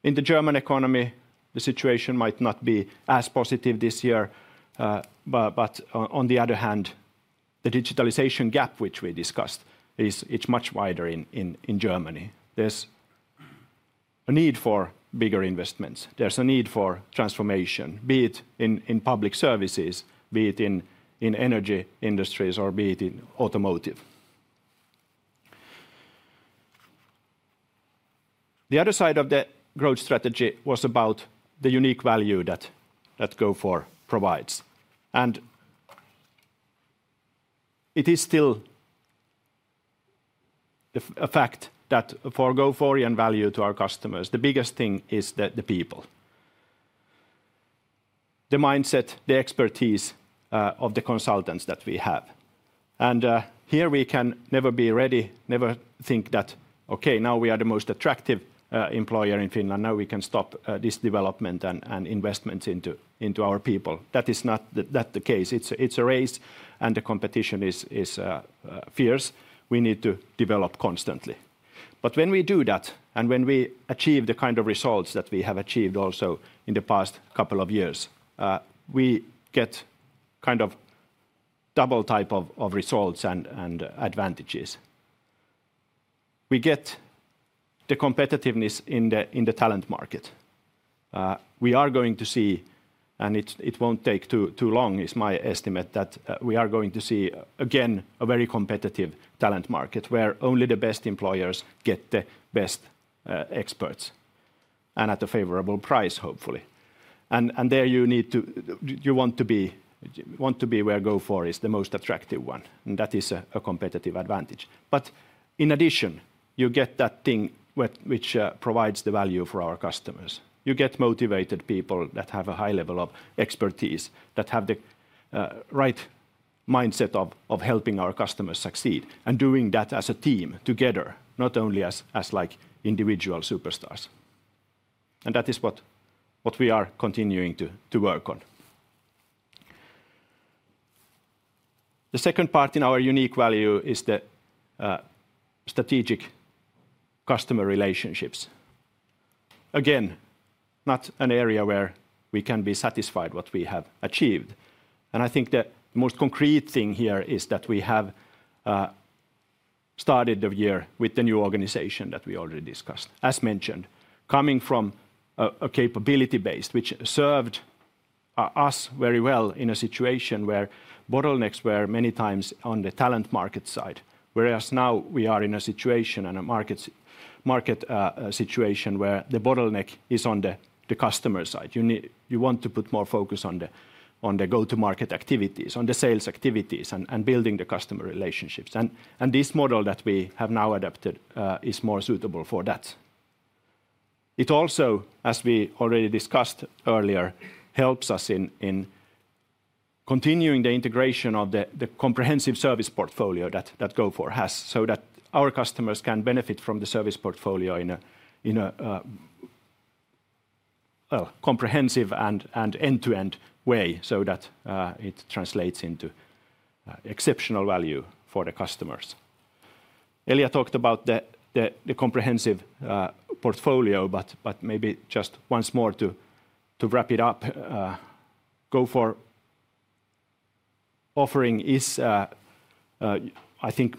In the German economy, the situation might not be as positive this year, but on the other hand, the digitalization gap, which we discussed, is much wider in Germany. There's a need for bigger investments. There's a need for transformation, be it in public services, be it in energy industries, or be it in automotive. The other side of the growth strategy was about the unique value that Gofore provides, and it is still a fact that for Gofore, the value to our customers, the biggest thing is the people, the mindset, the expertise of the consultants that we have. And here we can never be ready, never think that, okay, now we are the most attractive employer in Finland, now we can stop this development and investments into our people. That is not the case. It's a race, and the competition is fierce. We need to develop constantly. But when we do that and when we achieve the kind of results that we have achieved also in the past couple of years, we get kind of double type of results and advantages. We get the competitiveness in the talent market. We are going to see, and it won't take too long, is my estimate that we are going to see again a very competitive talent market where only the best employers get the best experts and at a favorable price, hopefully. And there you need to, you want to be where Gofore is the most attractive one, and that is a competitive advantage. But in addition, you get that thing which provides the value for our customers. You get motivated people that have a high level of expertise, that have the right mindset of helping our customers succeed and doing that as a team together, not only as individual superstars. And that is what we are continuing to work on. The second part in our unique value is the strategic customer relationships. Again, not an area where we can be satisfied with what we have achieved. I think the most concrete thing here is that we have started the year with the new organization that we already discussed. As mentioned, coming from a capability-based which served us very well in a situation where bottlenecks were many times on the talent market side, whereas now we are in a situation and a market situation where the bottleneck is on the customer side. You want to put more focus on the go-to-market activities, on the sales activities, and building the customer relationships. This model that we have now adopted is more suitable for that. It also, as we already discussed earlier, helps us in continuing the integration of the comprehensive service portfolio that Gofore has so that our customers can benefit from the service portfolio in a comprehensive and end-to-end way so that it translates into exceptional value for the customers. Elja talked about the comprehensive portfolio, but maybe just once more to wrap it up, Gofore offering is, I think,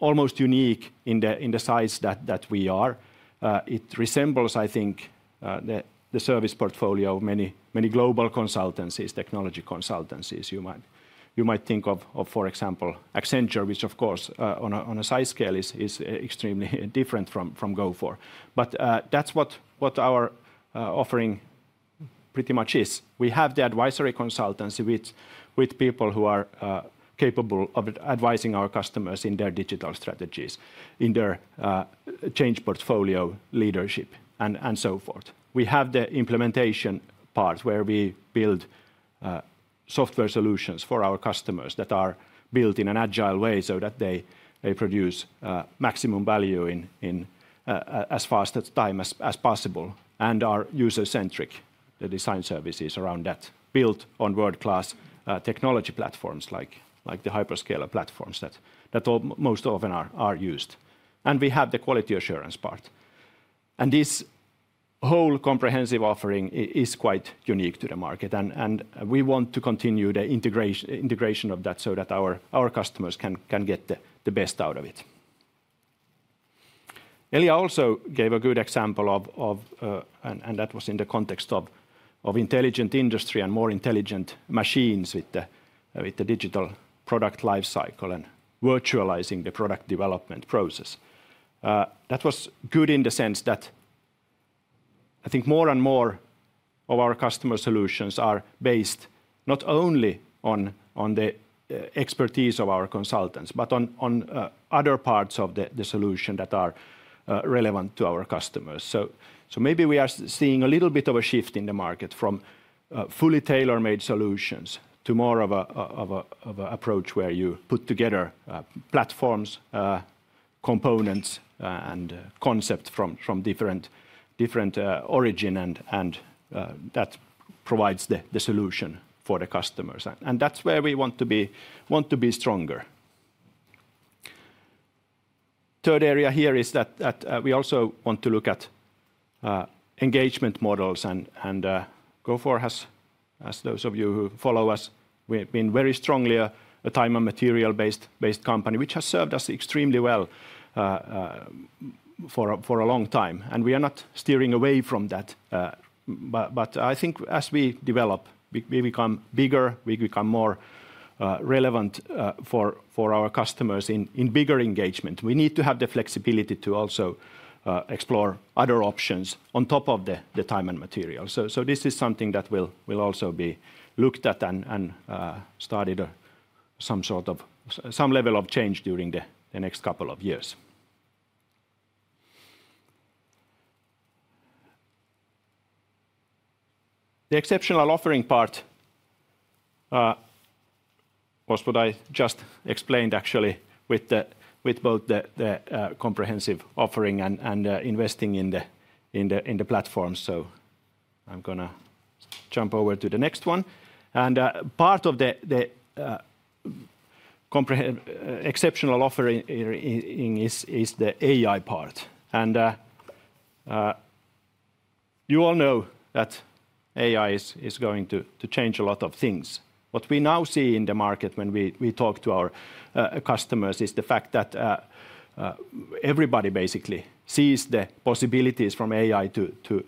almost unique in the size that we are. It resembles, I think, the service portfolio of many global consultancies, technology consultancies. You might think of, for example, Accenture, which, of course, on a size scale is extremely different from Gofore. But that's what our offering pretty much is. We have the advisory consultancy with people who are capable of advising our customers in their digital strategies, in their change portfolio leadership, and so forth. We have the implementation part where we build software solutions for our customers that are built in an agile way so that they produce maximum value in as fast a time as possible and are user-centric. The design services around that build on world-class technology platforms like the hyperscaler platforms that most often are used. We have the quality assurance part. This whole comprehensive offering is quite unique to the market, and we want to continue the integration of that so that our customers can get the best out of it. Elja also gave a good example of, and that was in the context of Intelligent Industry and more intelligent machines with the digital product lifecycle and virtualizing the product development process. That was good in the sense that I think more and more of our customer solutions are based not only on the expertise of our consultants, but on other parts of the solution that are relevant to our customers. Maybe we are seeing a little bit of a shift in the market from fully tailor-made solutions to more of an approach where you put together platforms, components, and concepts from different origins, and that provides the solution for the customers. That's where we want to be stronger. Third area here is that we also want to look at engagement models, and Gofore, as those of you who follow us, we've been very strongly a time and material-based company which has served us extremely well for a long time. We are not steering away from that, but I think as we develop, we become bigger, we become more relevant for our customers in bigger engagement. We need to have the flexibility to also explore other options on top of the time and material. This is something that will also be looked at and started some sort of level of change during the next couple of years. The exceptional offering part was what I just explained, actually, with both the comprehensive offering and investing in the platform. I'm going to jump over to the next one. And part of the exceptional offering is the AI part. And you all know that AI is going to change a lot of things. What we now see in the market when we talk to our customers is the fact that everybody basically sees the possibilities from AI to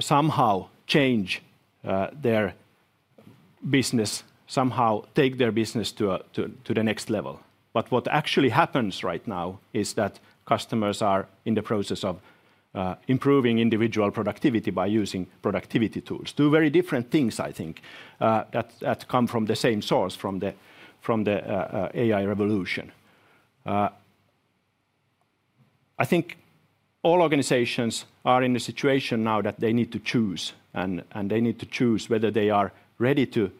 somehow change their business, somehow take their business to the next level. But what actually happens right now is that customers are in the process of improving individual productivity by using productivity tools, two very different things, I think, that come from the same source, from the AI revolution. I think all organizations are in a situation now that they need to choose, and they need to choose whether they are ready to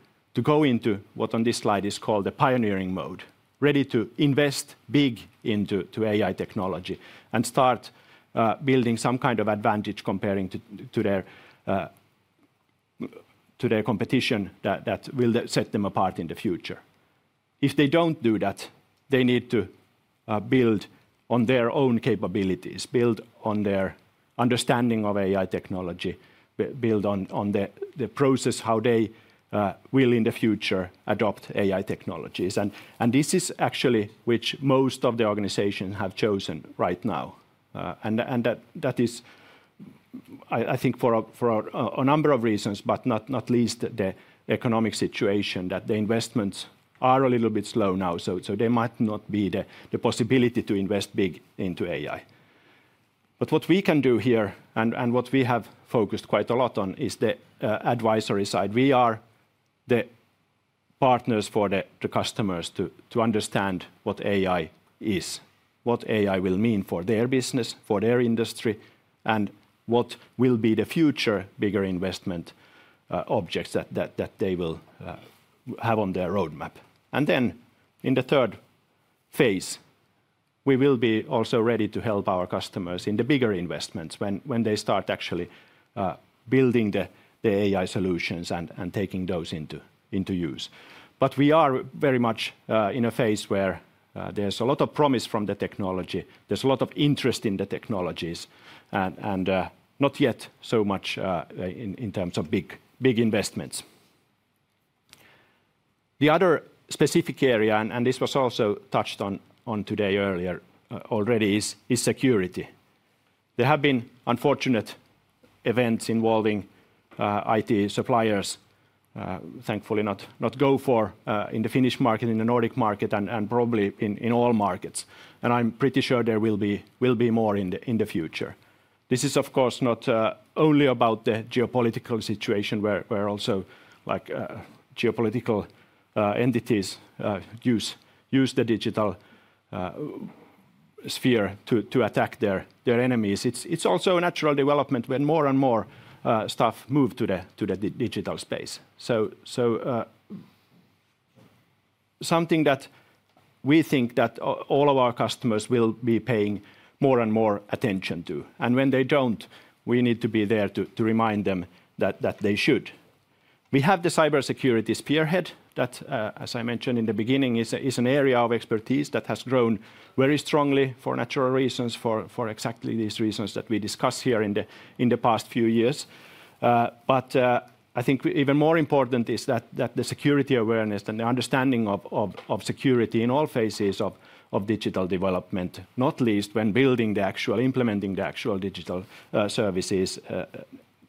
go into what on this slide is called the pioneering mode, ready to invest big into AI technology and start building some kind of advantage comparing to their competition that will set them apart in the future. If they don't do that, they need to build on their own capabilities, build on their understanding of AI technology, build on the process how they will in the future adopt AI technologies, and this is actually which most of the organizations have chosen right now, and that is, I think, for a number of reasons, but not least the economic situation that the investments are a little bit slow now, so there might not be the possibility to invest big into AI. But what we can do here and what we have focused quite a lot on is the advisory side. We are the partners for the customers to understand what AI is, what AI will mean for their business, for their industry, and what will be the future bigger investment objects that they will have on their roadmap. And then in the third phase, we will be also ready to help our customers in the bigger investments when they start actually building the AI solutions and taking those into use. But we are very much in a phase where there's a lot of promise from the technology. There's a lot of interest in the technologies and not yet so much in terms of big investments. The other specific area, and this was also touched on today earlier already, is security. There have been unfortunate events involving IT suppliers, thankfully not Gofore in the Finnish market, in the Nordic market, and probably in all markets. And I'm pretty sure there will be more in the future. This is, of course, not only about the geopolitical situation where also geopolitical entities use the digital sphere to attack their enemies. It's also a natural development when more and more stuff moves to the digital space. So something that we think that all of our customers will be paying more and more attention to. And when they don't, we need to be there to remind them that they should. We have the cybersecurity spearhead that, as I mentioned in the beginning, is an area of expertise that has grown very strongly for natural reasons, for exactly these reasons that we discussed here in the past few years. But I think even more important is that the security awareness and the understanding of security in all phases of digital development, not least when building the actual, implementing the actual digital services,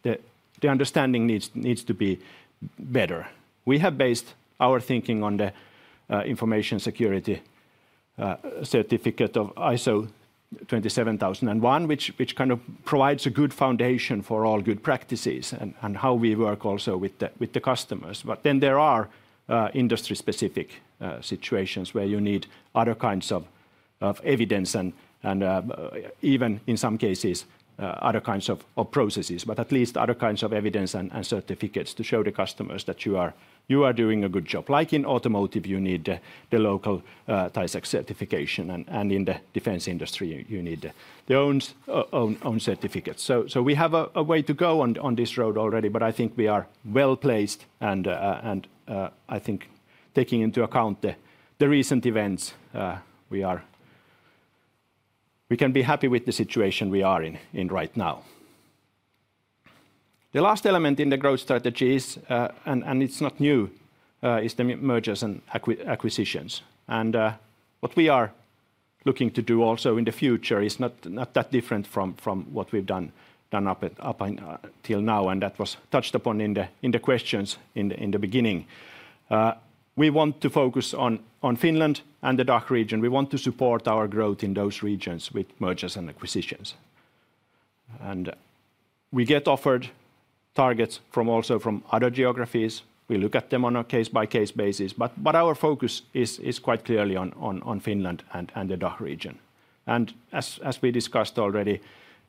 the understanding needs to be better. We have based our thinking on the information security certificate of ISO 27001, which kind of provides a good foundation for all good practices and how we work also with the customers. But then there are industry-specific situations where you need other kinds of evidence and even in some cases other kinds of processes, but at least other kinds of evidence and certificates to show the customers that you are doing a good job. Like in automotive, you need the local TISAX certification, and in the defense industry, you need their own certificates. So we have a way to go on this road already, but I think we are well placed, and I think taking into account the recent events, we can be happy with the situation we are in right now. The last element in the growth strategy, and it's not new, is the mergers and acquisitions. And what we are looking to do also in the future is not that different from what we've done up until now, and that was touched upon in the questions in the beginning. We want to focus on Finland and the DACH region. We want to support our growth in those regions with mergers and acquisitions. And we get offered targets also from other geographies. We look at them on a case-by-case basis, but our focus is quite clearly on Finland and the DACH region. And as we discussed already,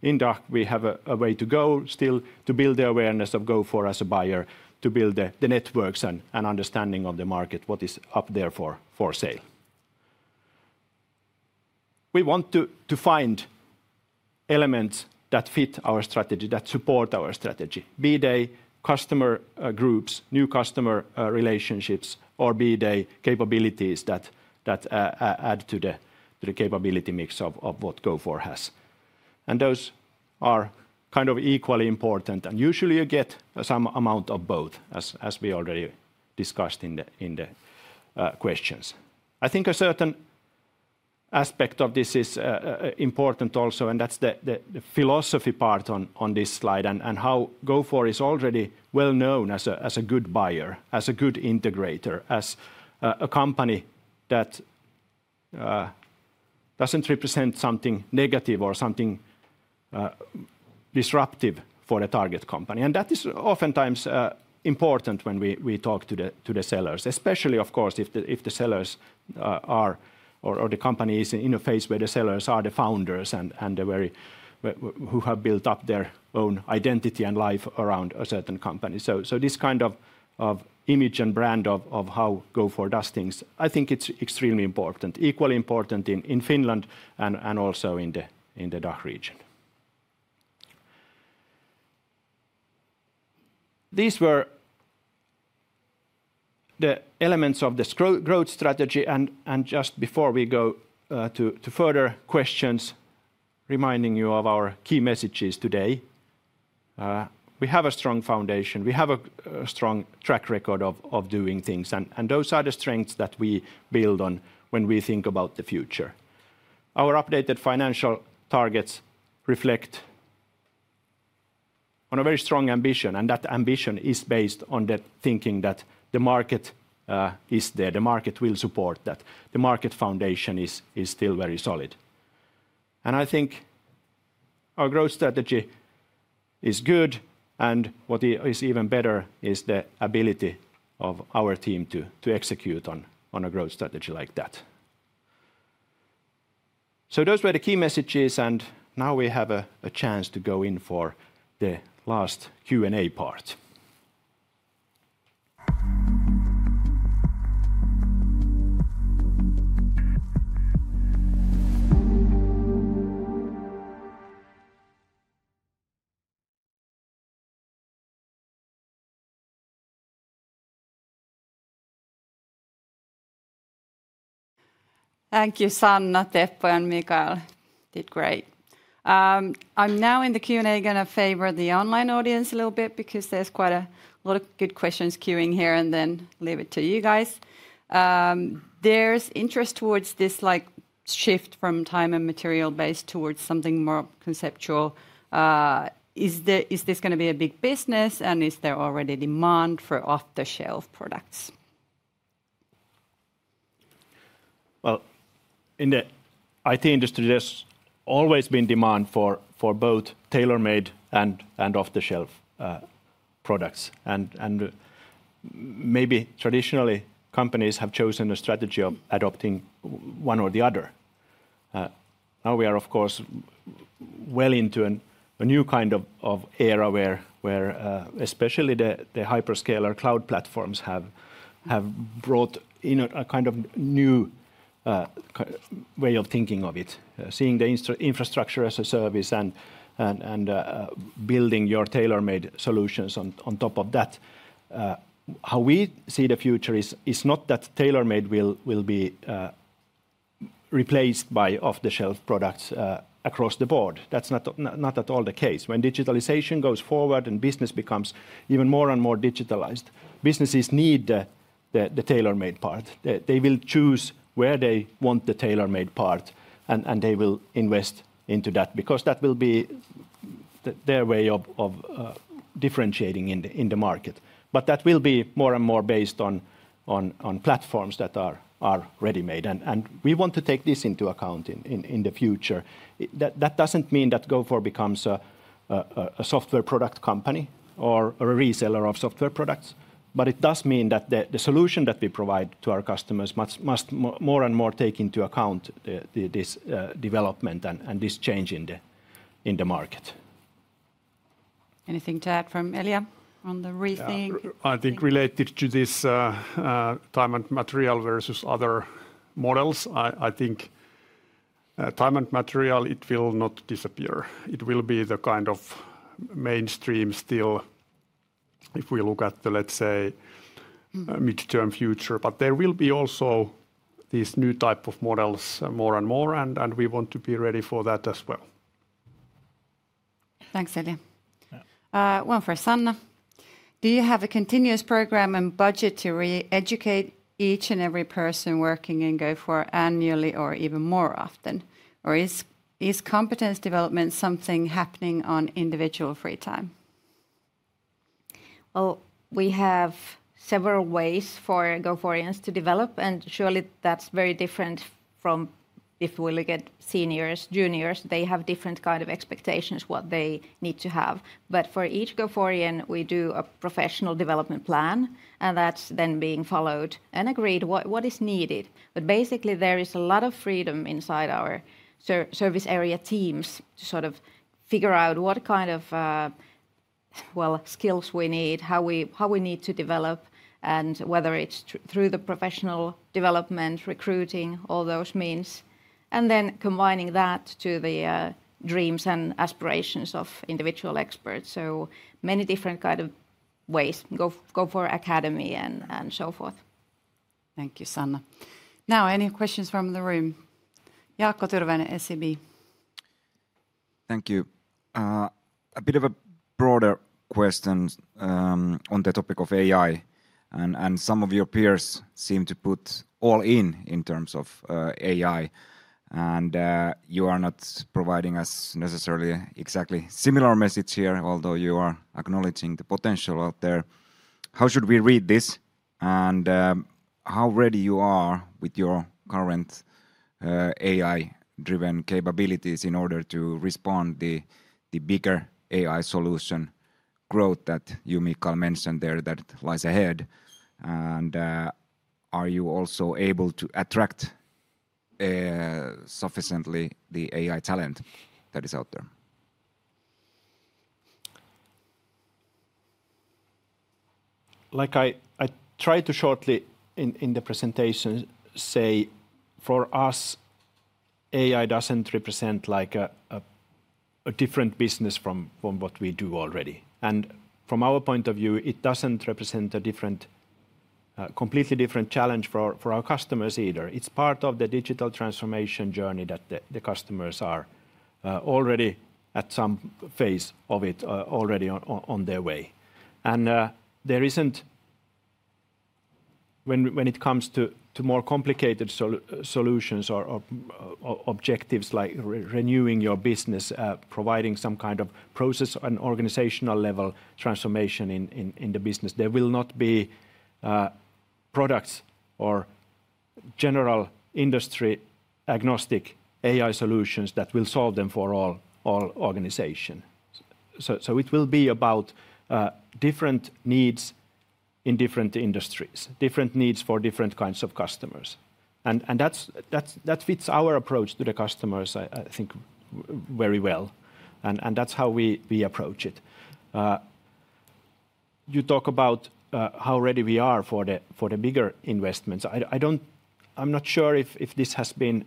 in DACH, we have a way to go still to build the awareness of Gofore as a buyer, to build the networks and understanding of the market, what is up there for sale. We want to find elements that fit our strategy, that support our strategy, be they customer groups, new customer relationships, or be they capabilities that add to the capability mix of what Gofore has. And those are kind of equally important, and usually you get some amount of both, as we already discussed in the questions. I think a certain aspect of this is important also, and that's the philosophy part on this slide and how Gofore is already well known as a good buyer, as a good integrator, as a company that doesn't represent something negative or something disruptive for the target company. That is oftentimes important when we talk to the sellers, especially, of course, if the sellers are or the company is in a phase where the sellers are the founders and they who have built up their own identity and life around a certain company. So this kind of image and brand of how Gofore does things, I think it's extremely important, equally important in Finland and also in the DACH region. These were the elements of the growth strategy, and just before we go to further questions, reminding you of our key messages today, we have a strong foundation, we have a strong track record of doing things, and those are the strengths that we build on when we think about the future. Our updated financial targets reflect on a very strong ambition, and that ambition is based on the thinking that the market is there, the market will support that, the market foundation is still very solid. And I think our growth strategy is good, and what is even better is the ability of our team to execute on a growth strategy like that. So those were the key messages, and now we have a chance to go in for the last Q&A part. Thank you, Sanna, Teppo and Mikael. Did great. I'm now in the Q&A going to favor the online audience a little bit because there's quite a lot of good questions queuing here, and then leave it to you guys. There's interest towards this shift from time and material-based towards something more conceptual. Is this going to be a big business, and is there already demand for off-the-shelf products? In the IT industry, there's always been demand for both tailor-made and off-the-shelf products. And maybe traditionally, companies have chosen a strategy of adopting one or the other. Now we are, of course, well into a new kind of era where especially the hyperscaler cloud platforms have brought in a kind of new way of thinking of it, seeing the infrastructure as a service and building your tailor-made solutions on top of that. How we see the future is not that tailor-made will be replaced by off-the-shelf products across the board. That's not at all the case. When digitalization goes forward and business becomes even more and more digitalized, businesses need the tailor-made part. They will choose where they want the tailor-made part, and they will invest into that because that will be their way of differentiating in the market. But that will be more and more based on platforms that are ready-made. And we want to take this into account in the future. That doesn't mean that Gofore becomes a software product company or a reseller of software products, but it does mean that the solution that we provide to our customers must more and more take into account this development and this change in the market. Anything to add from Elja on the rethink? I think related to this time and material versus other models, I think time and material, it will not disappear. It will be the kind of mainstream still if we look at the, let's say, midterm future. But there will be also these new types of models more and more, and we want to be ready for that as well. Thanks, Elja. One for Sanna. Do you have a continuous program and budget to re-educate each and every person working in Gofore annually or even more often? Or is competence development something happening on individual free time? We have several ways for Goforians to develop, and surely that's very different from if we look at seniors, juniors. They have different kinds of expectations, what they need to have. But for each Goforian, we do a professional development plan, and that's then being followed and agreed what is needed. But basically, there is a lot of freedom inside our service area teams to sort of figure out what kind of skills we need, how we need to develop, and whether it's through the professional development, recruiting, all those means, and then combining that to the dreams and aspirations of individual experts. So many different kinds of ways, Gofore Academy and so forth. Thank you, Sanna. Now, any questions from the room? Jaakko Tyrväinen, SEB. Thank you. A bit of a broader question on the topic of AI, and some of your peers seem to put all in terms of AI, and you are not providing us necessarily exactly a similar message here, although you are acknowledging the potential out there. How should we read this and how ready you are with your current AI-driven capabilities in order to respond to the bigger AI solution growth that you, Mikael, mentioned there that lies ahead, and are you also able to attract sufficiently the AI talent that is out there? Like I tried to shortly in the presentation say, for us, AI doesn't represent a different business from what we do already. And from our point of view, it doesn't represent a completely different challenge for our customers either. It's part of the digital transformation journey that the customers are already at some phase of it, already on their way. And when it comes to more complicated solutions or objectives like renewing your business, providing some kind of process and organizational level transformation in the business, there will not be products or general industry agnostic AI solutions that will solve them for all organizations. So it will be about different needs in different industries, different needs for different kinds of customers. And that fits our approach to the customers, I think, very well. And that's how we approach it. You talk about how ready we are for the bigger investments. I'm not sure if this has been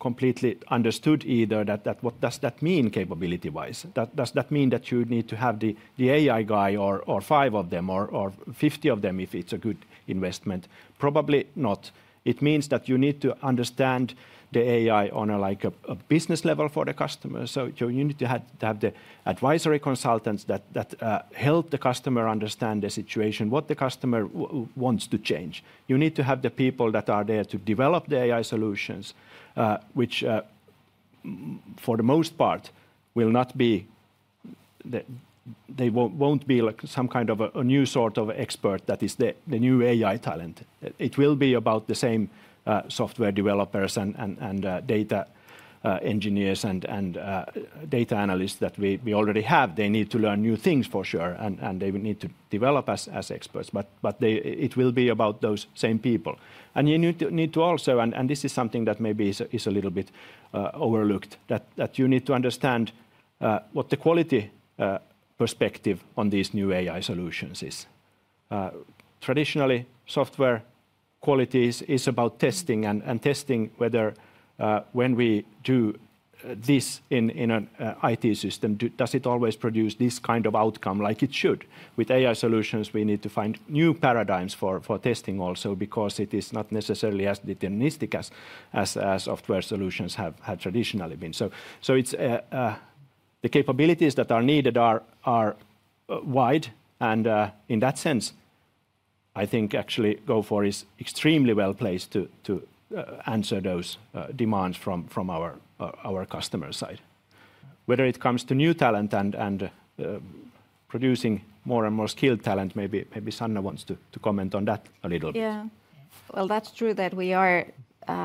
completely understood either, that what does that mean capability-wise? Does that mean that you need to have the AI guy or five of them or 50 of them if it's a good investment? Probably not. It means that you need to understand the AI on a business level for the customer. So you need to have the advisory consultants that help the customer understand the situation, what the customer wants to change. You need to have the people that are there to develop the AI solutions, which, for the most part, will not be. They won't be some kind of a new sort of expert that is the new AI talent. It will be about the same software developers and data engineers and data analysts that we already have. They need to learn new things for sure, and they need to develop as experts. But it will be about those same people, and you need to also, and this is something that maybe is a little bit overlooked, that you need to understand what the quality perspective on these new AI solutions is. Traditionally, software quality is about testing and testing whether when we do this in an IT system, does it always produce this kind of outcome like it should. With AI solutions, we need to find new paradigms for testing also because it is not necessarily as deterministic as software solutions have traditionally been. So the capabilities that are needed are wide, and in that sense, I think actually Gofore is extremely well placed to answer those demands from our customer side. Whether it comes to new talent and producing more and more skilled talent, maybe Sanna wants to comment on that a little bit. Yeah, well, that's true that we are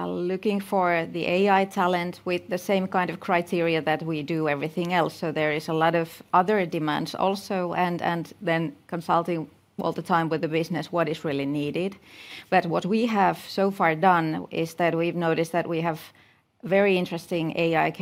looking for the AI talent with the same kind of criteria that we do everything else. So there is a lot of other demands also, and then consulting all the time with the business what is really needed. But what we have so far done is that we've noticed that we have very interesting AI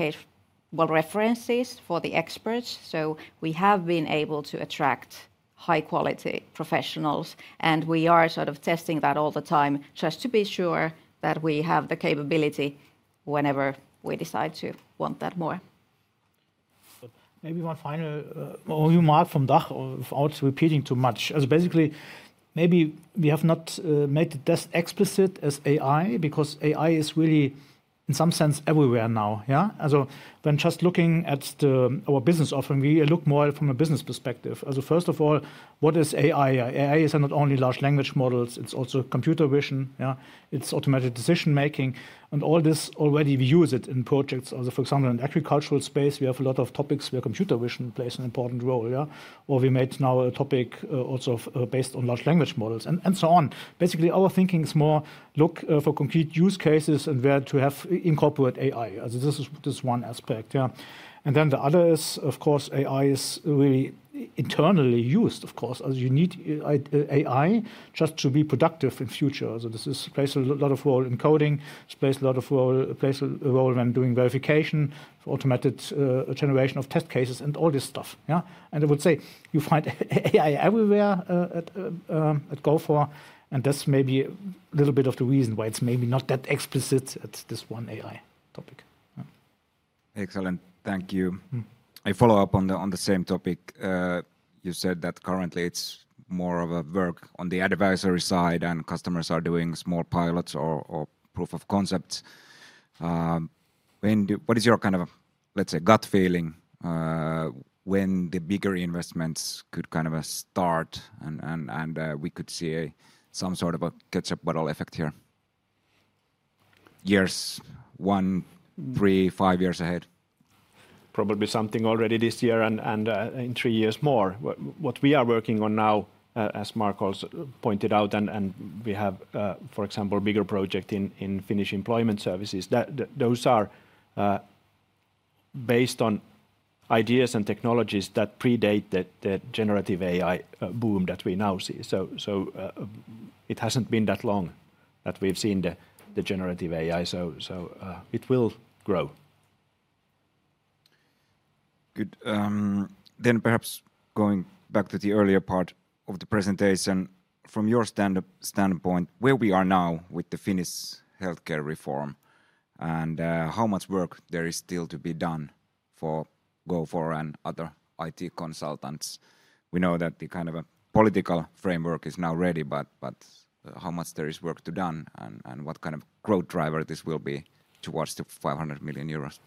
references for the experts. So we have been able to attract high-quality professionals, and we are sort of testing that all the time just to be sure that we have the capability whenever we decide to want that more. Maybe one final remark from DACH, without repeating too much. Basically, maybe we have not made the use explicit as AI because AI is really in some sense everywhere now. So when just looking at our business often, we look more from a business perspective. First of all, what is AI? AI is not only large language models, it's also computer vision, it's automatic decision-making, and all this already we use it in projects. For example, in the agricultural space, we have a lot of topics where computer vision plays an important role. Or we made now a topic also based on large language models and so on. Basically, our thinking is more look for concrete use cases and where to have incorporate AI. This is one aspect, and then the other is, of course, AI is really internally used, of course. You need AI just to be productive in future. So this plays a lot of role in coding, plays a lot of role when doing verification, automated generation of test cases, and all this stuff. I would say you find AI everywhere at Gofore, and that's maybe a little bit of the reason why it's maybe not that explicit at this one AI topic. Excellent. Thank you. I follow up on the same topic. You said that currently it's more of a work on the advisory side and customers are doing small pilots or proof of concepts. What is your kind of, let's say, gut feeling when the bigger investments could kind of start and we could see some sort of a ketchup bottle effect here? Years, one, three, five years ahead. Probably something already this year and in three years more. What we are working on now, as Marc also pointed out, and we have, for example, a bigger project in Finnish Employment Services, those are based on ideas and technologies that predate the generative AI boom that we now see. So it hasn't been that long that we've seen the generative AI, so it will grow. Good. Then perhaps going back to the earlier part of the presentation, from your standpoint, where we are now with the Finnish healthcare reform and how much work there is still to be done for Gofore and other IT consultants? We know that the kind of a political framework is now ready, but how much there is work to done and what kind of growth driver this will be towards the 500 million euros?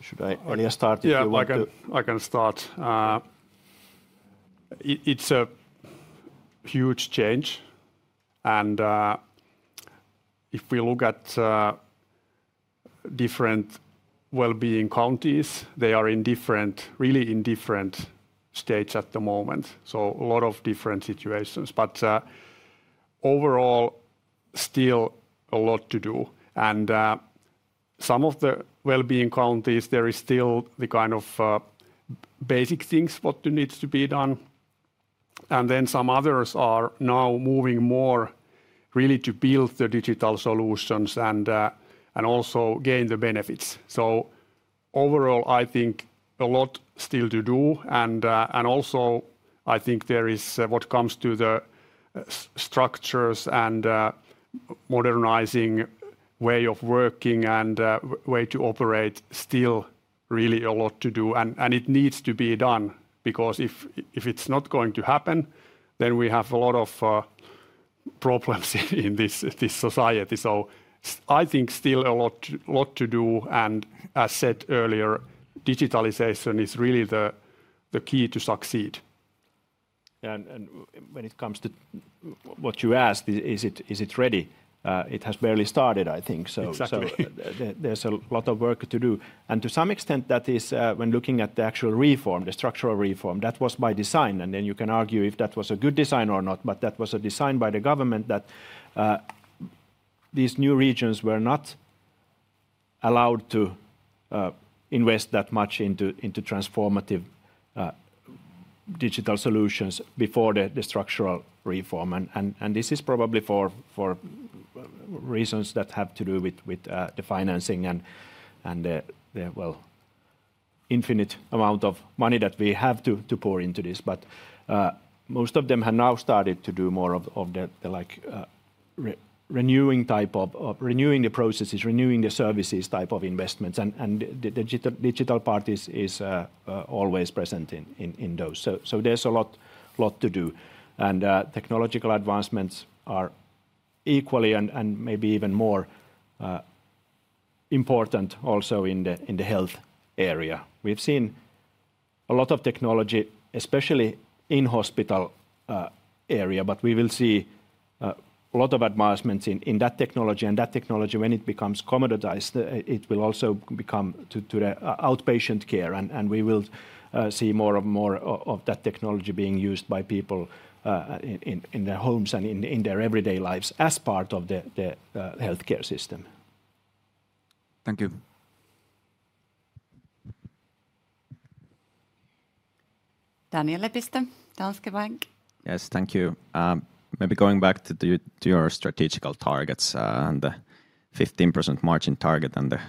Should I start if you want to? Yeah, I can start. It's a huge change. And if we look at different well-being counties, they are really in different states at the moment. So a lot of different situations. But overall, still a lot to do. And some of the well-being counties, there is still the kind of basic things what needs to be done. And then some others are now moving more really to build the digital solutions and also gain the benefits. So overall, I think a lot still to do. And also I think there is when it comes to the structures and modernizing way of working and way to operate still really a lot to do. And it needs to be done because if it's not going to happen, then we have a lot of problems in this society. So I think still a lot to do. As said earlier, digitalization is really the key to succeed. When it comes to what you asked, is it ready? It has barely started, I think. Exactly. So there's a lot of work to do. And to some extent, that is when looking at the actual reform, the structural reform, that was by design. And then you can argue if that was a good design or not, but that was a design by the government that these new regions were not allowed to invest that much into transformative digital solutions before the structural reform. And this is probably for reasons that have to do with the financing and the infinite amount of money that we have to pour into this. But most of them have now started to do more of the renewing type of renewing the processes, renewing the services type of investments. And the digital part is always present in those. So there's a lot to do. And technological advancements are equally and maybe even more important also in the health area. We've seen a lot of technology, especially in the hospital area, but we will see a lot of advancements in that technology. And that technology, when it becomes commoditized, it will also become to the outpatient care. And we will see more and more of that technology being used by people in their homes and in their everyday lives as part of the healthcare system. Thank you. Daniel Lepistö, Danske Bank. Yes, thank you. Maybe going back to your strategic targets and the 15% margin target and the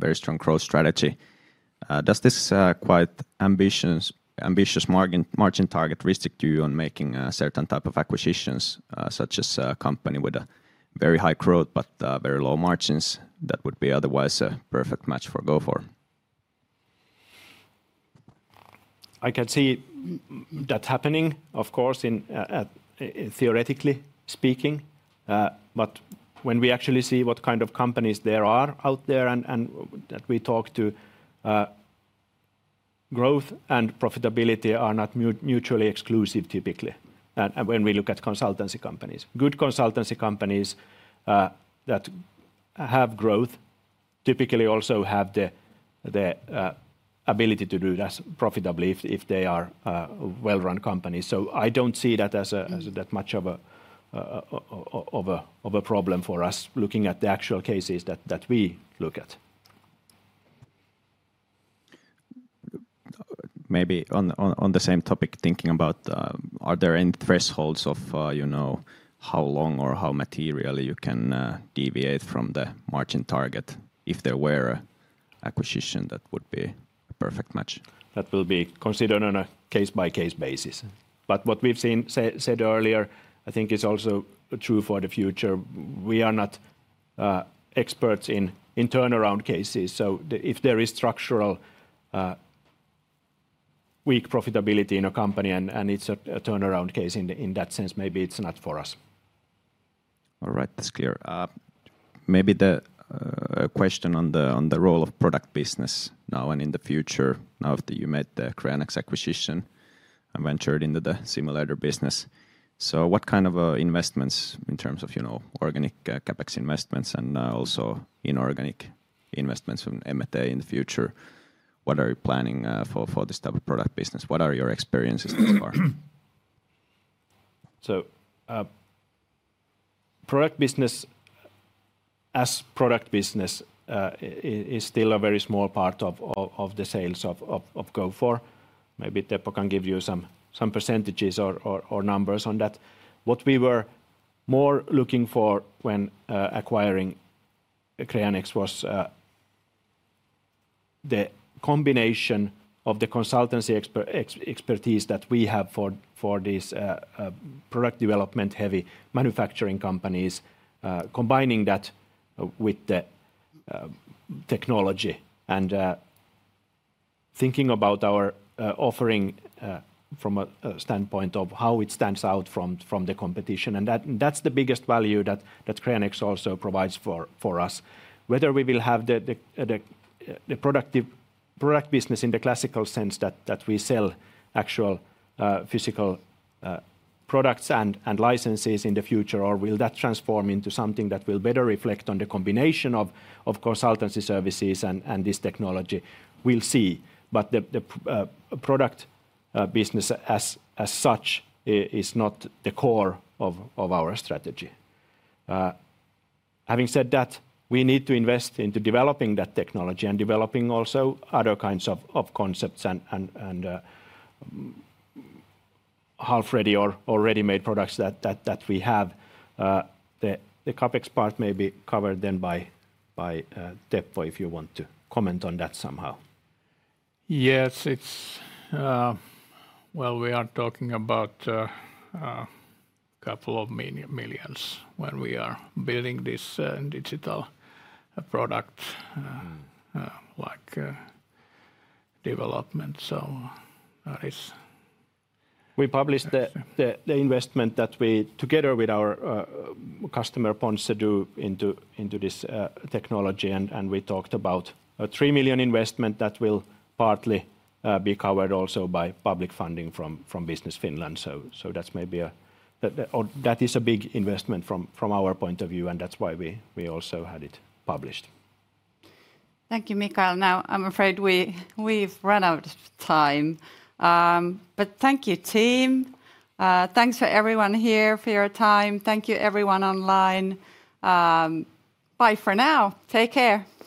very strong growth strategy, does this quite ambitious margin target restrict you on making a certain type of acquisitions, such as a company with a very high growth but very low margins that would be otherwise a perfect match for Gofore? I can see that happening, of course, theoretically speaking. But when we actually see what kind of companies there are out there and that we talk to, growth and profitability are not mutually exclusive typically. And when we look at consultancy companies, good consultancy companies that have growth typically also have the ability to do that profitably if they are well-run companies. So I don't see that as that much of a problem for us looking at the actual cases that we look at. Maybe on the same topic, thinking about are there any thresholds of how long or how materially you can deviate from the margin target if there were an acquisition that would be a perfect match? That will be considered on a case-by-case basis. But what we've said earlier, I think, is also true for the future. We are not experts in turnaround cases. So if there is structural weak profitability in a company and it's a turnaround case in that sense, maybe it's not for us. All right, that's clear. Maybe the question on the role of product business now and in the future, now after you made the Creanex acquisition and ventured into the simulator business. So what kind of investments in terms of organic CapEx investments and also inorganic investments from M&A in the future? What are you planning for this type of product business? What are your experiences thus far? So product business as product business is still a very small part of the sales of Gofore. Maybe Teppo can give you some percentages or numbers on that. What we were more looking for when acquiring Creanex was the combination of the consultancy expertise that we have for these product development-heavy manufacturing companies, combining that with the technology and thinking about our offering from a standpoint of how it stands out from the competition. And that's the biggest value that Creanex also provides for us. Whether we will have the product business in the classical sense that we sell actual physical products and licenses in the future, or will that transform into something that will better reflect on the combination of consultancy services and this technology, we'll see. But the product business as such is not the core of our strategy. Having said that, we need to invest into developing that technology and developing also other kinds of concepts and half-ready or ready-made products that we have. The CapEx part may be covered then by Teppo if you want to comment on that somehow. Yes, it's well, we are talking about a couple of millions when we are building this digital product development. So that is. We published the investment that we together with our customer Ponsse do into this technology, and we talked about a 3 million investment that will partly be covered also by public funding from Business Finland. That's maybe a big investment from our point of view, and that's why we also had it published. Thank you, Mikael. Now, I'm afraid we've run out of time. But thank you, team. Thanks for everyone here for your time. Thank you, everyone online. Bye for now. Take care.